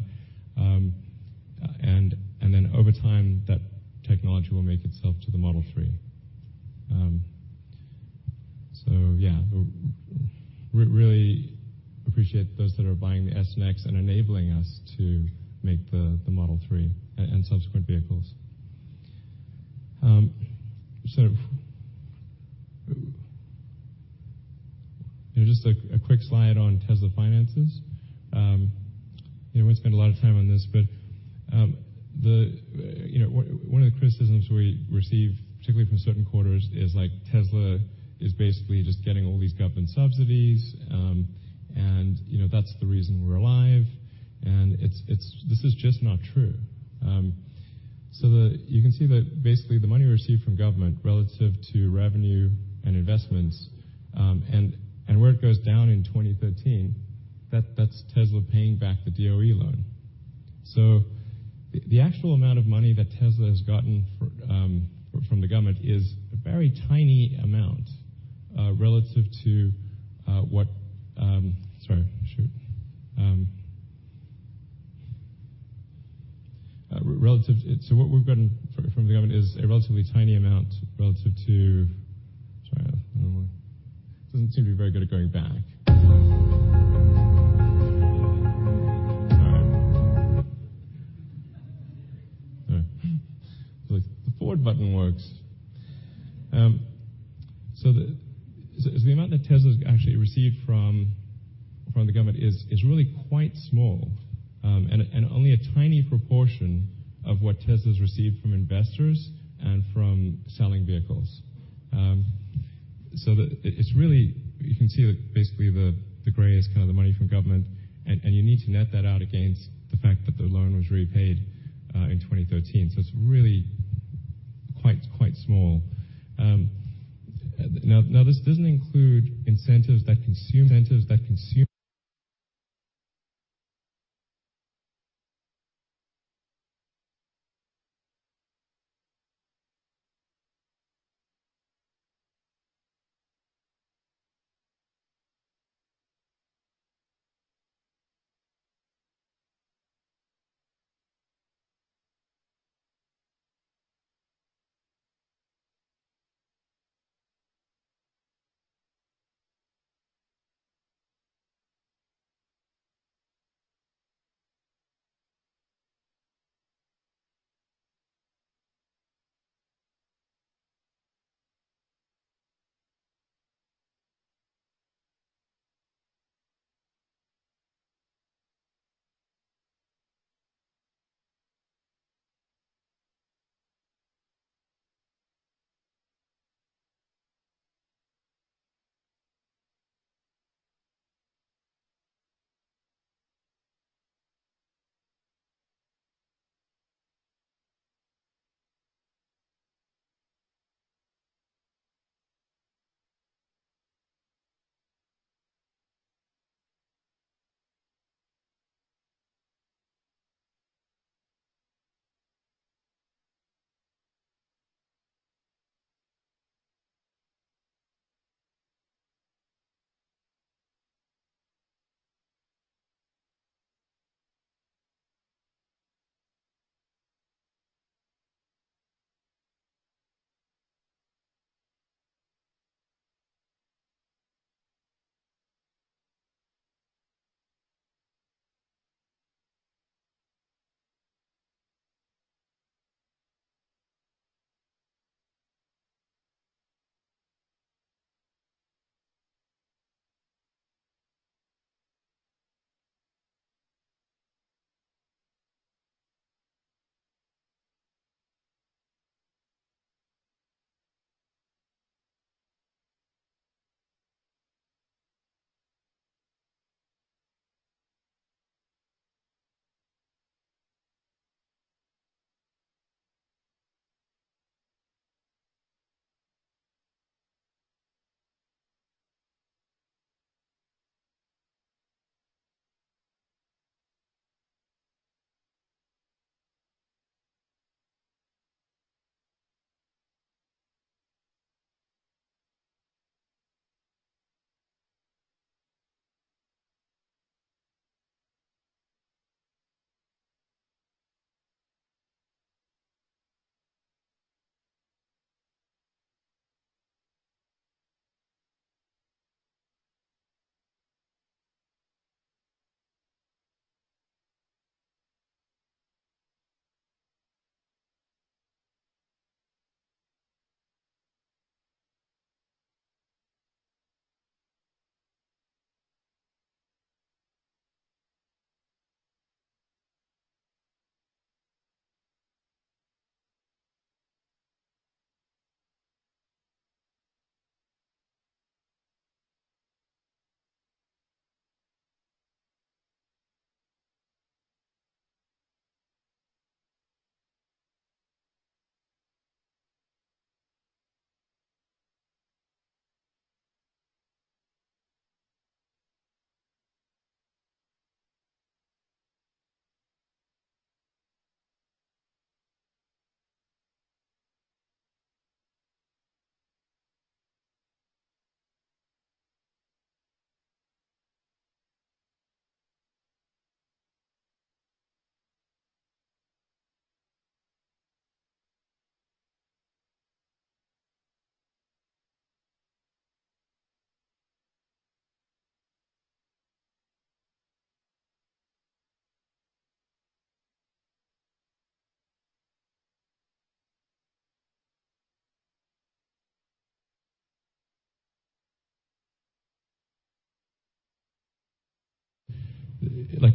Speaker 3: Then over time, that technology will make itself to the Model 3. We really appreciate those that are buying the S and X and enabling us to make the Model 3 and subsequent vehicles. sort of You know, just a quick slide on Tesla finances. You know, we won't spend a lot of time on this, but, you know, one of the criticisms we receive, particularly from certain quarters, is, like, Tesla is basically just getting all these government subsidies, and, you know, that's the reason we're alive, and this is just not true. You can see that basically the money we receive from government relative to revenue and investments, and where it goes down in 2013, that's Tesla paying back the DOE loan. The actual amount of money that Tesla has gotten for from the government is a very tiny amount relative to what we've gotten from the government is a relatively tiny amount relative to. The amount that Tesla's actually received from the government is really quite small and only a tiny proportion of what Tesla's received from investors and from selling vehicles. You can see that basically the gray is kinda the money from government, and you need to net that out against the fact that the loan was repaid in 2013. It is really quite small. Now, this doesn't include incentives that consumers.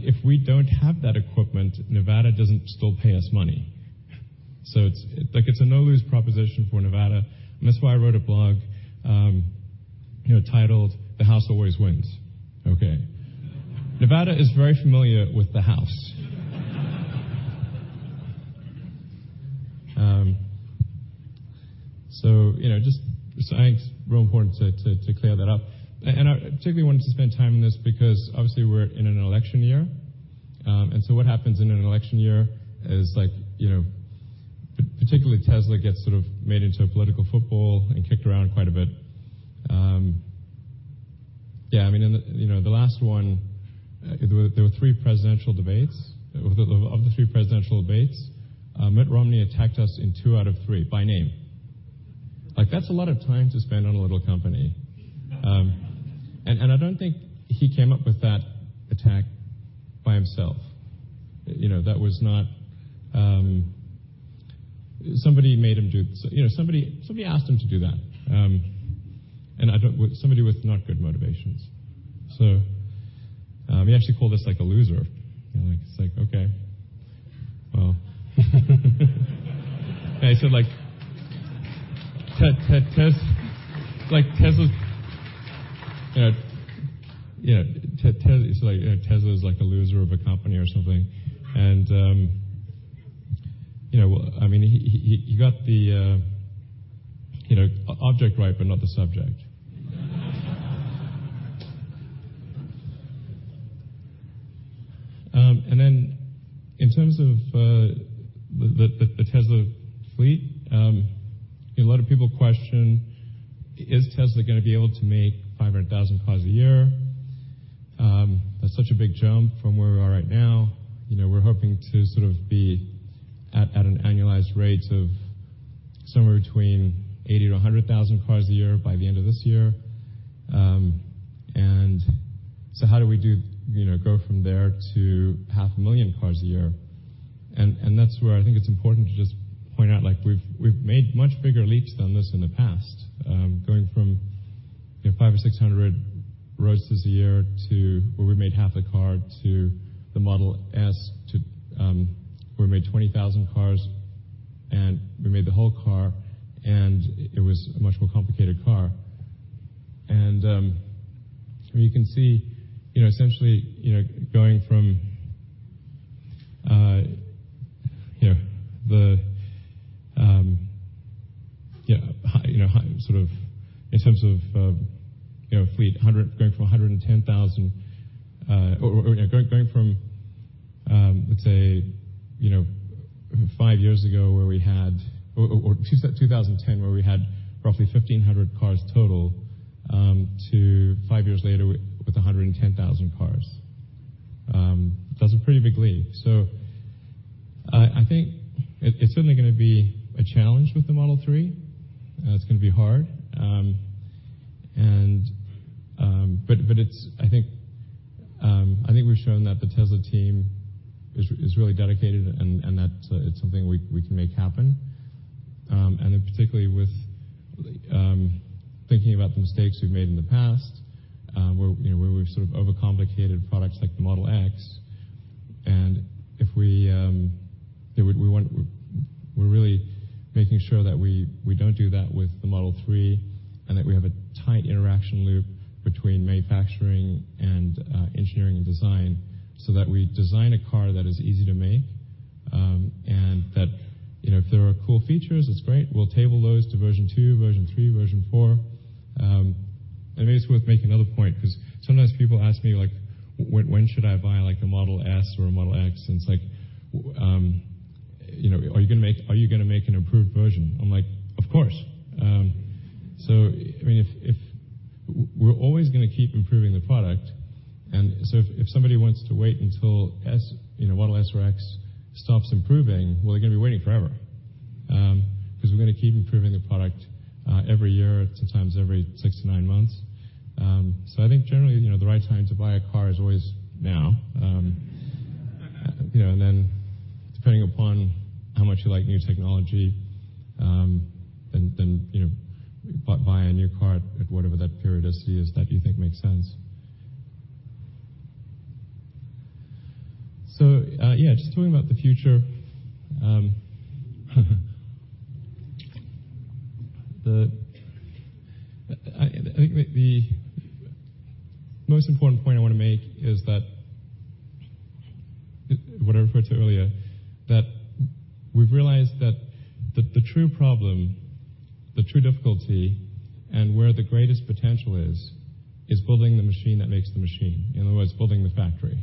Speaker 3: If we don't have that equipment, Nevada doesn't still pay us money. It's, like, it's a no-lose proposition for Nevada, and that's why I wrote a blog, you know, titled The House Always Wins. Okay. Nevada is very familiar with the house. So, you know, just so I think it's real important to clear that up. I particularly wanted to spend time on this because obviously we're in an election year. What happens in an election year is like, you know, particularly Tesla gets sort of made into a political football and kicked around quite a bit. Yeah, I mean, in the, you know, the last one, there were three presidential debates. Of the three presidential debates, Mitt Romney attacked us in two out of three by name. Like, that's a lot of time to spend on a little company. I don't think he came up with that attack by himself. You know, that was not Somebody asked him to do that. Somebody with not good motivations. He actually called us, like, a loser. You know, like, it's like, okay, well. He said, like, Tesla's, you know, yeah, he's like, you know, Tesla is like a loser of a company or something. You know, I mean, he got the, you know, object right but not the subject. In terms of the Tesla fleet, a lot of people question, is Tesla gonna be able to make 500,000 cars a year? That's such a big jump from where we are right now. You know, we're hoping to be at an annualized rate of somewhere between 80,000-100,000 cars a year by the end of this year. How do we do, you know, go from there to 500,000 cars a year? That's where I think it's important to just point out, like, we've made much bigger leaps than this in the past, going from, you know, 500 or 600 Roadsters a year to where we made half the car to the Model S to, where we made 20,000 cars, and we made the whole car, and it was a much more complicated car. I mean, you can see, you know, essentially, you know, going from, you know, the, high, you know, high sort of in terms of, you know, fleet going from 110,000, or, you know, going from, let's say, you know, five years ago where we had or 2010 where we had roughly 1,500 cars total, to five years later with 110,000 cars. That's a pretty big leap. I think it's certainly gonna be a challenge with the Model 3. It's gonna be hard. I think we've shown that the Tesla team is really dedicated and that it's something we can make happen. Particularly with, thinking about the mistakes we've made in the past, where, you know, where we've sort of overcomplicated products like the Model X and if we, you know, We're really making sure that we don't do that with the Model 3 and that we have a tight interaction loop between manufacturing and engineering and design so that we design a car that is easy to make. That, you know, if there are cool features, it's great. We'll table those to version two, version three, version four. Maybe it's worth making another point 'cause sometimes people ask me, like, "When should I buy like a Model S or a Model X?" It's like, you know, "Are you gonna make an improved version?" I'm like, "Of course." I mean, if we're always gonna keep improving the product, if somebody wants to wait until Model S or X stops improving, well, they're gonna be waiting forever, 'cause we're gonna keep improving the product every year, sometimes every six to nine months. I think generally, you know, the right time to buy a car is always now. You know, depending upon how much you like new technology, then, you know, buy a new car at whatever that periodicity is that you think makes sense. Yeah, just talking about the future, I think that the most important point I wanna make is that, what I referred to earlier, that we've realized that the true problem, the true difficulty, and where the greatest potential is building the machine that makes the machine. In other words, building the factory.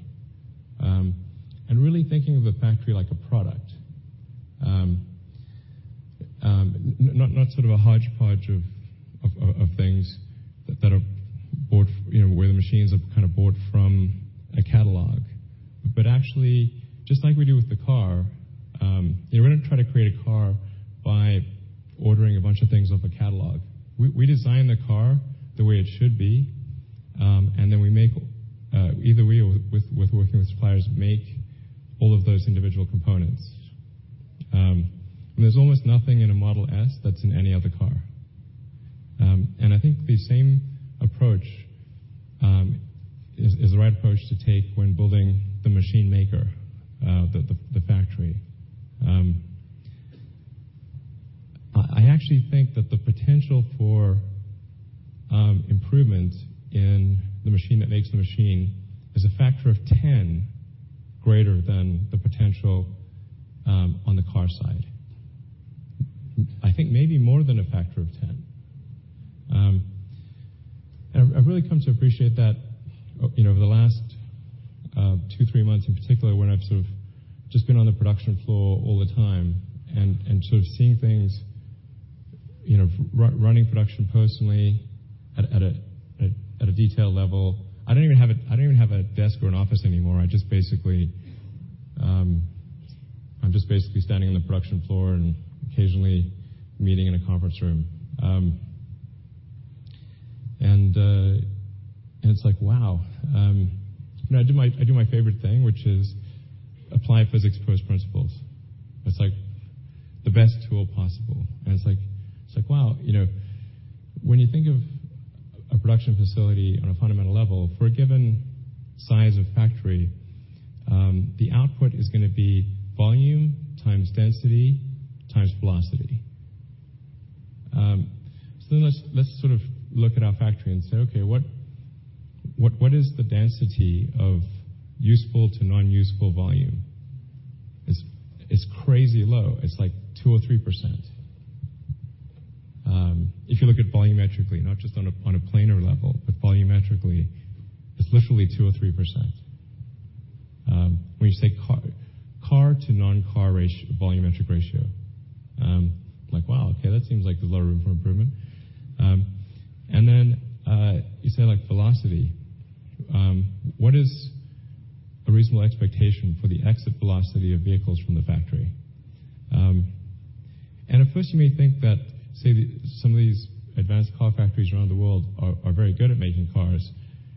Speaker 3: Really thinking of the factory like a product. Not sort of a hodgepodge of things that are bought, you know, where the machines are kind of bought from a catalog. Actually, just like we do with the car, you know, we don't try to create a car by ordering a bunch of things off a catalog. We design the car the way it should be, and then we make, either we or with working with suppliers, make all of those individual components. There's almost nothing in a Model S that's in any other car. I think the same approach is the right approach to take when building the machine maker, the factory. I actually think that the potential for improvement in the machine that makes the machine is a factor of 10 greater than the potential on the car side. I think maybe more than a factor of 10. I've really come to appreciate that, you know, over the last two, three months in particular, when I've sort of just been on the production floor all the time and sort of seeing things, you know, running production personally at a detail level. I don't even have a desk or an office anymore. I'm just basically standing on the production floor and occasionally meeting in a conference room. It's like, wow. You know, I do my favorite thing, which is apply physics first principles. It's like the best tool possible. Wow, you know, when you think of a production facility on a fundamental level, for a given size of factory, the output is gonna be volume times density times velocity. Let's sort of look at our factory and say, "Okay, what is the density of useful to non-useful volume?" It's crazy low. It's like 2% or 3%. If you look at volumetrically, not just on a planar level, but volumetrically, it's literally 2% or 3%. When you say car to non-car volumetric ratio, like, wow, okay, that seems like there's a lot of room for improvement. You say like velocity. What is a reasonable expectation for the exit velocity of vehicles from the factory? At first you may think that, say, some of these advanced car factories around the world are very good at making cars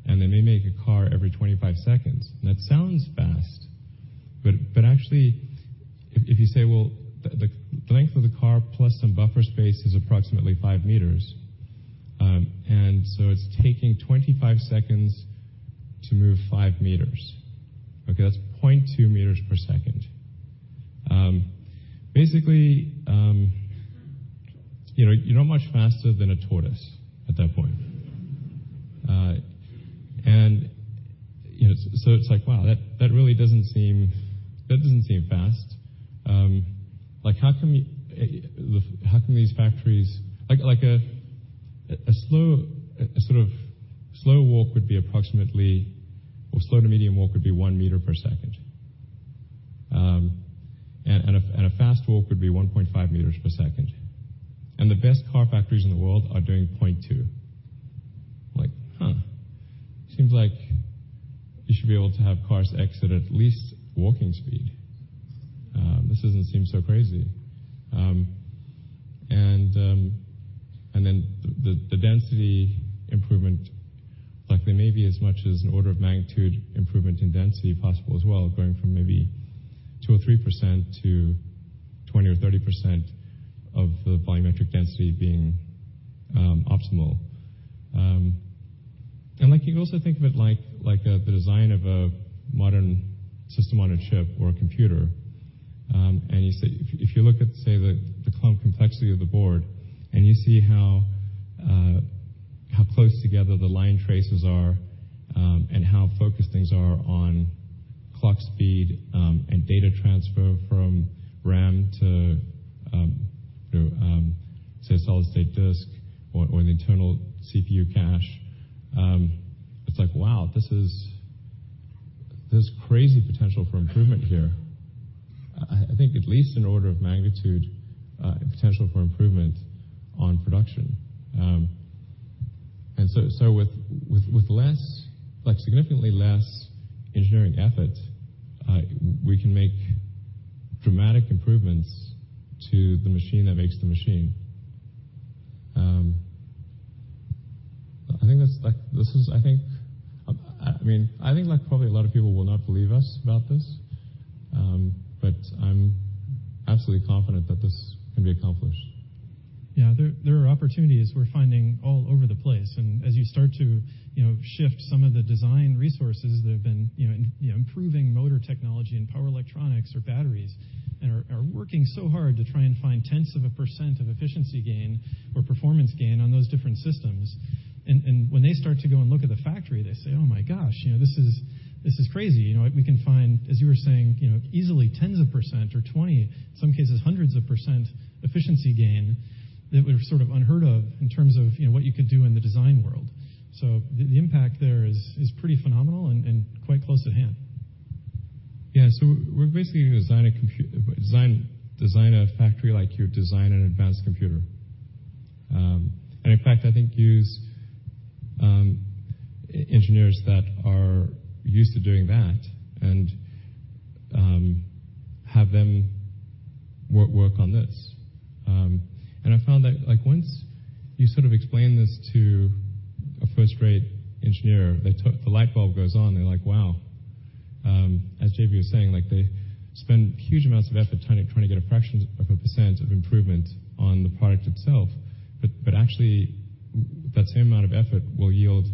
Speaker 3: and they may make a car every 25 seconds. That sounds fast, but actually if you say, well, the length of the car plus some buffer space is approximately 5 meters. It's taking 25 seconds to move 5 meters. Okay, that's 0.2 meters per second. Basically, you know, you're not much faster than a tortoise at that point. You know, it's like, wow, that really doesn't seem fast. Like, how come these factories Like a slow, a sort of slow walk would be approximately Well, slow to medium walk would be 1 meter per second. A fast walk would be 1.5 meters per second. The best car factories in the world are doing 0.2 meters per second. Like, huh, seems like you should be able to have cars exit at least walking speed. This doesn't seem so crazy. The density improvement, like there may be as much as an order of magnitude improvement in density possible as well, going from maybe 2% or 3% to 20% or 30% of the volumetric density being optimal. You can also think of it like the design of a modern system on a chip or a computer. You say if you look at, say, the complexity of the board and you see how close together the line traces are, and how focused things are on clock speed, and data transfer from RAM to, you know, say, a solid-state disk or the internal CPU cache. It's like, wow, there's crazy potential for improvement here. I think at least an order of magnitude potential for improvement on production. So with less, like, significantly less engineering effort, we can make dramatic improvements to the machine that makes the machine. I think that's like I think, I mean, I think like probably a lot of people will not believe us about this, but I'm absolutely confident that this can be accomplished.
Speaker 4: Yeah. There, there are opportunities we're finding all over the place. As you start to, you know, shift some of the design resources that have been, you know, you know, improving motor technology and power electronics or batteries and are working so hard to try and find tenths of a percent of efficiency gain or performance gain on those different systems. When they start to go and look at the factory, they say, "Oh my gosh, you know, this is, this is crazy." You know, we can find, as you were saying, you know, easily tens of percent or 20, some cases hundreds of percent efficiency gain that were sort of unheard of in terms of, you know, what you could do in the design world. The impact there is pretty phenomenal and quite close at hand.
Speaker 3: We're basically gonna design a factory like you design an advanced computer. In fact, I think use engineers that are used to doing that and have them work on this. I found that, like, once you sort of explain this to a first-rate engineer, the light bulb goes on. They're like, "Wow." As JB was saying, like, they spend huge amounts of effort trying to get a fraction of a percent of improvement on the product itself. Actually, that same amount of effort will yield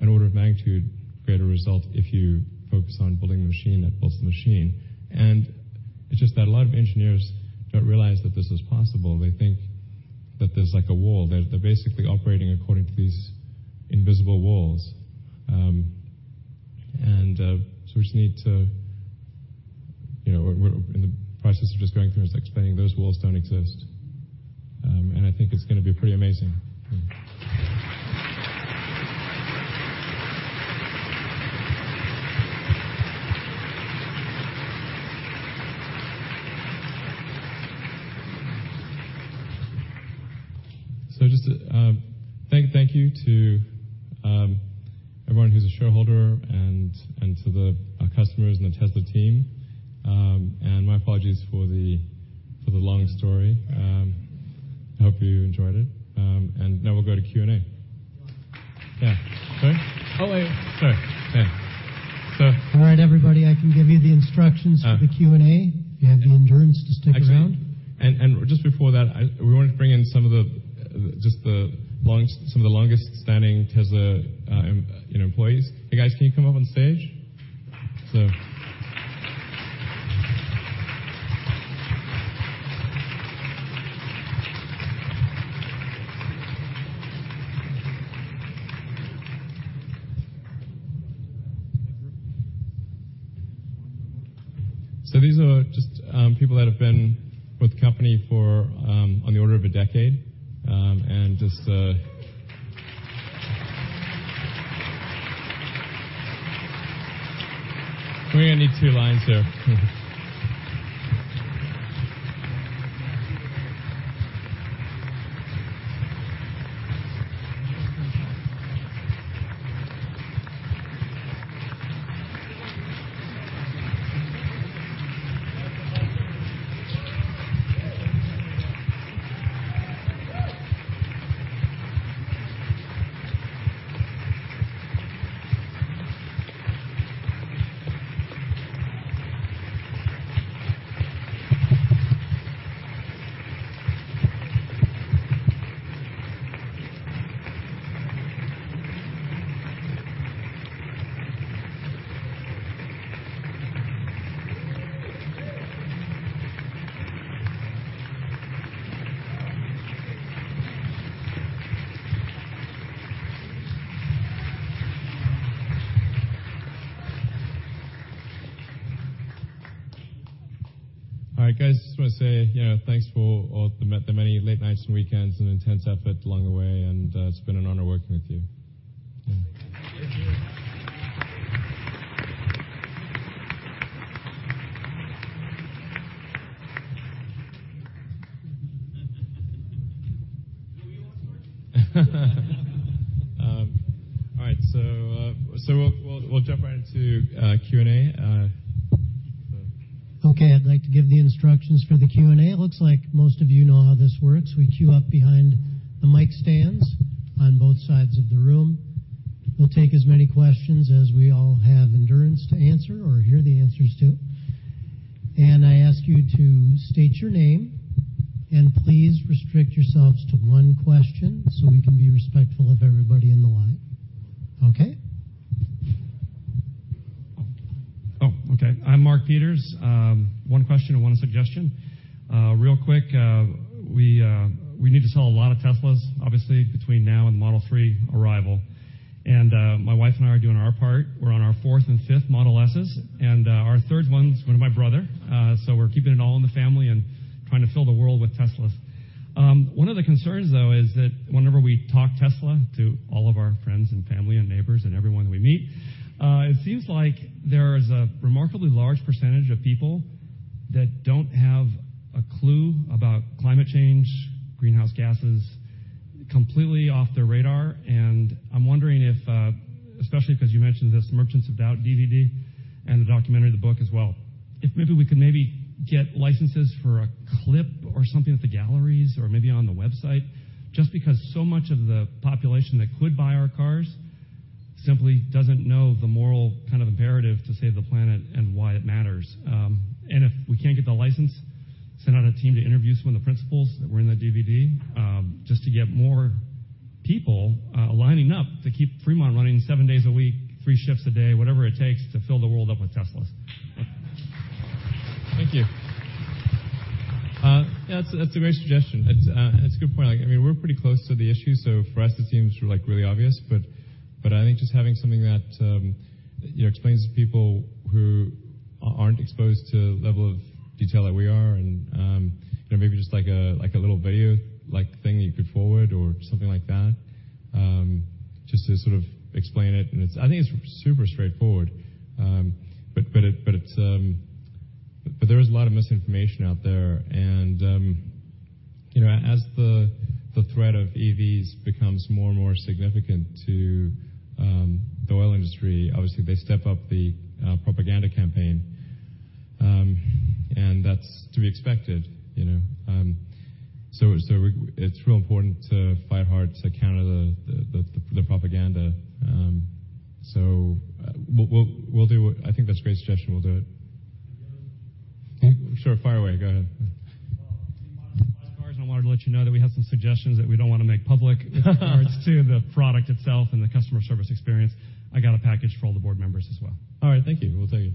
Speaker 3: an order of magnitude greater result if you focus on building the machine that builds the machine. It's just that a lot of engineers don't realize that this is possible. They think that there's like a wall. They're basically operating according to these invisible walls. We just need to, we're in the process of just going through and explaining those walls don't exist. I think it's going to be pretty amazing. Just to thank you to everyone who's a shareholder and to our customers and the Tesla team. My apologies for the long story. I hope you enjoyed it. Now we'll go to Q&A. Yeah. Sorry.
Speaker 4: Oh, wait.
Speaker 3: Sorry. Yeah.
Speaker 7: All right, everybody, I can give you the instructions. For the Q&A, if you have the endurance to stick around.
Speaker 3: Actually, and just before that, we wanted to bring in some of the longest-standing Tesla, you know, employees. Hey, guys, can you come up on stage? These are just people that have been with the company for on the order of a decade. Just, we're gonna need two lines here. All right, guys, just wanna say, you know, thanks for all the many late nights and weekends and intense effort along the way, and it's been an honor working with you. like, really obvious. I think just having something that, you know, explains to people who aren't exposed to the level of detail that we are and, you know, maybe just like a, like, a little video-like thing you could forward or something like that, just to sort of explain it. It's super straightforward. There is a lot of misinformation out there and, you know, as the threat of EVs becomes more and more significant to the oil industry, obviously they step up the propaganda campaign. That's to be expected, you know? It's real important to fight hard to counter the propaganda. I think that's a great suggestion. We'll do it.
Speaker 11: Thank you.
Speaker 3: Sure. Fire away. Go ahead.
Speaker 11: Well, we want to buy cars, and I wanted to let you know that we have some suggestions that we don't wanna make public in regards to the product itself and the customer service experience. I got a package for all the board members as well.
Speaker 3: All right. Thank you. We'll take it.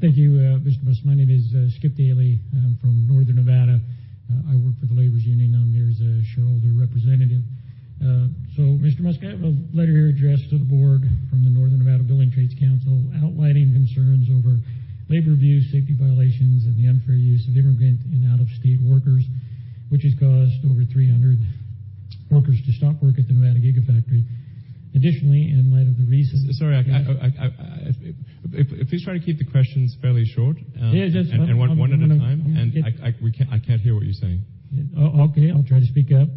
Speaker 12: Thank you, Mr. Musk. My name is Skip Daly. I'm from Northern Nevada. I work for the Laborers Union. I'm here as a shareholder representative. Mr. Musk, I have a letter here addressed to the board from the Northern Nevada Building Trades Council outlining concerns over labor abuse, safety violations, and the unfair use of immigrant and out-of-state workers, which has caused over 300 workers to stop work at the Nevada Gigafactory. Additionally, in light of the recent-
Speaker 3: Sorry, I. Please try to keep the questions fairly short.
Speaker 7: Yeah.
Speaker 3: One at a time. I can't hear what you're saying.
Speaker 12: Oh, okay. I'll try to speak up.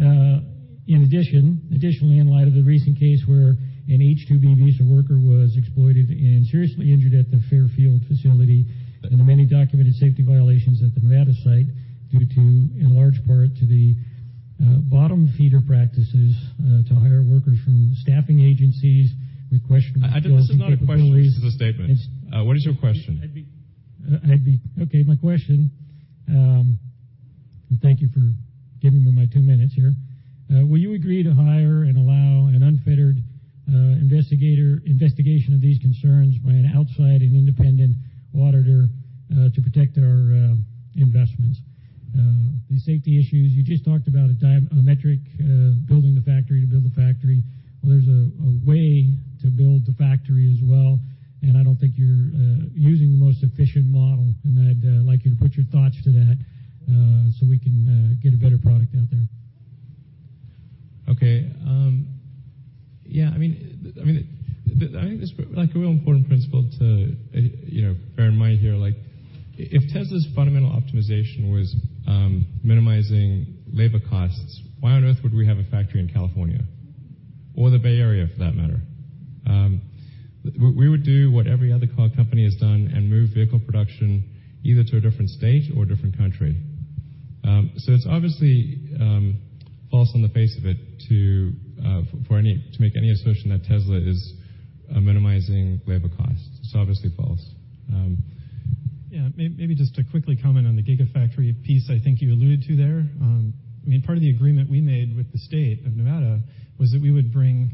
Speaker 12: Additionally, in light of the recent case where an H-2B visa worker was exploited and seriously injured at the Fairfield facility, and the many documented safety violations at the Nevada site due to, in large part, to the bottom-feeder practices to hire workers from staffing agencies with questionable skills and capabilities.
Speaker 3: This is not a question, this is a statement. What is your question?
Speaker 12: Okay, my question, thank you for giving me my two minutes here. Will you agree to hire and allow an unfettered investigation of these concerns by an outside and independent auditor to protect our investments? The safety issues, you just talked about a metric, building the factory to build the factory. Well, there's a way to build the factory as well. I don't think you're using the most efficient model. I'd like you to put your thoughts to that so we can get a better product out there.
Speaker 3: Okay. Yeah, I mean, I think this, like, a real important principle to, you know, bear in mind here, like if Tesla's fundamental optimization was minimizing labor costs, why on earth would we have a factory in California or the Bay Area for that matter? We would do what every other car company has done and move vehicle production either to a different state or a different country. It's obviously false on the face of it to make any assertion that Tesla is minimizing labor costs. It's obviously false.
Speaker 4: Maybe just to quickly comment on the Gigafactory piece I think you alluded to there. I mean, part of the agreement we made with the State of Nevada was that we would bring,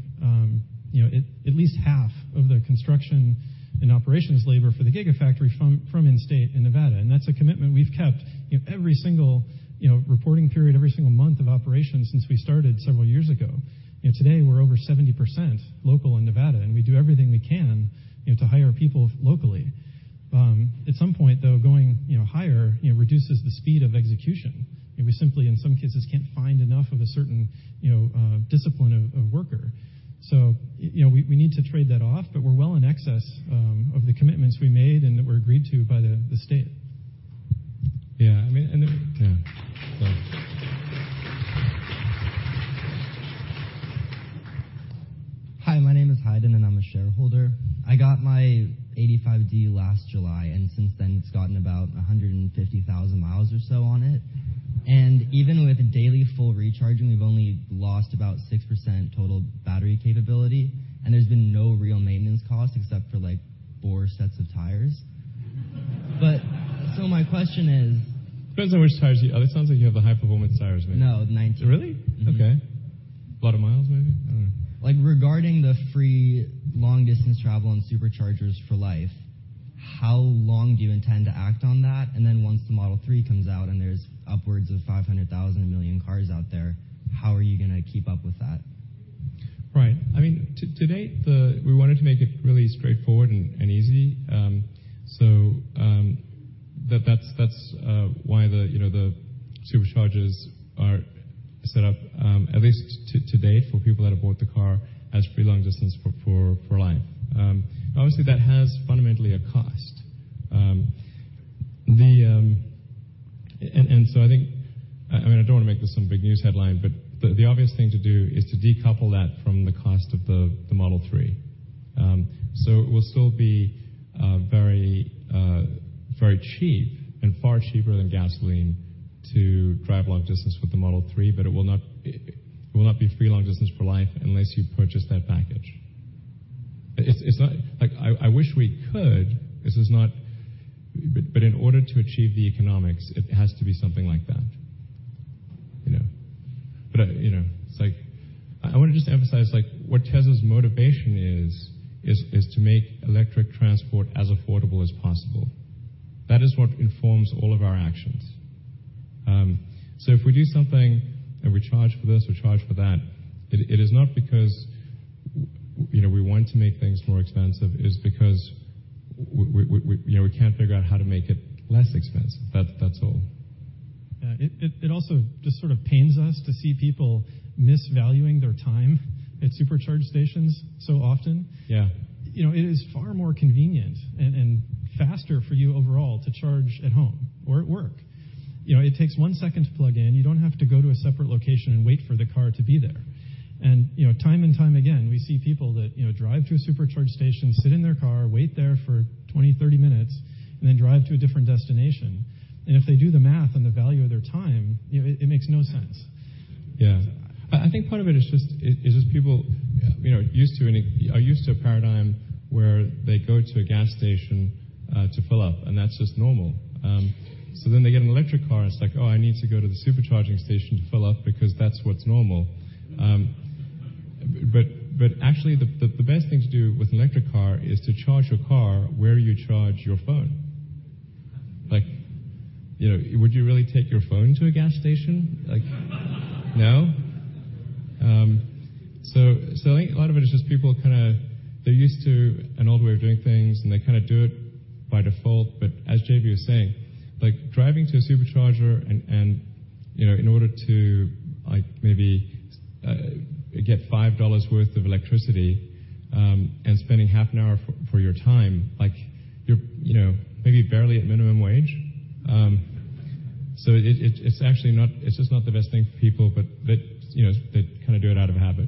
Speaker 4: you know, at least half of the construction and operations labor for the Gigafactory from in-state in Nevada. That's a commitment we've kept, you know, every single, you know, reporting period, every single month of operation since we started several years ago. Today we're over 70% local in Nevada, and we do everything we can, you know, to hire people locally. At some point, though, going, you know, higher, you know, reduces the speed of execution. We simply, in some cases, can't find enough of a certain, you know, discipline of worker. You know, we need to trade that off, but we're well in excess of the commitments we made and that were agreed to by the state.
Speaker 3: Yeah. I mean, and Yeah.
Speaker 13: Hi, my name is Haydn, and I'm a shareholder. I got my 85D last July, and since then it's gotten about 150,000 miles or so on it. Even with daily full recharging, we've only lost about 6% total battery capability, and there's been no real maintenance cost except for, like, four sets of tires. My question is.
Speaker 3: Depends on which tires oh, it sounds like you have the high-performance tires maybe.
Speaker 13: No, the 19.
Speaker 3: Really? Okay. A lot of miles maybe? I don't know.
Speaker 13: Like, regarding the free long-distance travel and Superchargers for life, how long do you intend to act on that? Once the Model 3 comes out and there's upwards of 500,000, 1 million cars out there, how are you gonna keep up with that?
Speaker 3: Right. I mean, to date, we wanted to make it really straightforward and easy. That's why, you know, the Superchargers are set up, at least to date for people that have bought the car, as free long-distance for life. Obviously, that has fundamentally a cost. I mean, I don't wanna make this some big news headline, but the obvious thing to do is to decouple that from the cost of the Model 3. It will still be very, very cheap and far cheaper than gasoline to drive long distance with the Model 3, but it will not be free long distance for life unless you purchase that package. It's not. Like I wish we could, this is not. In order to achieve the economics, it has to be something like that, you know? You know, it's like, I wanna just emphasize, like what Tesla's motivation is to make electric transport as affordable as possible. That is what informs all of our actions. If we do something and we charge for this or charge for that, it is not because we, you know, we want to make things more expensive, it is because we, you know, we can't figure out how to make it less expensive. That's all.
Speaker 4: Yeah. It also just sort of pains us to see people misvaluing their time at Supercharge stations so often.
Speaker 3: Yeah.
Speaker 4: You know, it is far more convenient and faster for you overall to charge at home or at work. You know, it takes one second to plug in. You don't have to go to a separate location and wait for the car to be there. You know, time and time again, we see people that, you know, drive to a Supercharge station, sit in their car, wait there for 20, 30 minutes, and then drive to a different destination. If they do the math on the value of their time, you know, it makes no sense.
Speaker 3: Yeah. I think part of it is just people.
Speaker 4: Yeah
Speaker 3: you know, are used to a paradigm where they go to a gas station to fill up, and that's just normal. they get an electric car and it's like, "Oh, I need to go to the Supercharging station to fill up because that's what's normal." but actually the best thing to do with an electric car is to charge your car where you charge your phone. you know, would you really take your phone to a gas station? No. so I think a lot of it is just people kinda, they're used to an old way of doing things, and they kinda do it by default. As JB was saying, like driving to a Supercharger and, you know, in order to like maybe get $5 worth of electricity, and spending half an hour for your time, like you're, you know, maybe barely at minimum wage. It's actually not, it's just not the best thing for people, but, you know, they kinda do it out of habit.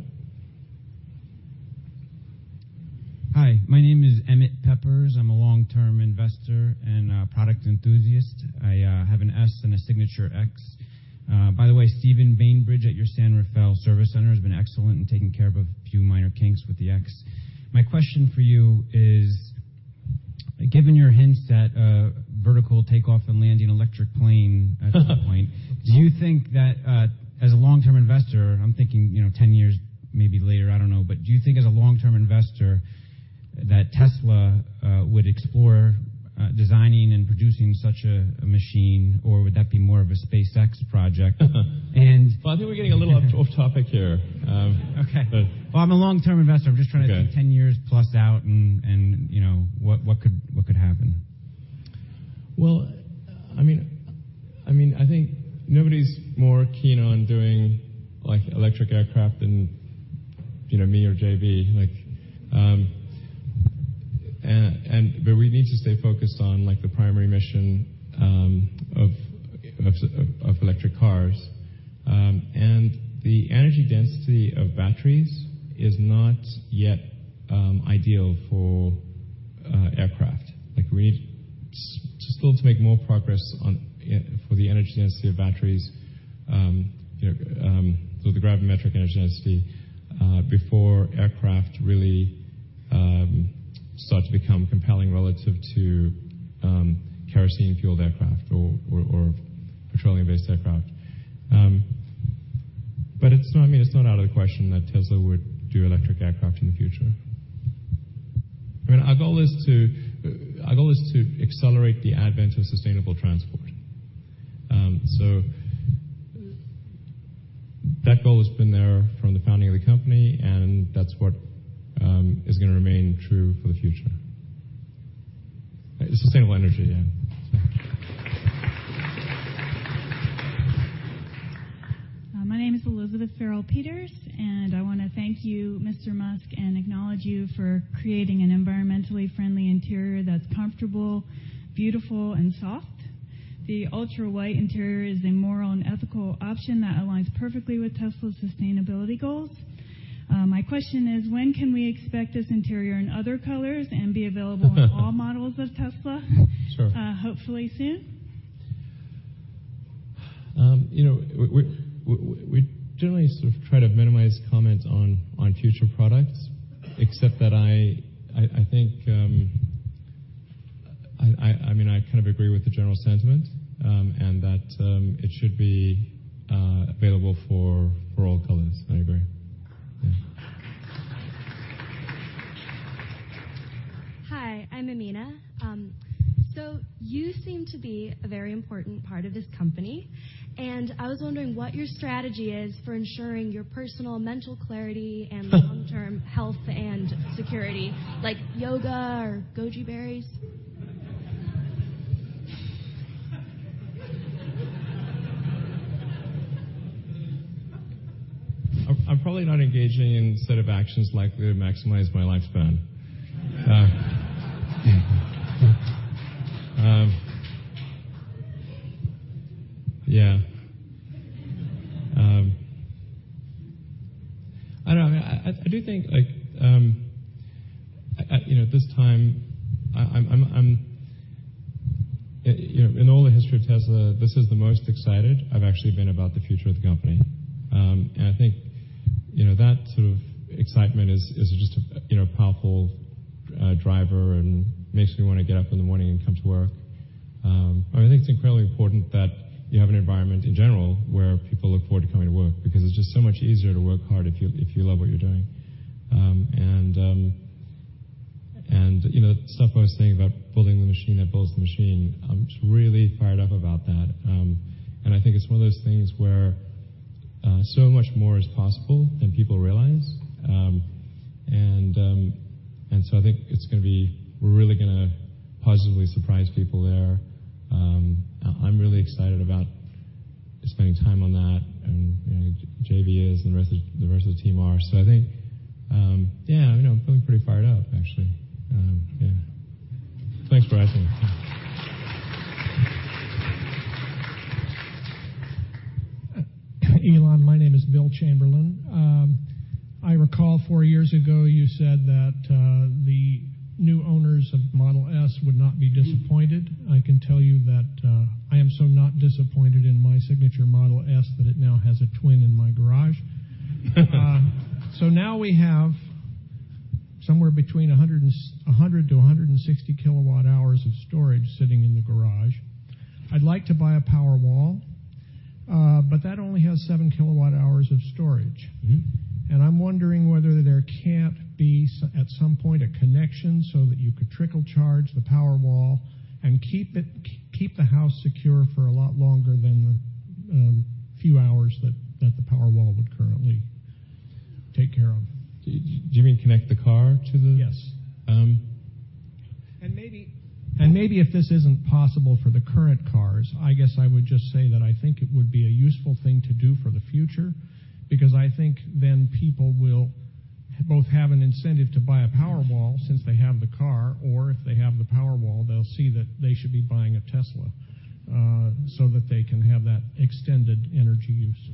Speaker 14: Hi, my name is Emmet Peppers. I'm a long-term investor and a product enthusiast. I have an S and a signature X. By the way, Steven Bainbridge at your San Rafael service center has been excellent in taking care of a few minor kinks with the X. My question for you is, given your hints that a vertical takeoff and landing electric plane at some point, do you think that, as a long-term investor, I'm thinking, you know, 10 years maybe later, I don't know, but do you think as a long-term investor that Tesla would explore designing and producing such a machine, or would that be more of a SpaceX project?
Speaker 3: Well, I think we're getting a little off topic here.
Speaker 14: Okay.
Speaker 3: But-
Speaker 14: Well, I'm a long-term investor.
Speaker 3: Okay.
Speaker 14: I'm just trying to think 10 years plus out and, you know, what could happen?
Speaker 3: Well, I mean, I think nobody's more keen on doing, like, electric aircraft than, you know, me or JB. Like, and we need to stay focused on, like the primary mission of electric cars. The energy density of batteries is not yet ideal for aircraft. Like, we need still to make more progress on, you know, for the energy density of batteries, you know, for the gravimetric energy density before aircraft really start to become compelling relative to kerosene-fueled aircraft or petroleum-based aircraft. It's not, I mean, it's not out of the question that Tesla would do electric aircraft in the future. I mean, our goal is to accelerate the advent of sustainable transport. That goal has been there from the founding of the company, and that's what is gonna remain true for the future. Sustainable energy, yeah.
Speaker 15: My name is Elizabeth Farrell Peters, and I wanna thank you, Mr. Musk, and acknowledge you for creating an environmentally friendly interior that's comfortable, beautiful, and soft. The Ultra White interior is a moral and ethical option that aligns perfectly with Tesla's sustainability goals. My question is, when can we expect this interior in other colors and be available in all models of Tesla?
Speaker 3: Sure.
Speaker 15: Hopefully soon.
Speaker 3: You know, we generally sort of try to minimize comments on future products, except that I think, I mean, I kind of agree with the general sentiment, and that it should be available for all colors. I agree. Yeah.
Speaker 16: Hi, I'm Amina. You seem to be a very important part of this company, and I was wondering what your strategy is for ensuring your personal mental clarity and long-term health and security, like yoga or goji berries?
Speaker 3: I'm probably not engaging in a set of actions likely to maximize my lifespan. Yeah. I don't know. I do think, like, you know, at this time, I'm You know, in all the history of Tesla, this is the most excited I've actually been about the future of the company. I think, you know, that sort of excitement is just a, you know, powerful driver and makes me wanna get up in the morning and come to work. I think it's incredibly important that you have an environment in general where people look forward to coming to work, because it's just so much easier to work hard if you love what you're doing. You know, stuff I was saying about building the machine that builds the machine, I'm just really fired up about that. I think it's one of those things where so much more is possible than people realize. So I think we're really gonna positively surprise people there. I'm really excited about spending time on that and, you know, JB is, and the rest of the team are. I think, yeah, you know, I'm feeling pretty fired up, actually. Yeah. Thanks for asking.
Speaker 17: Elon, my name is Will Chamberlain. I recall four years ago you said that the new owners of Model S would not be disappointed. I can tell you that I am so not disappointed in my signature Model S that it now has a twin in my garage. Now we have somewhere between 100 kWh-160 kWh of storage sitting in the garage. I'd like to buy a Powerwall, that only has 7 kWh of storage. I'm wondering whether there can't be at some point, a connection so that you could trickle charge the Powerwall and keep the house secure for a lot longer than the few hours that the Powerwall would currently take care of.
Speaker 3: Do you mean connect the car to the?
Speaker 17: Yes. Maybe if this isn't possible for the current cars, I guess I would just say that I think it would be a useful thing to do for the future, because I think then people will both have an incentive to buy a Powerwall since they have the car, or if they have the Powerwall, they'll see that they should be buying a Tesla, so that they can have that extended energy use.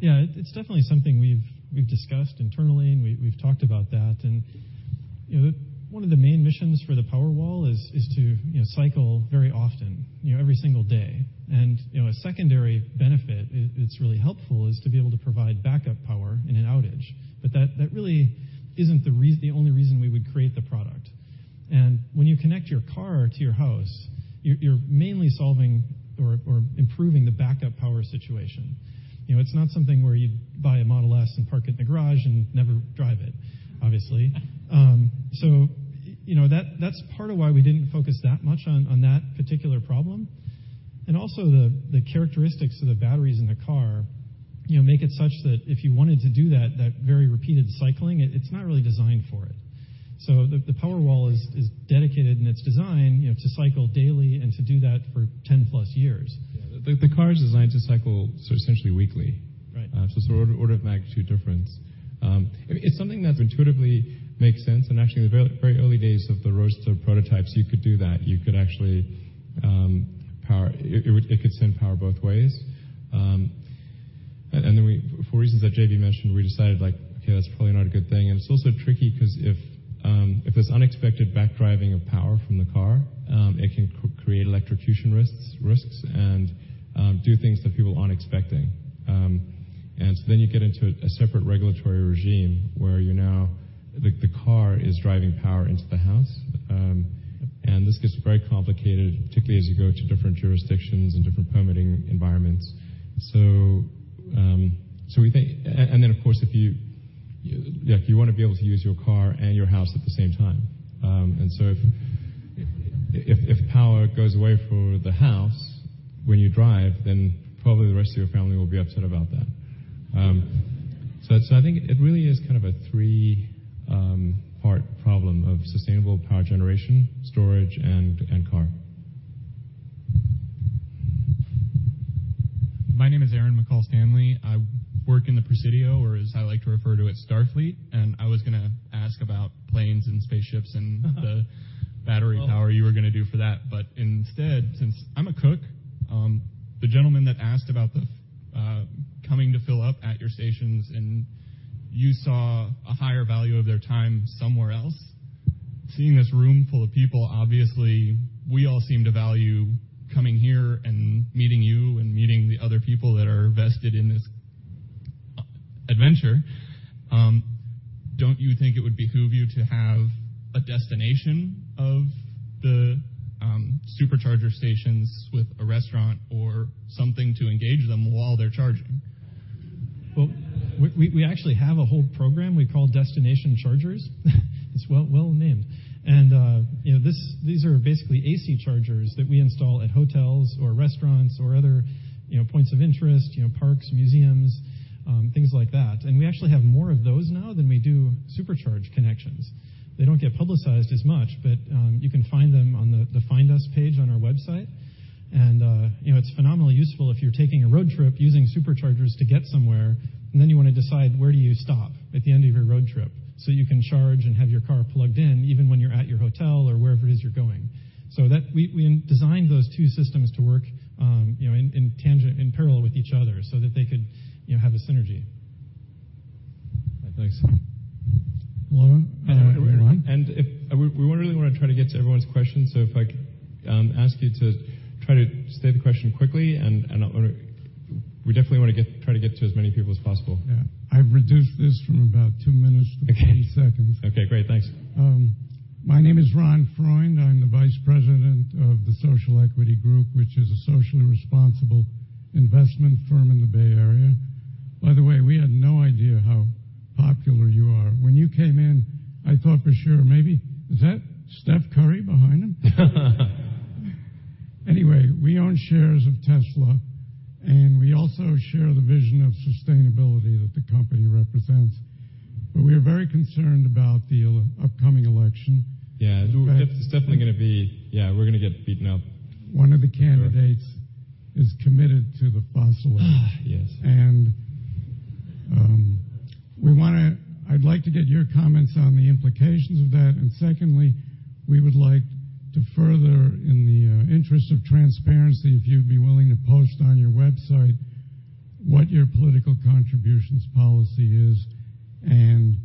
Speaker 4: It's definitely something we've discussed internally and we've talked about that. You know, one of the main missions for the Powerwall is to, you know, cycle very often, every single day. You know, a secondary benefit it's really helpful is to be able to provide backup power in an outage. That really isn't the reason, the only reason we would create the product. When you connect your car to your house, you're mainly solving or improving the backup power situation. You know, it's not something where you'd buy a Model S and park it in the garage and never drive it, obviously. You know, that's part of why we didn't focus that much on that particular problem. Also the characteristics of the batteries in the car, you know, make it such that if you wanted to do that very repeated cycling, it's not really designed for it. The Powerwall is dedicated in its design, you know, to cycle daily and to do that for 10 plus years.
Speaker 17: Yeah.
Speaker 3: The car is designed to cycle so essentially weekly.
Speaker 17: Right.
Speaker 3: Order of magnitude difference. It's something that intuitively makes sense and actually the very, very early days of the Roadster prototypes, you could do that. You could actually power It could send power both ways. Then we, for reasons that JB mentioned, we decided like, okay, that's probably not a good thing. It's also tricky 'cause if there's unexpected back driving of power from the car, it can create electrocution risks and do things that people aren't expecting. You get into a separate regulatory regime where the car is driving power into the house. This gets very complicated, particularly as you go to different jurisdictions and different permitting environments. We think of course if you wanna be able to use your car and your house at the same time. If power goes away for the house when you drive, then probably the rest of your family will be upset about that. I think it really is kind of a 3 part problem of sustainable power generation, storage, and car.
Speaker 18: My name is Aaron McCall Stanley. I work in the Presidio, or as I like to refer to it, Starfleet, I was gonna ask about planes and spaceships the battery power you were gonna do for that. Instead, since I'm a cook, the gentleman that asked about the coming to fill up at your stations and you saw a higher value of their time somewhere else. Seeing this room full of people, obviously we all seem to value coming here and meeting you and meeting the other people that are vested in this adventure. Don't you think it would behoove you to have a destination of the Supercharger stations with a restaurant or something to engage them while they're charging?
Speaker 4: Well, we actually have a whole program we call Destination Charging. It's well-named. You know, these are basically AC chargers that we install at hotels or restaurants or other, you know, points of interest, you know, parks, museums, things like that. We actually have more of those now than we do Supercharger connections. They don't get publicized as much, you can find them on the Find Us page on our website. You know, it's phenomenally useful if you're taking a road trip using Superchargers to get somewhere, then you want to decide where do you stop at the end of your road trip, you can charge and have your car plugged in even when you're at your hotel or wherever it is you're going. We designed those two systems to work, you know, in tangent, in parallel with each other so that they could, you know, have a synergy.
Speaker 3: All right, thanks.
Speaker 4: Hello.
Speaker 3: We really wanna try to get to everyone's questions, so if I could ask you to try to state the question quickly, and we definitely try to get to as many people as possible.
Speaker 19: Yeah. I've reduced this from about two minutes.
Speaker 3: Okay
Speaker 19: -to 20 seconds.
Speaker 3: Okay, great. Thanks.
Speaker 19: My name is Ron Freund. I'm the Vice President of the Social Equity Group, which is a socially responsible investment firm in the Bay Area. By the way, we had no idea how popular you are. When you came in, I thought for sure maybe, "Is that Stephen Curry behind him?" Anyway, we own shares of Tesla, and we also share the vision of sustainability that the company represents. We are very concerned about the upcoming election.
Speaker 3: Yeah. Yeah, we're gonna get beaten up.
Speaker 19: One of the candidates is committed to the fossil age.
Speaker 3: Yes.
Speaker 19: I'd like to get your comments on the implications of that. Secondly, we would like to further, in the interest of transparency, if you'd be willing to post on your website what your political contributions policy is and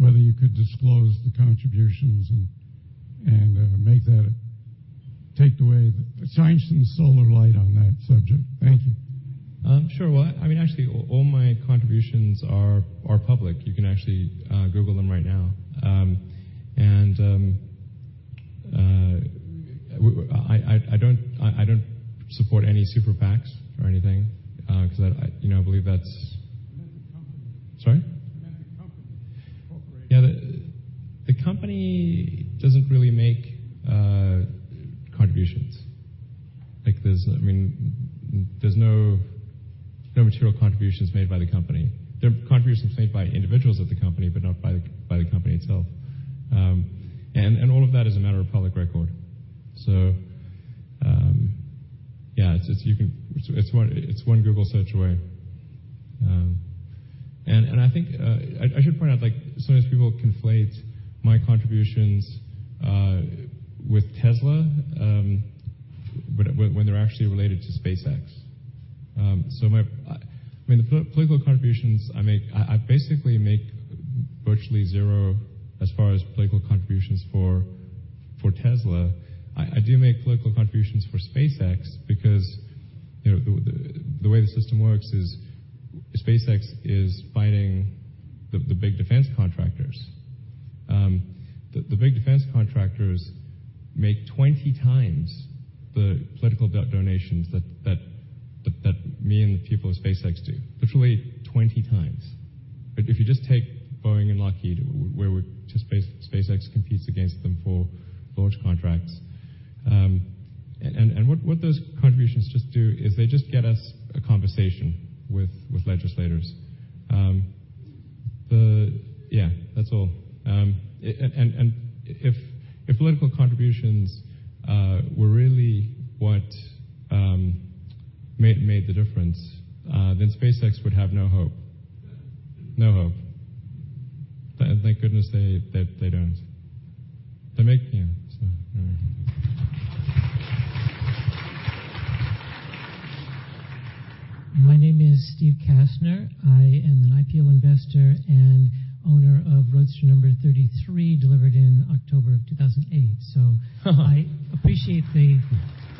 Speaker 19: whether you could disclose the contributions and shine some solar light on that subject. Thank you.
Speaker 3: Sure. Well, I mean, actually, all my contributions are public. You can actually, Google them right now. I don't support any super PACs or anything, 'cause I, you know, believe.
Speaker 19: That's a company.
Speaker 3: Sorry?
Speaker 19: That's a company cooperation.
Speaker 3: The company doesn't really make contributions. Like, there's, I mean, there's no material contributions made by the company. There are contributions made by individuals of the company, but not by the company itself. All of that is a matter of public record. It's one Google search away. I think I should point out, like, sometimes people conflate my contributions with Tesla when they're actually related to SpaceX. My, I mean, the political contributions I make, I basically make virtually zero as far as political contributions for Tesla. I do make political contributions for SpaceX because, you know, the way the system works is SpaceX is fighting the big defense contractors. The big defense contractors make 20 times the political donations that me and the people at SpaceX do, literally 20 times. If you just take Boeing and Lockheed, SpaceX competes against them for large contracts. What those contributions just do is they just get us a conversation with legislators. Yeah, that's all. If political contributions were really what made the difference, SpaceX would have no hope. No hope. Thank goodness they don't. Yeah.
Speaker 20: My name is Steve Kastner. I am an IPO investor and owner of Roadster number 33, delivered in October of 2008. I appreciate the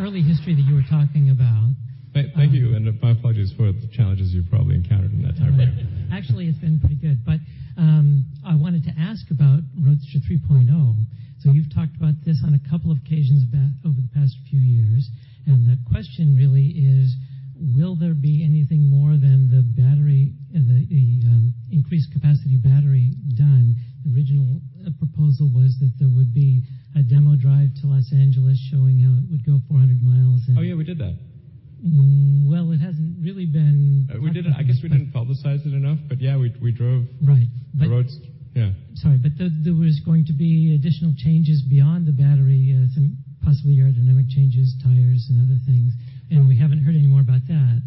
Speaker 20: early history that you were talking about.
Speaker 3: Thank you, and my apologies for the challenges you've probably encountered in that time period.
Speaker 20: Actually, it's been pretty good. I wanted to ask about Roadster 3.0. You've talked about this on a couple of occasions over the past few years, and the question really is: Will there be anything more than the battery, the, increased capacity battery done? The original proposal was that there would be a demo drive to Los Angeles showing how it would go 400 miles.
Speaker 3: Oh, yeah, we did that.
Speaker 20: Mm, well, it hasn't really been-
Speaker 3: We did it. I guess we didn't publicize it enough, but yeah, we.
Speaker 20: Right.
Speaker 3: the Roads Yeah.
Speaker 20: Sorry, there was going to be additional changes beyond the battery, some possibly aerodynamic changes, tires, and other things.
Speaker 3: Oh.
Speaker 20: We haven't heard any more about that.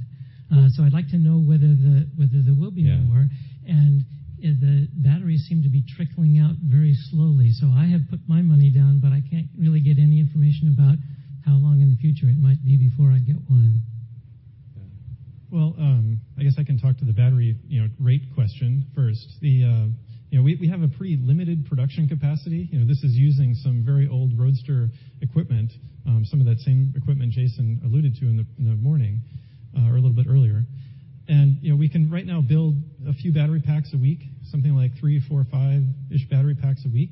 Speaker 20: I'd like to know whether there will be more.
Speaker 3: Yeah.
Speaker 20: The batteries seem to be trickling out very slowly. I have put my money down, but I can't really get any information about how long in the future it might be before I get one.
Speaker 4: I guess I can talk to the battery, you know, rate question first. You know, we have a pretty limited production capacity. You know, this is using some very old Roadster equipment, some of that same equipment Jason alluded to in the morning or a little bit earlier. You know, we can right now build a few battery packs a week, something like 3, 4, 5-ish battery packs a week.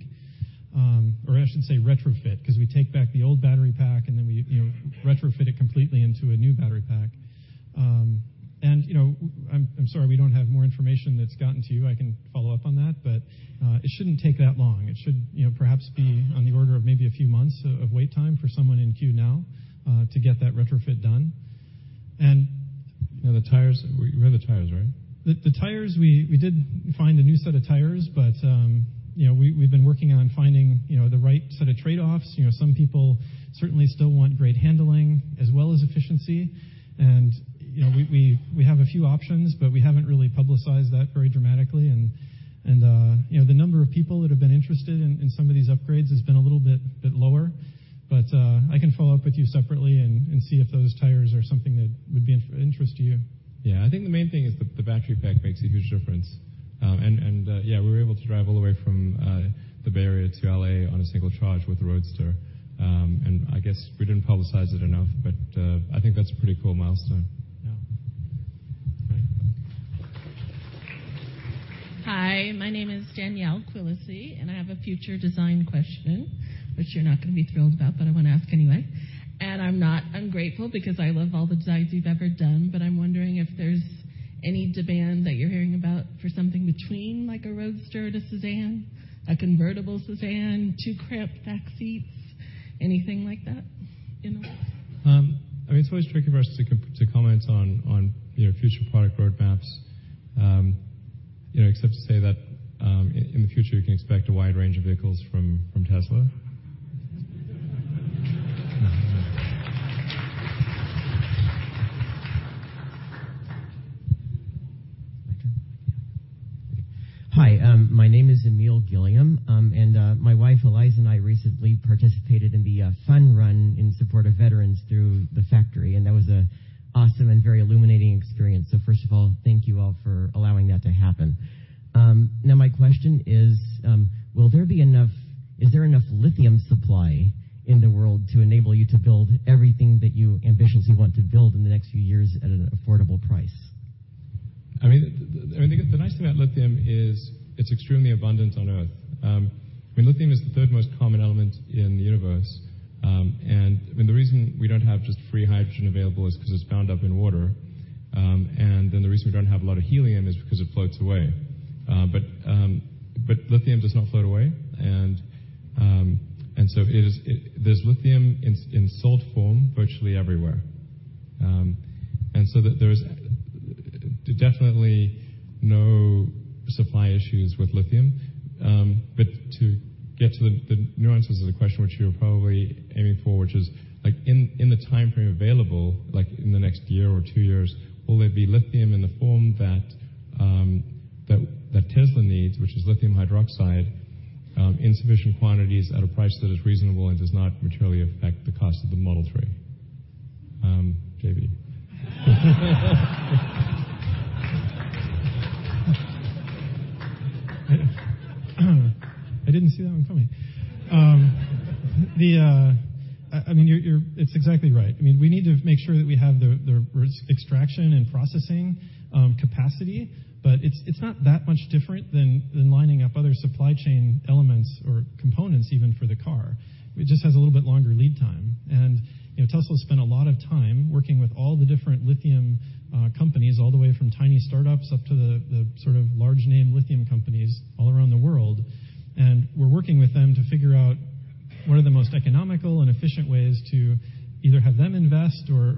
Speaker 4: either have them invest or,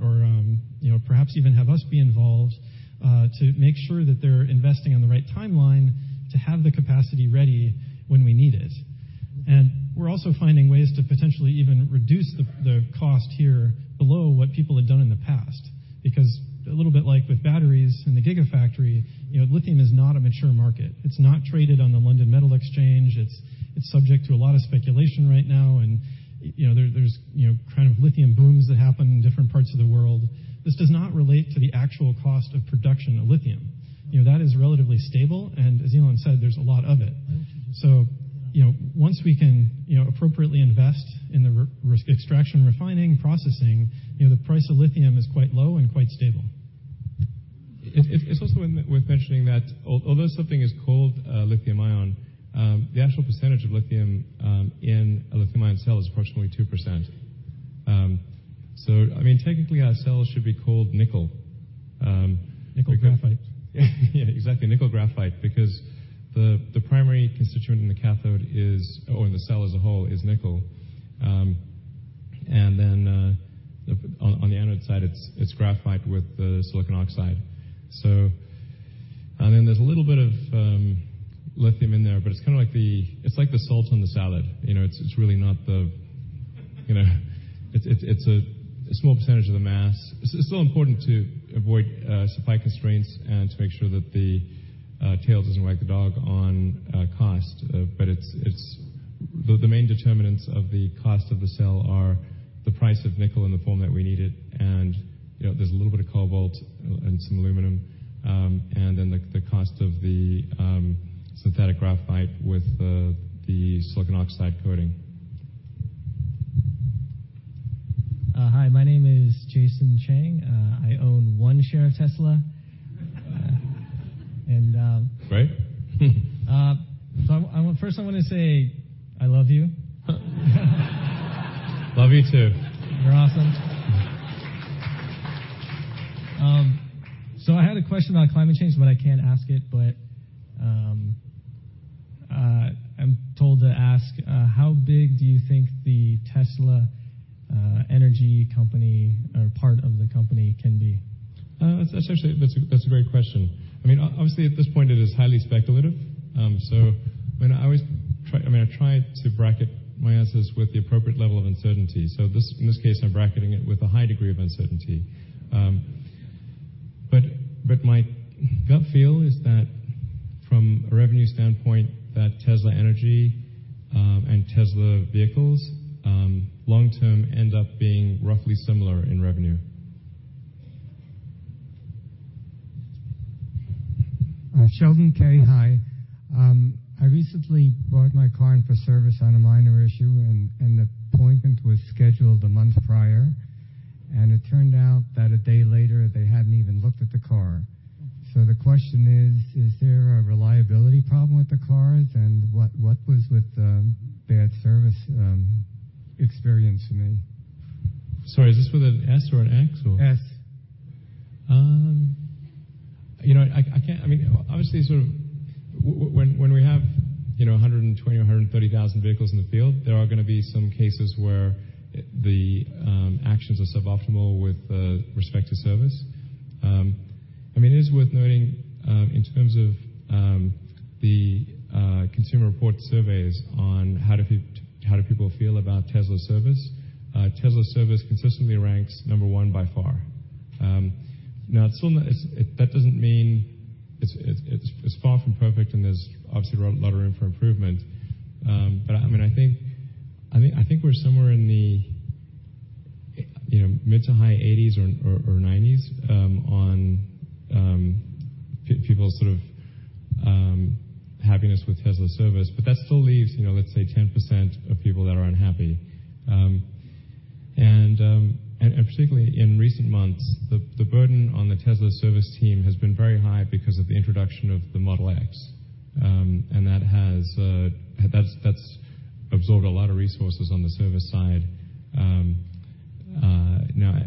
Speaker 4: you know, perhaps even have us be involved to make sure that they're investing on the right timeline to have the capacity ready when we need it. We're also finding ways to potentially even reduce the cost here below what people had done in the past. Because a little bit like with batteries in the Gigafactory, you know, lithium is not a mature market. It's not traded on the London Metal Exchange. It's subject to a lot of speculation right now. You know, there's, you know, kind of lithium booms that happen in different parts of the world. This does not relate to the actual cost of production of lithium. You know, that is relatively stable, and as Elon said, there's a lot of it. You know, once we can, you know, appropriately invest in the extraction, refining, processing, you know, the price of lithium is quite low and quite stable.
Speaker 3: It's also worth mentioning that although something is called lithium ion, the actual percentage of lithium in a lithium ion cell is approximately 2%. I mean, technically, our cells should be called nickel.
Speaker 4: Nickel graphite.
Speaker 3: Yeah, exactly. Nickel graphite. The primary constituent in the cathode is, or in the cell as a whole, is nickel. On the anode side, it's graphite with the silicon oxide. There's a little bit of lithium in there, but it's kind of like the, it's like the salt on the salad. You know, it's really not. You know, it's a small percentage of the mass. It's still important to avoid supply constraints and to make sure that the tail doesn't wag the dog on cost, but the main determinants of the cost of the cell are the price of nickel in the form that we need it, and, you know, there's a little bit of cobalt and some aluminum, and then the cost of the synthetic graphite with the silicon oxide coating.
Speaker 21: Hi, my name is Jason Chang. I own one share of Tesla.
Speaker 3: Great.
Speaker 21: First I wanna say I love you.
Speaker 3: Love you, too.
Speaker 21: You're awesome. I had a question about climate change, but I can't ask it. I'm told to ask, how big do you think the Tesla energy company or part of the company can be?
Speaker 3: That's actually a great question. I mean, obviously at this point it is highly speculative. I mean, I try to bracket my answers with the appropriate level of uncertainty. In this case, I'm bracketing it with a high degree of uncertainty. But my gut feel is that from a revenue standpoint, that Tesla Energy and Tesla vehicles long term end up being roughly similar in revenue.
Speaker 22: Sheldon Carey. Hi. I recently brought my car in for service on a minor issue, and the appointment was scheduled a month prior, and it turned out that a day later they hadn't even looked at the car. The question is there a reliability problem with the cars, and what was with the bad service experience for me?
Speaker 3: Sorry, is this with an S or an X or?
Speaker 22: S.
Speaker 3: You know, I mean, obviously when we have, you know, 120,000 or 130,000 vehicles in the field, there are gonna be some cases where the actions are suboptimal with respect to service. I mean, it is worth noting, in terms of the Consumer Reports surveys on how do people feel about Tesla service, Tesla service consistently ranks number one by far. Now that doesn't mean it's far from perfect, and there's obviously a lot of room for improvement. I mean, I think we're somewhere in the, you know, mid to high 80s or 90s on people's sort of happiness with Tesla service, but that still leaves, you know, let's say 10% of people that are unhappy. Particularly in recent months, the burden on the Tesla service team has been very high because of the introduction of the Model X. That's absorbed a lot of resources on the service side. Now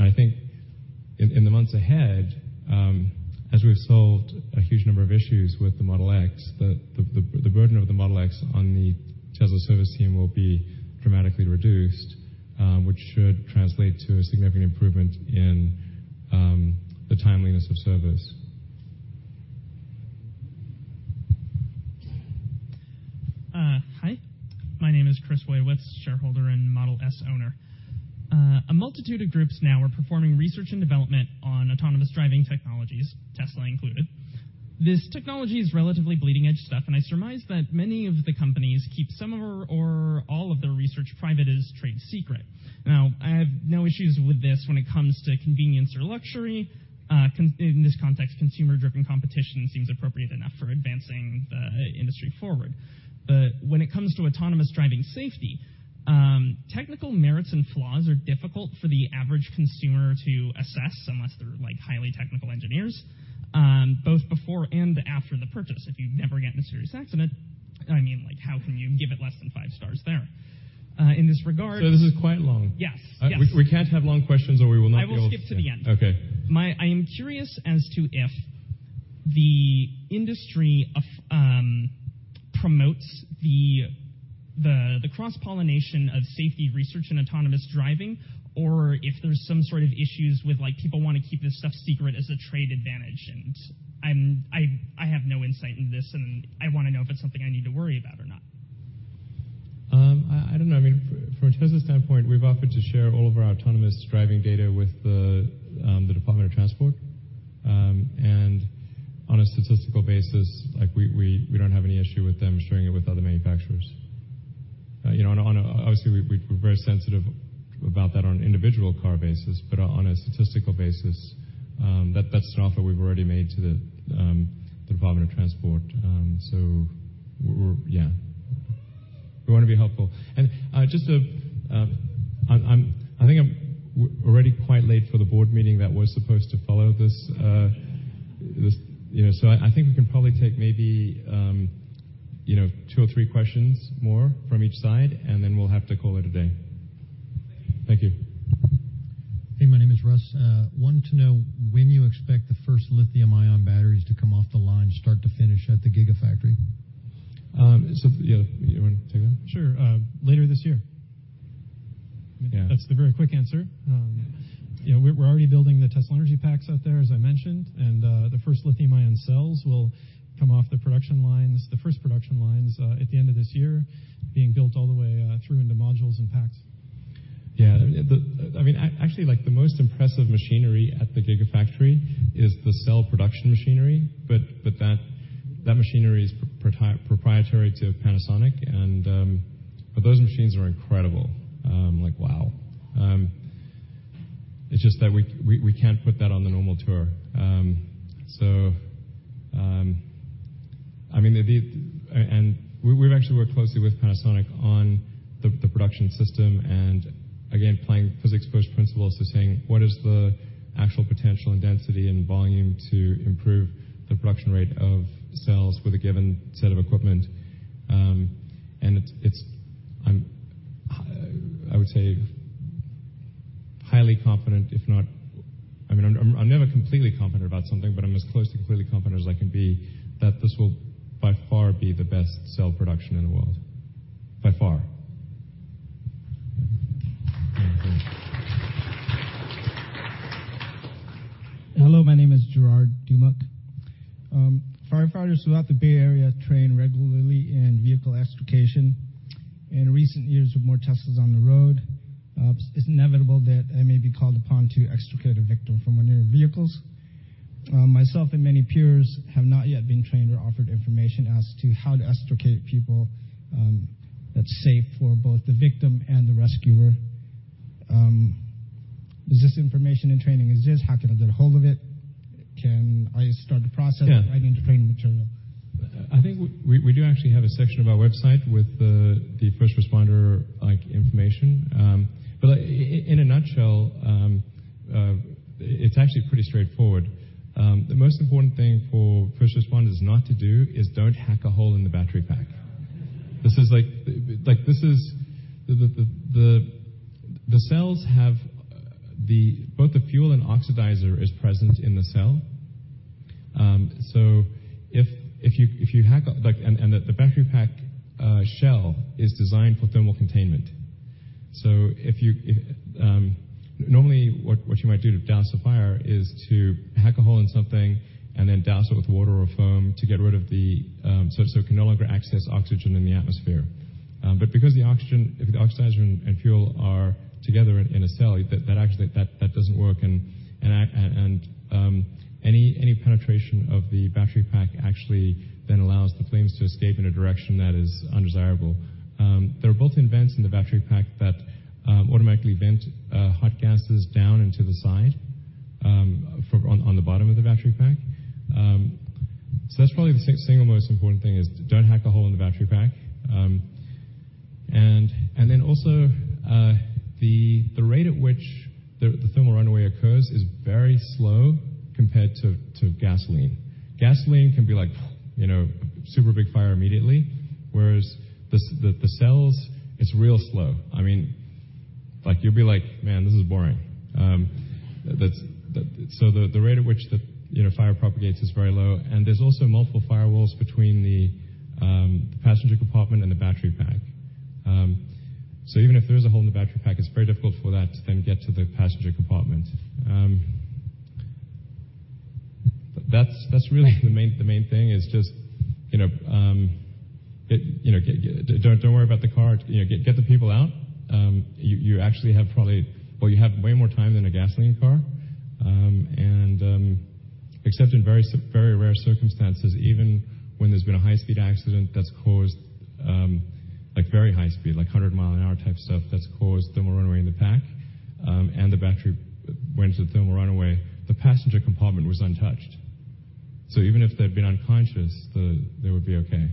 Speaker 3: I think in the months ahead, as we've solved a huge number of issues with the Model X, the burden of the Model X on the Tesla service team will be dramatically reduced, which should translate to a significant improvement in the timeliness of service.
Speaker 23: Hi. My name is Chris Waywith, shareholder and Model S owner. A multitude of groups now are performing research and development on autonomous driving technologies, Tesla included. This technology is relatively bleeding edge stuff, and I surmise that many of the companies keep some of or all of their research private as trade secret. Now, I have no issues with this when it comes to convenience or luxury. In this context, consumer-driven competition seems appropriate enough for advancing the industry forward. When it comes to autonomous driving safety, technical merits and flaws are difficult for the average consumer to assess unless they're, like, highly technical engineers, both before and after the purchase. If you never get in a serious accident, I mean, like, how can you give it less than five stars there?
Speaker 3: This is quite long.
Speaker 23: Yes. Yes.
Speaker 3: We can't have long questions or we will not be able to.
Speaker 23: I will skip to the end.
Speaker 3: Okay.
Speaker 23: I am curious as to if the industry promotes the cross-pollination of safety research in autonomous driving or if there's some sort of issues with, like, people wanna keep this stuff secret as a trade advantage. I have no insight into this, and I wanna know if it's something I need to worry about or not.
Speaker 3: I don't know. I mean, from a Tesla standpoint, we've offered to share all of our autonomous driving data with the Department of Transportation. On a statistical basis, like, we don't have any issue with them sharing it with other manufacturers. You know, obviously, we're very sensitive about that on an individual car basis, but on a statistical basis, that's an offer we've already made to the Department of Transportation. We're, Yeah, we wanna be helpful. Just to, I think I’m already quite late for the board meeting that was supposed to follow this, you know, so I think we can probably take maybe, you know, two or three questions more from each side, and then we’ll have to call it a day. Thank you.
Speaker 24: Hey, my name is Russ. I wanted to know when you expect the first lithium-ion batteries to come off the line start to finish at the Gigafactory.
Speaker 3: Yeah. You wanna take that?
Speaker 4: Sure. Later this year.
Speaker 3: Yeah.
Speaker 4: That's the very quick answer. You know, we're already building the Tesla Energy packs out there, as I mentioned, and the first lithium-ion cells will come off the production lines, the first production lines, at the end of this year, being built all the way through into modules and packs.
Speaker 3: Yeah, I mean, actually, like, the most impressive machinery at the Gigafactory is the cell production machinery, but that machinery is proprietary to Panasonic and those machines are incredible. Like, wow. It's just that we can't put that on the normal tour. I mean, we've actually worked closely with Panasonic on the production system and again, playing physics first principles, saying what is the actual potential and density and volume to improve the production rate of cells with a given set of equipment? I would say highly confident, if not I mean, I'm never completely confident about something, but I'm as close to completely confident as I can be that this will by far be the best cell production in the world, by far. Great.
Speaker 25: Hello, my name is Gerard Dumuk. Firefighters throughout the Bay Area train regularly in vehicle extrication. In recent years, with more Teslas on the road, it's inevitable that they may be called upon to extricate a victim from one of your vehicles. Myself and many peers have not yet been trained or offered information as to how to extricate people, that's safe for both the victim and the rescuer. Is this information and training exists? How can I get a hold of it? Can I start the process?
Speaker 3: Yeah.
Speaker 25: I need the training material.
Speaker 3: I think we do actually have a section of our website with the first responder, like, information. Like, in a nutshell, it's actually pretty straightforward. The most important thing for first responders not to do is don't hack a hole in the battery pack. This is the cells have the both the fuel and oxidizer is present in the cell. If you, if you hack a and the battery pack shell is designed for thermal containment. If you, Normally, what you might do to douse a fire is to hack a hole in something and then douse it with water or foam to get rid of the, so it can no longer access oxygen in the atmosphere. Because the oxygen, the oxidizer and fuel are together in a cell, that actually doesn't work and any penetration of the battery pack actually then allows the flames to escape in a direction that is undesirable. There are built-in vents in the battery pack that automatically vent hot gases down and to the side for on the bottom of the battery pack. That's probably the single most important thing is don't hack a hole in the battery pack. Then also the rate at which the thermal runaway occurs is very slow compared to gasoline. Gasoline can be like, you know, super big fire immediately, whereas the cells, it's real slow. I mean, like, you'll be like, "Man, this is boring." That's. The rate at which the, you know, fire propagates is very low, and there's also multiple firewalls between the passenger compartment and the battery pack. Even if there is a hole in the battery pack, it's very difficult for that to then get to the passenger compartment. That's really the main thing is just, you know, it, you know, don't worry about the car. You know, get the people out. You actually have, well, you have way more time than a gasoline car. Except in very very rare circumstances, even when there's been a high-speed accident that's caused, like very high speed, like 100 mile an hour type stuff that's caused thermal runaway in the pack, the battery went into thermal runaway, the passenger compartment was untouched. Even if they'd been unconscious, they would be okay.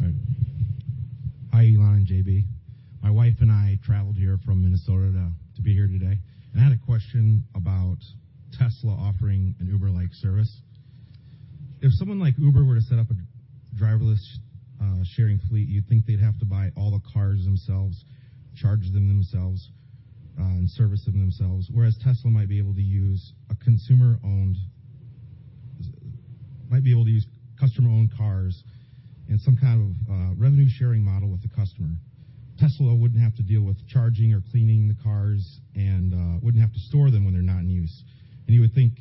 Speaker 3: All right.
Speaker 24: Hi, Elon and JB. My wife and I traveled here from Minnesota to be here today, and I had a question about Tesla offering an Uber-like service. If someone like Uber were to set up a driverless sharing fleet, you'd think they'd have to buy all the cars themselves, charge them themselves, and service them themselves, whereas Tesla might be able to use customer-owned cars in some kind of revenue sharing model with the customer. Tesla wouldn't have to deal with charging or cleaning the cars and wouldn't have to store them when they're not in use. You would think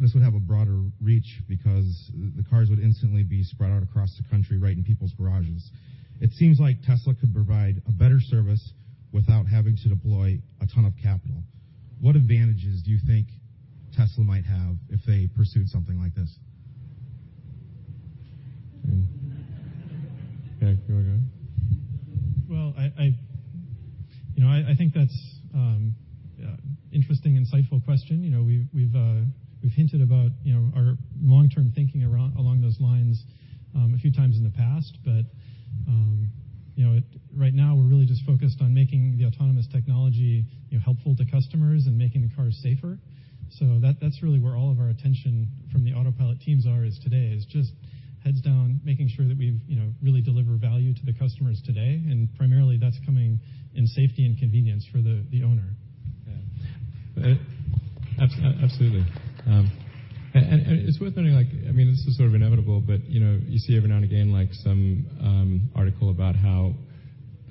Speaker 24: this would have a broader reach because the cars would instantly be spread out across the country, right in people's garages. It seems like Tesla could provide a better service without having to deploy a ton of capital. What advantages do you think Tesla might have if they pursued something like this?
Speaker 3: Yeah, you wanna go?
Speaker 4: Well, I You know, I think that's a interesting, insightful question. You know, we've hinted about, you know, our long-term thinking along those lines, a few times in the past. You know, right now, we're really just focused on making the autonomous technology, you know, helpful to customers and making the cars safer. That's really where all of our attention from the Autopilot teams are is today, is just heads down, making sure that we've, you know, really deliver value to the customers today, and primarily that's coming in safety and convenience for the owner.
Speaker 3: Yeah. absolutely. It's worth noting, like, I mean, this is sort of inevitable, but, you know, you see every now and again, like some article about how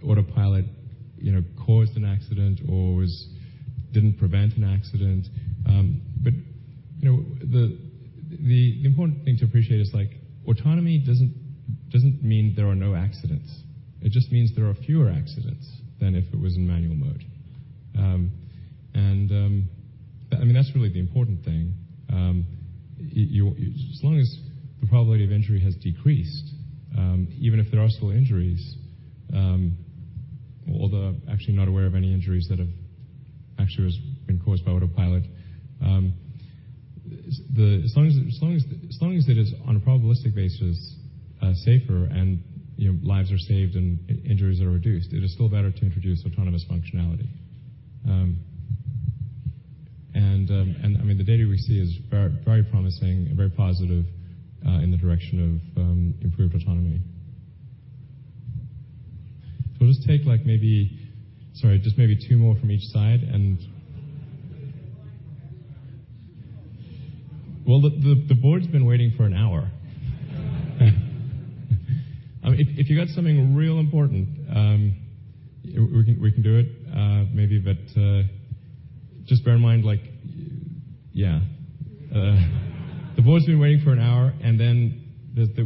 Speaker 3: Autopilot, you know, caused an accident or didn't prevent an accident. You know, the important thing to appreciate is, like, autonomy doesn't mean there are no accidents. It just means there are fewer accidents than if it was in manual mode. I mean, that's really the important thing. As long as the probability of injury has decreased, even if there are still injuries, although actually not aware of any injuries that have actually been caused by Autopilot. As long as it is on a probabilistic basis, you know, lives are saved and injuries are reduced, it is still better to introduce autonomous functionality. I mean, the data we see is very promising and very positive in the direction of improved autonomy. We'll just take like maybe, sorry, just maybe two more from each side. Well, the board's been waiting for an hour. If you got something real important, we can do it, maybe. Just bear in mind, like, yeah. The board's been waiting for an hour, we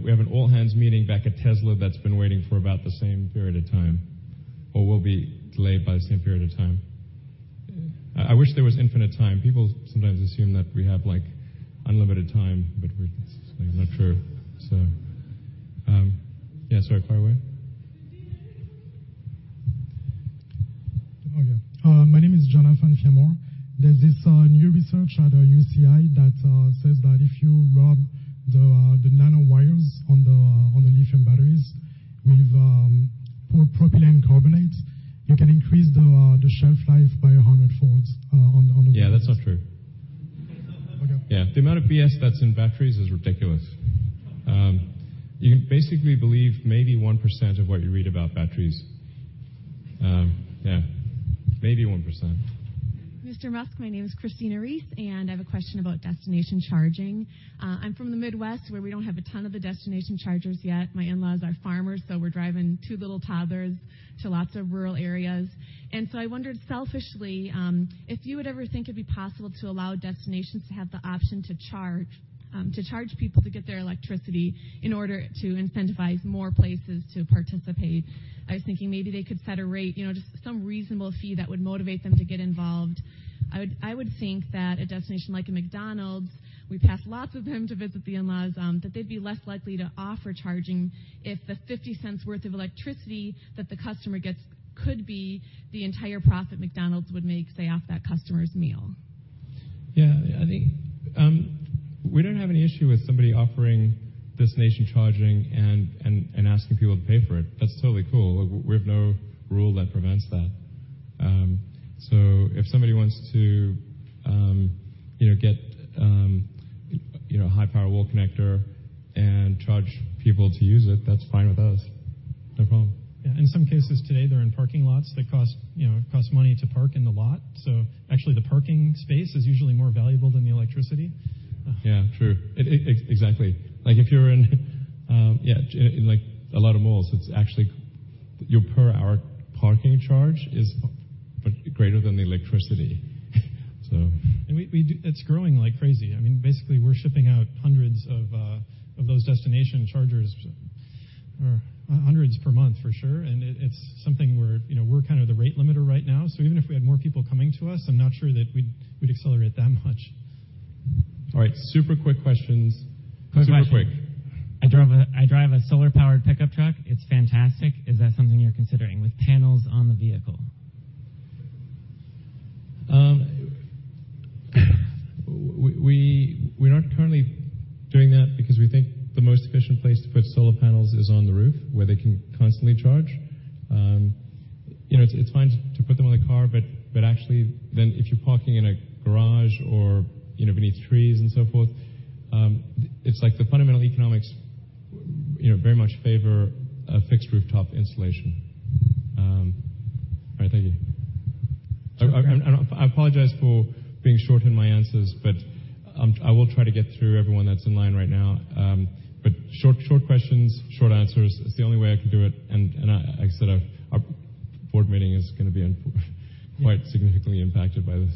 Speaker 3: have an all-hands meeting back at Tesla that's been waiting for about the same period of time or will be delayed by the same period of time. I wish there was infinite time. People sometimes assume that we have, like, unlimited time, but we're, like, not sure. Yeah, sorry, far away.
Speaker 26: My name is Jonathan Fiamore. There's this new research at UCI that says that if you rub the nanowires on the lithium batteries with propylene carbonate, you can increase the shelf life by 100-fold.
Speaker 3: Yeah, that's not true.
Speaker 26: Okay.
Speaker 3: Yeah. The amount of BS that's in batteries is ridiculous. You can basically believe maybe 1% of what you read about batteries. Yeah, maybe 1%.
Speaker 27: Mr. Musk, my name is Christina Reese, and I have a question about Destination Charging. I'm from the Midwest, where we don't have a ton of the Destination Chargers yet. My in-laws are farmers, so we're driving two little toddlers to lots of rural areas. I wondered selfishly, if you would ever think it'd be possible to allow destinations to have the option to charge, to charge people to get their electricity in order to incentivize more places to participate. I was thinking maybe they could set a rate, you know, just some reasonable fee that would motivate them to get involved. I would think that a destination like a McDonald's, we pass lots of them to visit the in-laws, that they'd be less likely to offer charging if the $0.50 worth of electricity that the customer gets could be the entire profit McDonald's would make, say, off that customer's meal.
Speaker 3: Yeah, I think, we don't have any issue with somebody offering Destination Charging and asking people to pay for it. That's totally cool. We have no rule that prevents that. If somebody wants to, you know, get, you know, a High Power Wall Connector and charge people to use it, that's fine with us. No problem.
Speaker 4: Yeah. In some cases today, they're in parking lots. They cost, you know, cost money to park in the lot. Actually, the parking space is usually more valuable than the electricity.
Speaker 3: Yeah, true. Exactly. Like, if you're in, yeah, in like a lot of malls, it's actually your per hour parking charge is greater than the electricity.
Speaker 4: It's growing like crazy. I mean, basically, we're shipping out hundreds of those destination chargers or hundreds per month for sure. It's something we're, you know, we're kind of the rate limiter right now. Even if we had more people coming to us, I'm not sure that we'd accelerate that much.
Speaker 3: All right, super quick questions.
Speaker 24: Quick question. Super quick.
Speaker 28: I drive a solar-powered pickup truck. It's fantastic. Is that something you're considering with panels on the vehicle?
Speaker 3: We're not currently doing that because we think the most efficient place to put solar panels is on the roof where they can constantly charge. You know, it's fine to put them on the car, but actually then if you're parking in a garage or, you know, beneath trees and so forth, the fundamental economics, you know, very much favor a fixed rooftop installation. All right, thank you. I apologize for being short in my answers, I will try to get through everyone that's in line right now. Short questions, short answers is the only way I can do it. I, like I said, our board meeting is gonna be quite significantly impacted by this.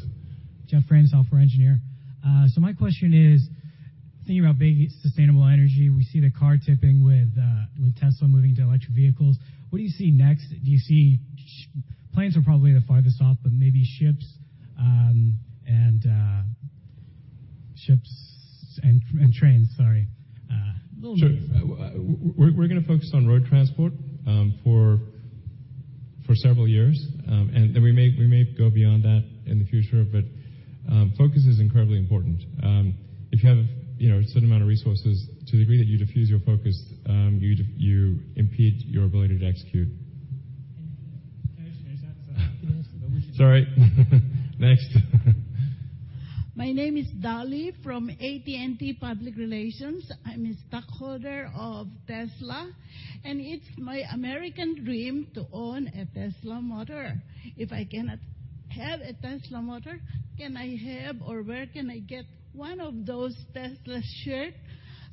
Speaker 24: My question is thinking about big sustainable energy, we see the car tipping with Tesla moving to electric vehicles. What do you see next? Planes are probably the farthest off, but maybe ships and trains, sorry. Little naive.
Speaker 3: Sure. We're gonna focus on road transport for several years. We may go beyond that in the future, but focus is incredibly important. If you have, you know, a certain amount of resources to the degree that you diffuse your focus, you impede your ability to execute.
Speaker 24: Thank you.
Speaker 3: Sorry. Next.
Speaker 24: My name is Dolly from AT&T Public Relations. I'm a stockholder of Tesla, and it's my American dream to own a Tesla motor. If I cannot-Have a Tesla motor, can I have or where can I get one of those Tesla shirt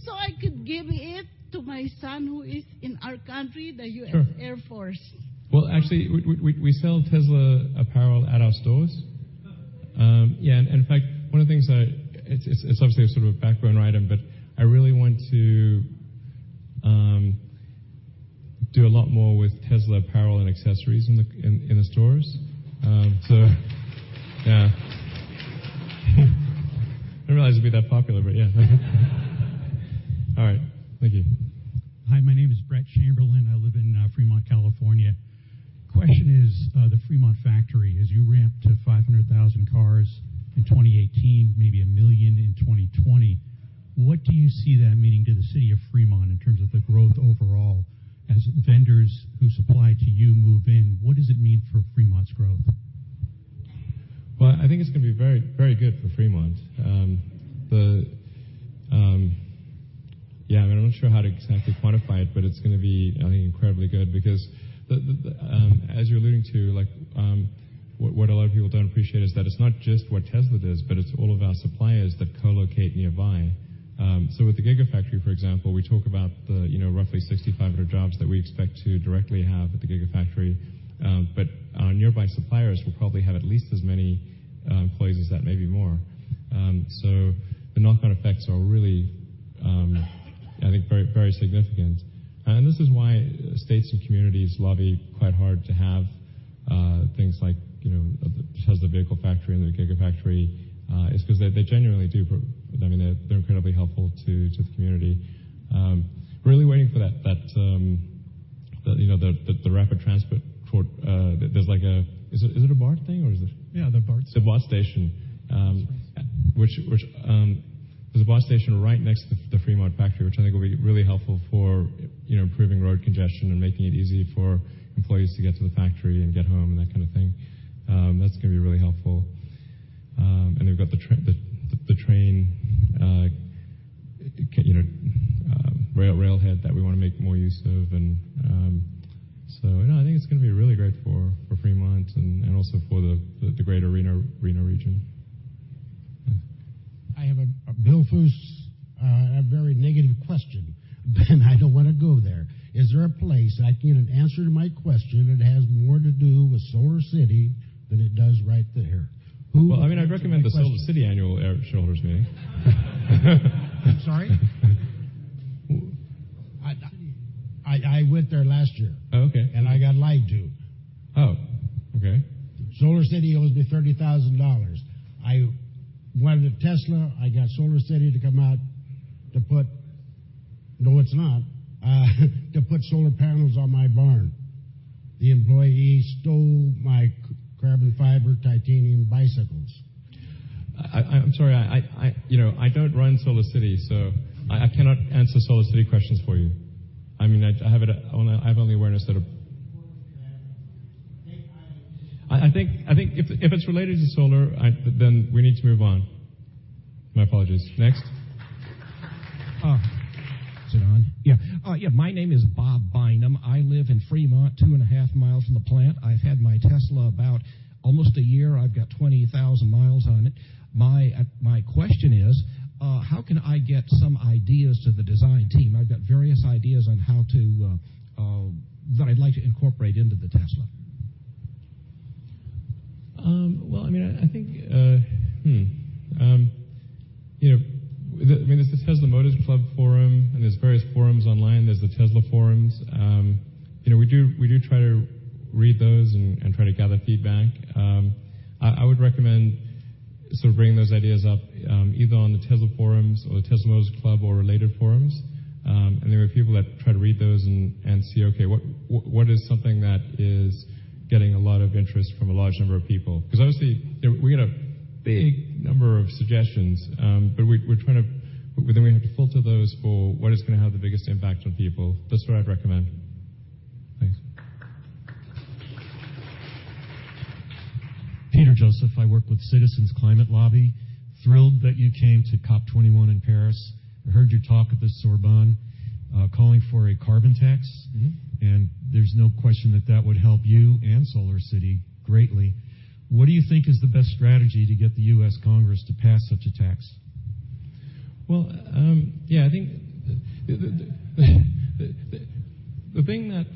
Speaker 24: so I could give it to my son who is in our country, the U.S.?
Speaker 3: Sure
Speaker 24: Air Force?
Speaker 3: Well, actually we sell Tesla apparel at our stores. Yeah. In fact, one of the things it's obviously a sort of a background item, but I really want to do a lot more with Tesla apparel and accessories in the stores. Yeah. I didn't realize it'd be that popular, but yeah. All right. Thank you.
Speaker 29: Hi, my name is Brett Chamberlain. I live in Fremont, California. Question is, the Fremont factory, as you ramp to 500,000 cars in 2018, maybe 1 million in 2020, what do you see that meaning to the city of Fremont in terms of the growth overall? As vendors who supply to you move in, what does it mean for Fremont's growth?
Speaker 3: Well, I think it's gonna be very, very good for Fremont. I mean, I'm not sure how to exactly quantify it, but it's gonna be, I think, incredibly good because the, as you're alluding to, like, what a lot of people don't appreciate is that it's not just what Tesla does, but it's all of our suppliers that co-locate nearby. With the Gigafactory, for example, we talk about the, you know, roughly 6,500 jobs that we expect to directly have at the Gigafactory. Our nearby suppliers will probably have at least as many employees as that, maybe more. The knock-on effects are really, I think very, very significant. This is why states and communities lobby quite hard to have things like, you know, the Tesla vehicle factory and the Gigafactory, is 'cause they genuinely do, I mean, they're incredibly helpful to the community. Really waiting for that, you know, the rapid transport for, there's like a Is it a BART thing or is it-
Speaker 29: Yeah, the BART.
Speaker 3: It's a bus station.
Speaker 29: That's right.
Speaker 3: which there's a bus station right next to the Fremont factory, which I think will be really helpful for, you know, improving road congestion and making it easy for employees to get to the factory and get home and that kind of thing. That's gonna be really helpful. They've got the train, you know, rail head that we wanna make more use of. No, I think it's gonna be really great for Fremont and also for the greater Reno region.
Speaker 30: I have a Bill Foos, a very negative question. I don't wanna go there. Is there a place I can get an answer to my question that has more to do with SolarCity than it does right there?
Speaker 3: Well, I mean, I'd recommend the SolarCity annual shareholders meeting.
Speaker 30: Sorry? I went there last year.
Speaker 3: Oh, okay.
Speaker 30: I got lied to.
Speaker 3: Oh, okay.
Speaker 30: SolarCity owes me $30,000. I went to Tesla. I got SolarCity to come out to put solar panels on my barn. The employee stole my carbon fiber titanium bicycles.
Speaker 3: I'm sorry. I, you know, I don't run SolarCity. I cannot answer SolarCity questions for you. I mean, I have only awareness that if it's related to solar, we need to move on. My apologies. Next.
Speaker 31: Oh, is it on? Yeah. Yeah, my name is Bob Bynum. I live in Fremont, two and a half miles from the plant. I've had my Tesla about almost a year. I've got 20,000 miles on it. My question is, how can I get some ideas to the design team? I've got various ideas on how to that I'd like to incorporate into the Tesla.
Speaker 3: Well, I mean, I think, you know, I mean, there's the Tesla Motors Club forum, and there's various forums online. There's the Tesla forums. You know, we do try to read those and try to gather feedback. I would recommend sort of bringing those ideas up, either on the Tesla forums or the Tesla Motors Club or related forums. There are people that try to read those and see, okay, what is something that is getting a lot of interest from a large number of people? 'Cause obviously, you know, we get a big number of suggestions, we have to filter those for what is gonna have the biggest impact on people. That's what I'd recommend. Thanks.
Speaker 32: Peter Joseph, I work with Citizens' Climate Lobby. Thrilled that you came to COP 21 in Paris. I heard you talk at the Sorbonne, calling for a carbon tax. There's no question that that would help you and SolarCity greatly. What do you think is the best strategy to get the U.S. Congress to pass such a tax?
Speaker 3: Yeah, I think the thing that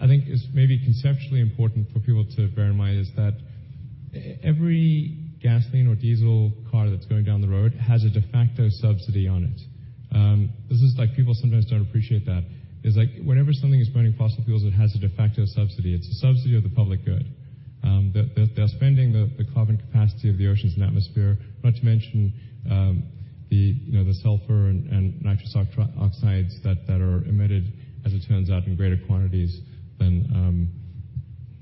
Speaker 3: I think is maybe conceptually important for people to bear in mind is that every gasoline or diesel car that's going down the road has a de facto subsidy on it. This is like people sometimes don't appreciate that. It's like whenever something is burning fossil fuels, it has a de facto subsidy. It's a subsidy of the public good. The, they're spending the carbon capacity of the oceans and atmosphere, not to mention, the, you know, the sulfur and nitrous oxides that are emitted, as it turns out, in greater quantities than,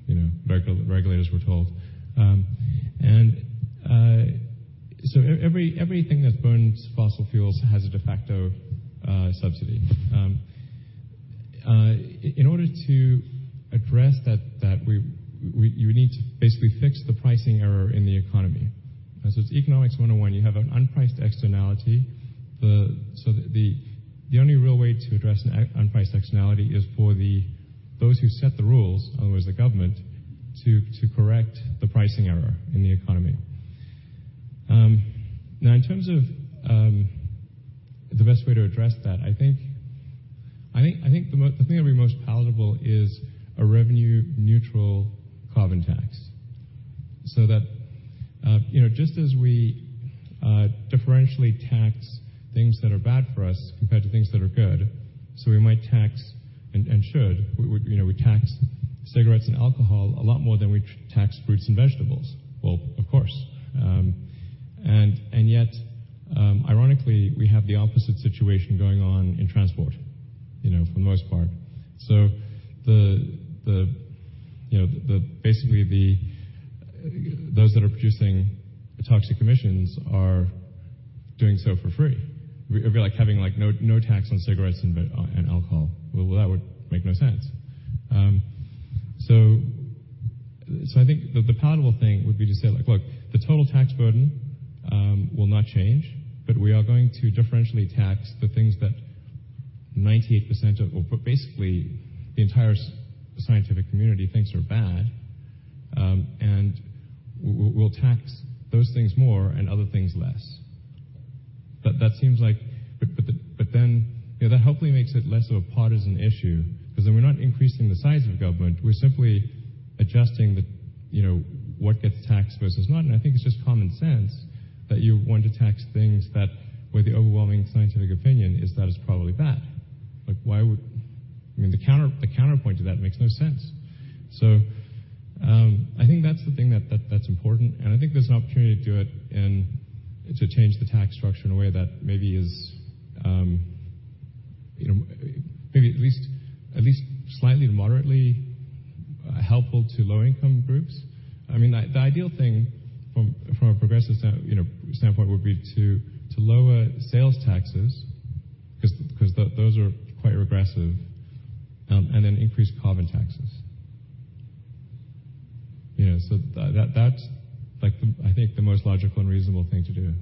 Speaker 3: you know, regulators were told. So everything that burns fossil fuels has a de facto subsidy. In order to address that, you need to basically fix the pricing error in the economy. It's economics one on one. You have an unpriced externality. The only real way to address an unpriced externality is for those who set the rules, in other words, the government, to correct the pricing error in the economy. Now, in terms of the best way to address that, I think the thing that'd be most palatable is a revenue neutral carbon tax. You know, just as we differentially tax things that are bad for us compared to things that are good, so we might tax and should. You know, we tax cigarettes and alcohol a lot more than we tax fruits and vegetables. Well, of course. Yet, ironically, we have the opposite situation going on in transport for the most part. Those that are producing toxic emissions are doing so for free. It would be like having no tax on cigarettes and alcohol. That would make no sense. I think the palatable thing would be to say like, "Look, the total tax burden will not change, but we are going to differentially tax the things that 98% of or basically the entire scientific community thinks are bad, and we'll tax those things more and other things less." You know, that hopefully makes it less of a partisan issue 'cause then we're not increasing the size of government, we're simply adjusting the, you know, what gets taxed versus not. I think it's just common sense that you want to tax things that where the overwhelming scientific opinion is that it's probably bad. Like, why would I mean, the counterpoint to that makes no sense. I think that's the thing that's important, and I think there's an opportunity to do it and to change the tax structure in a way that maybe is, you know, maybe at least slightly moderately helpful to low income groups. I mean, the ideal thing from a progressive standpoint would be to lower sales taxes 'cause those are quite regressive, and then increase carbon taxes. That's like the, I think the most logical and reasonable thing to do.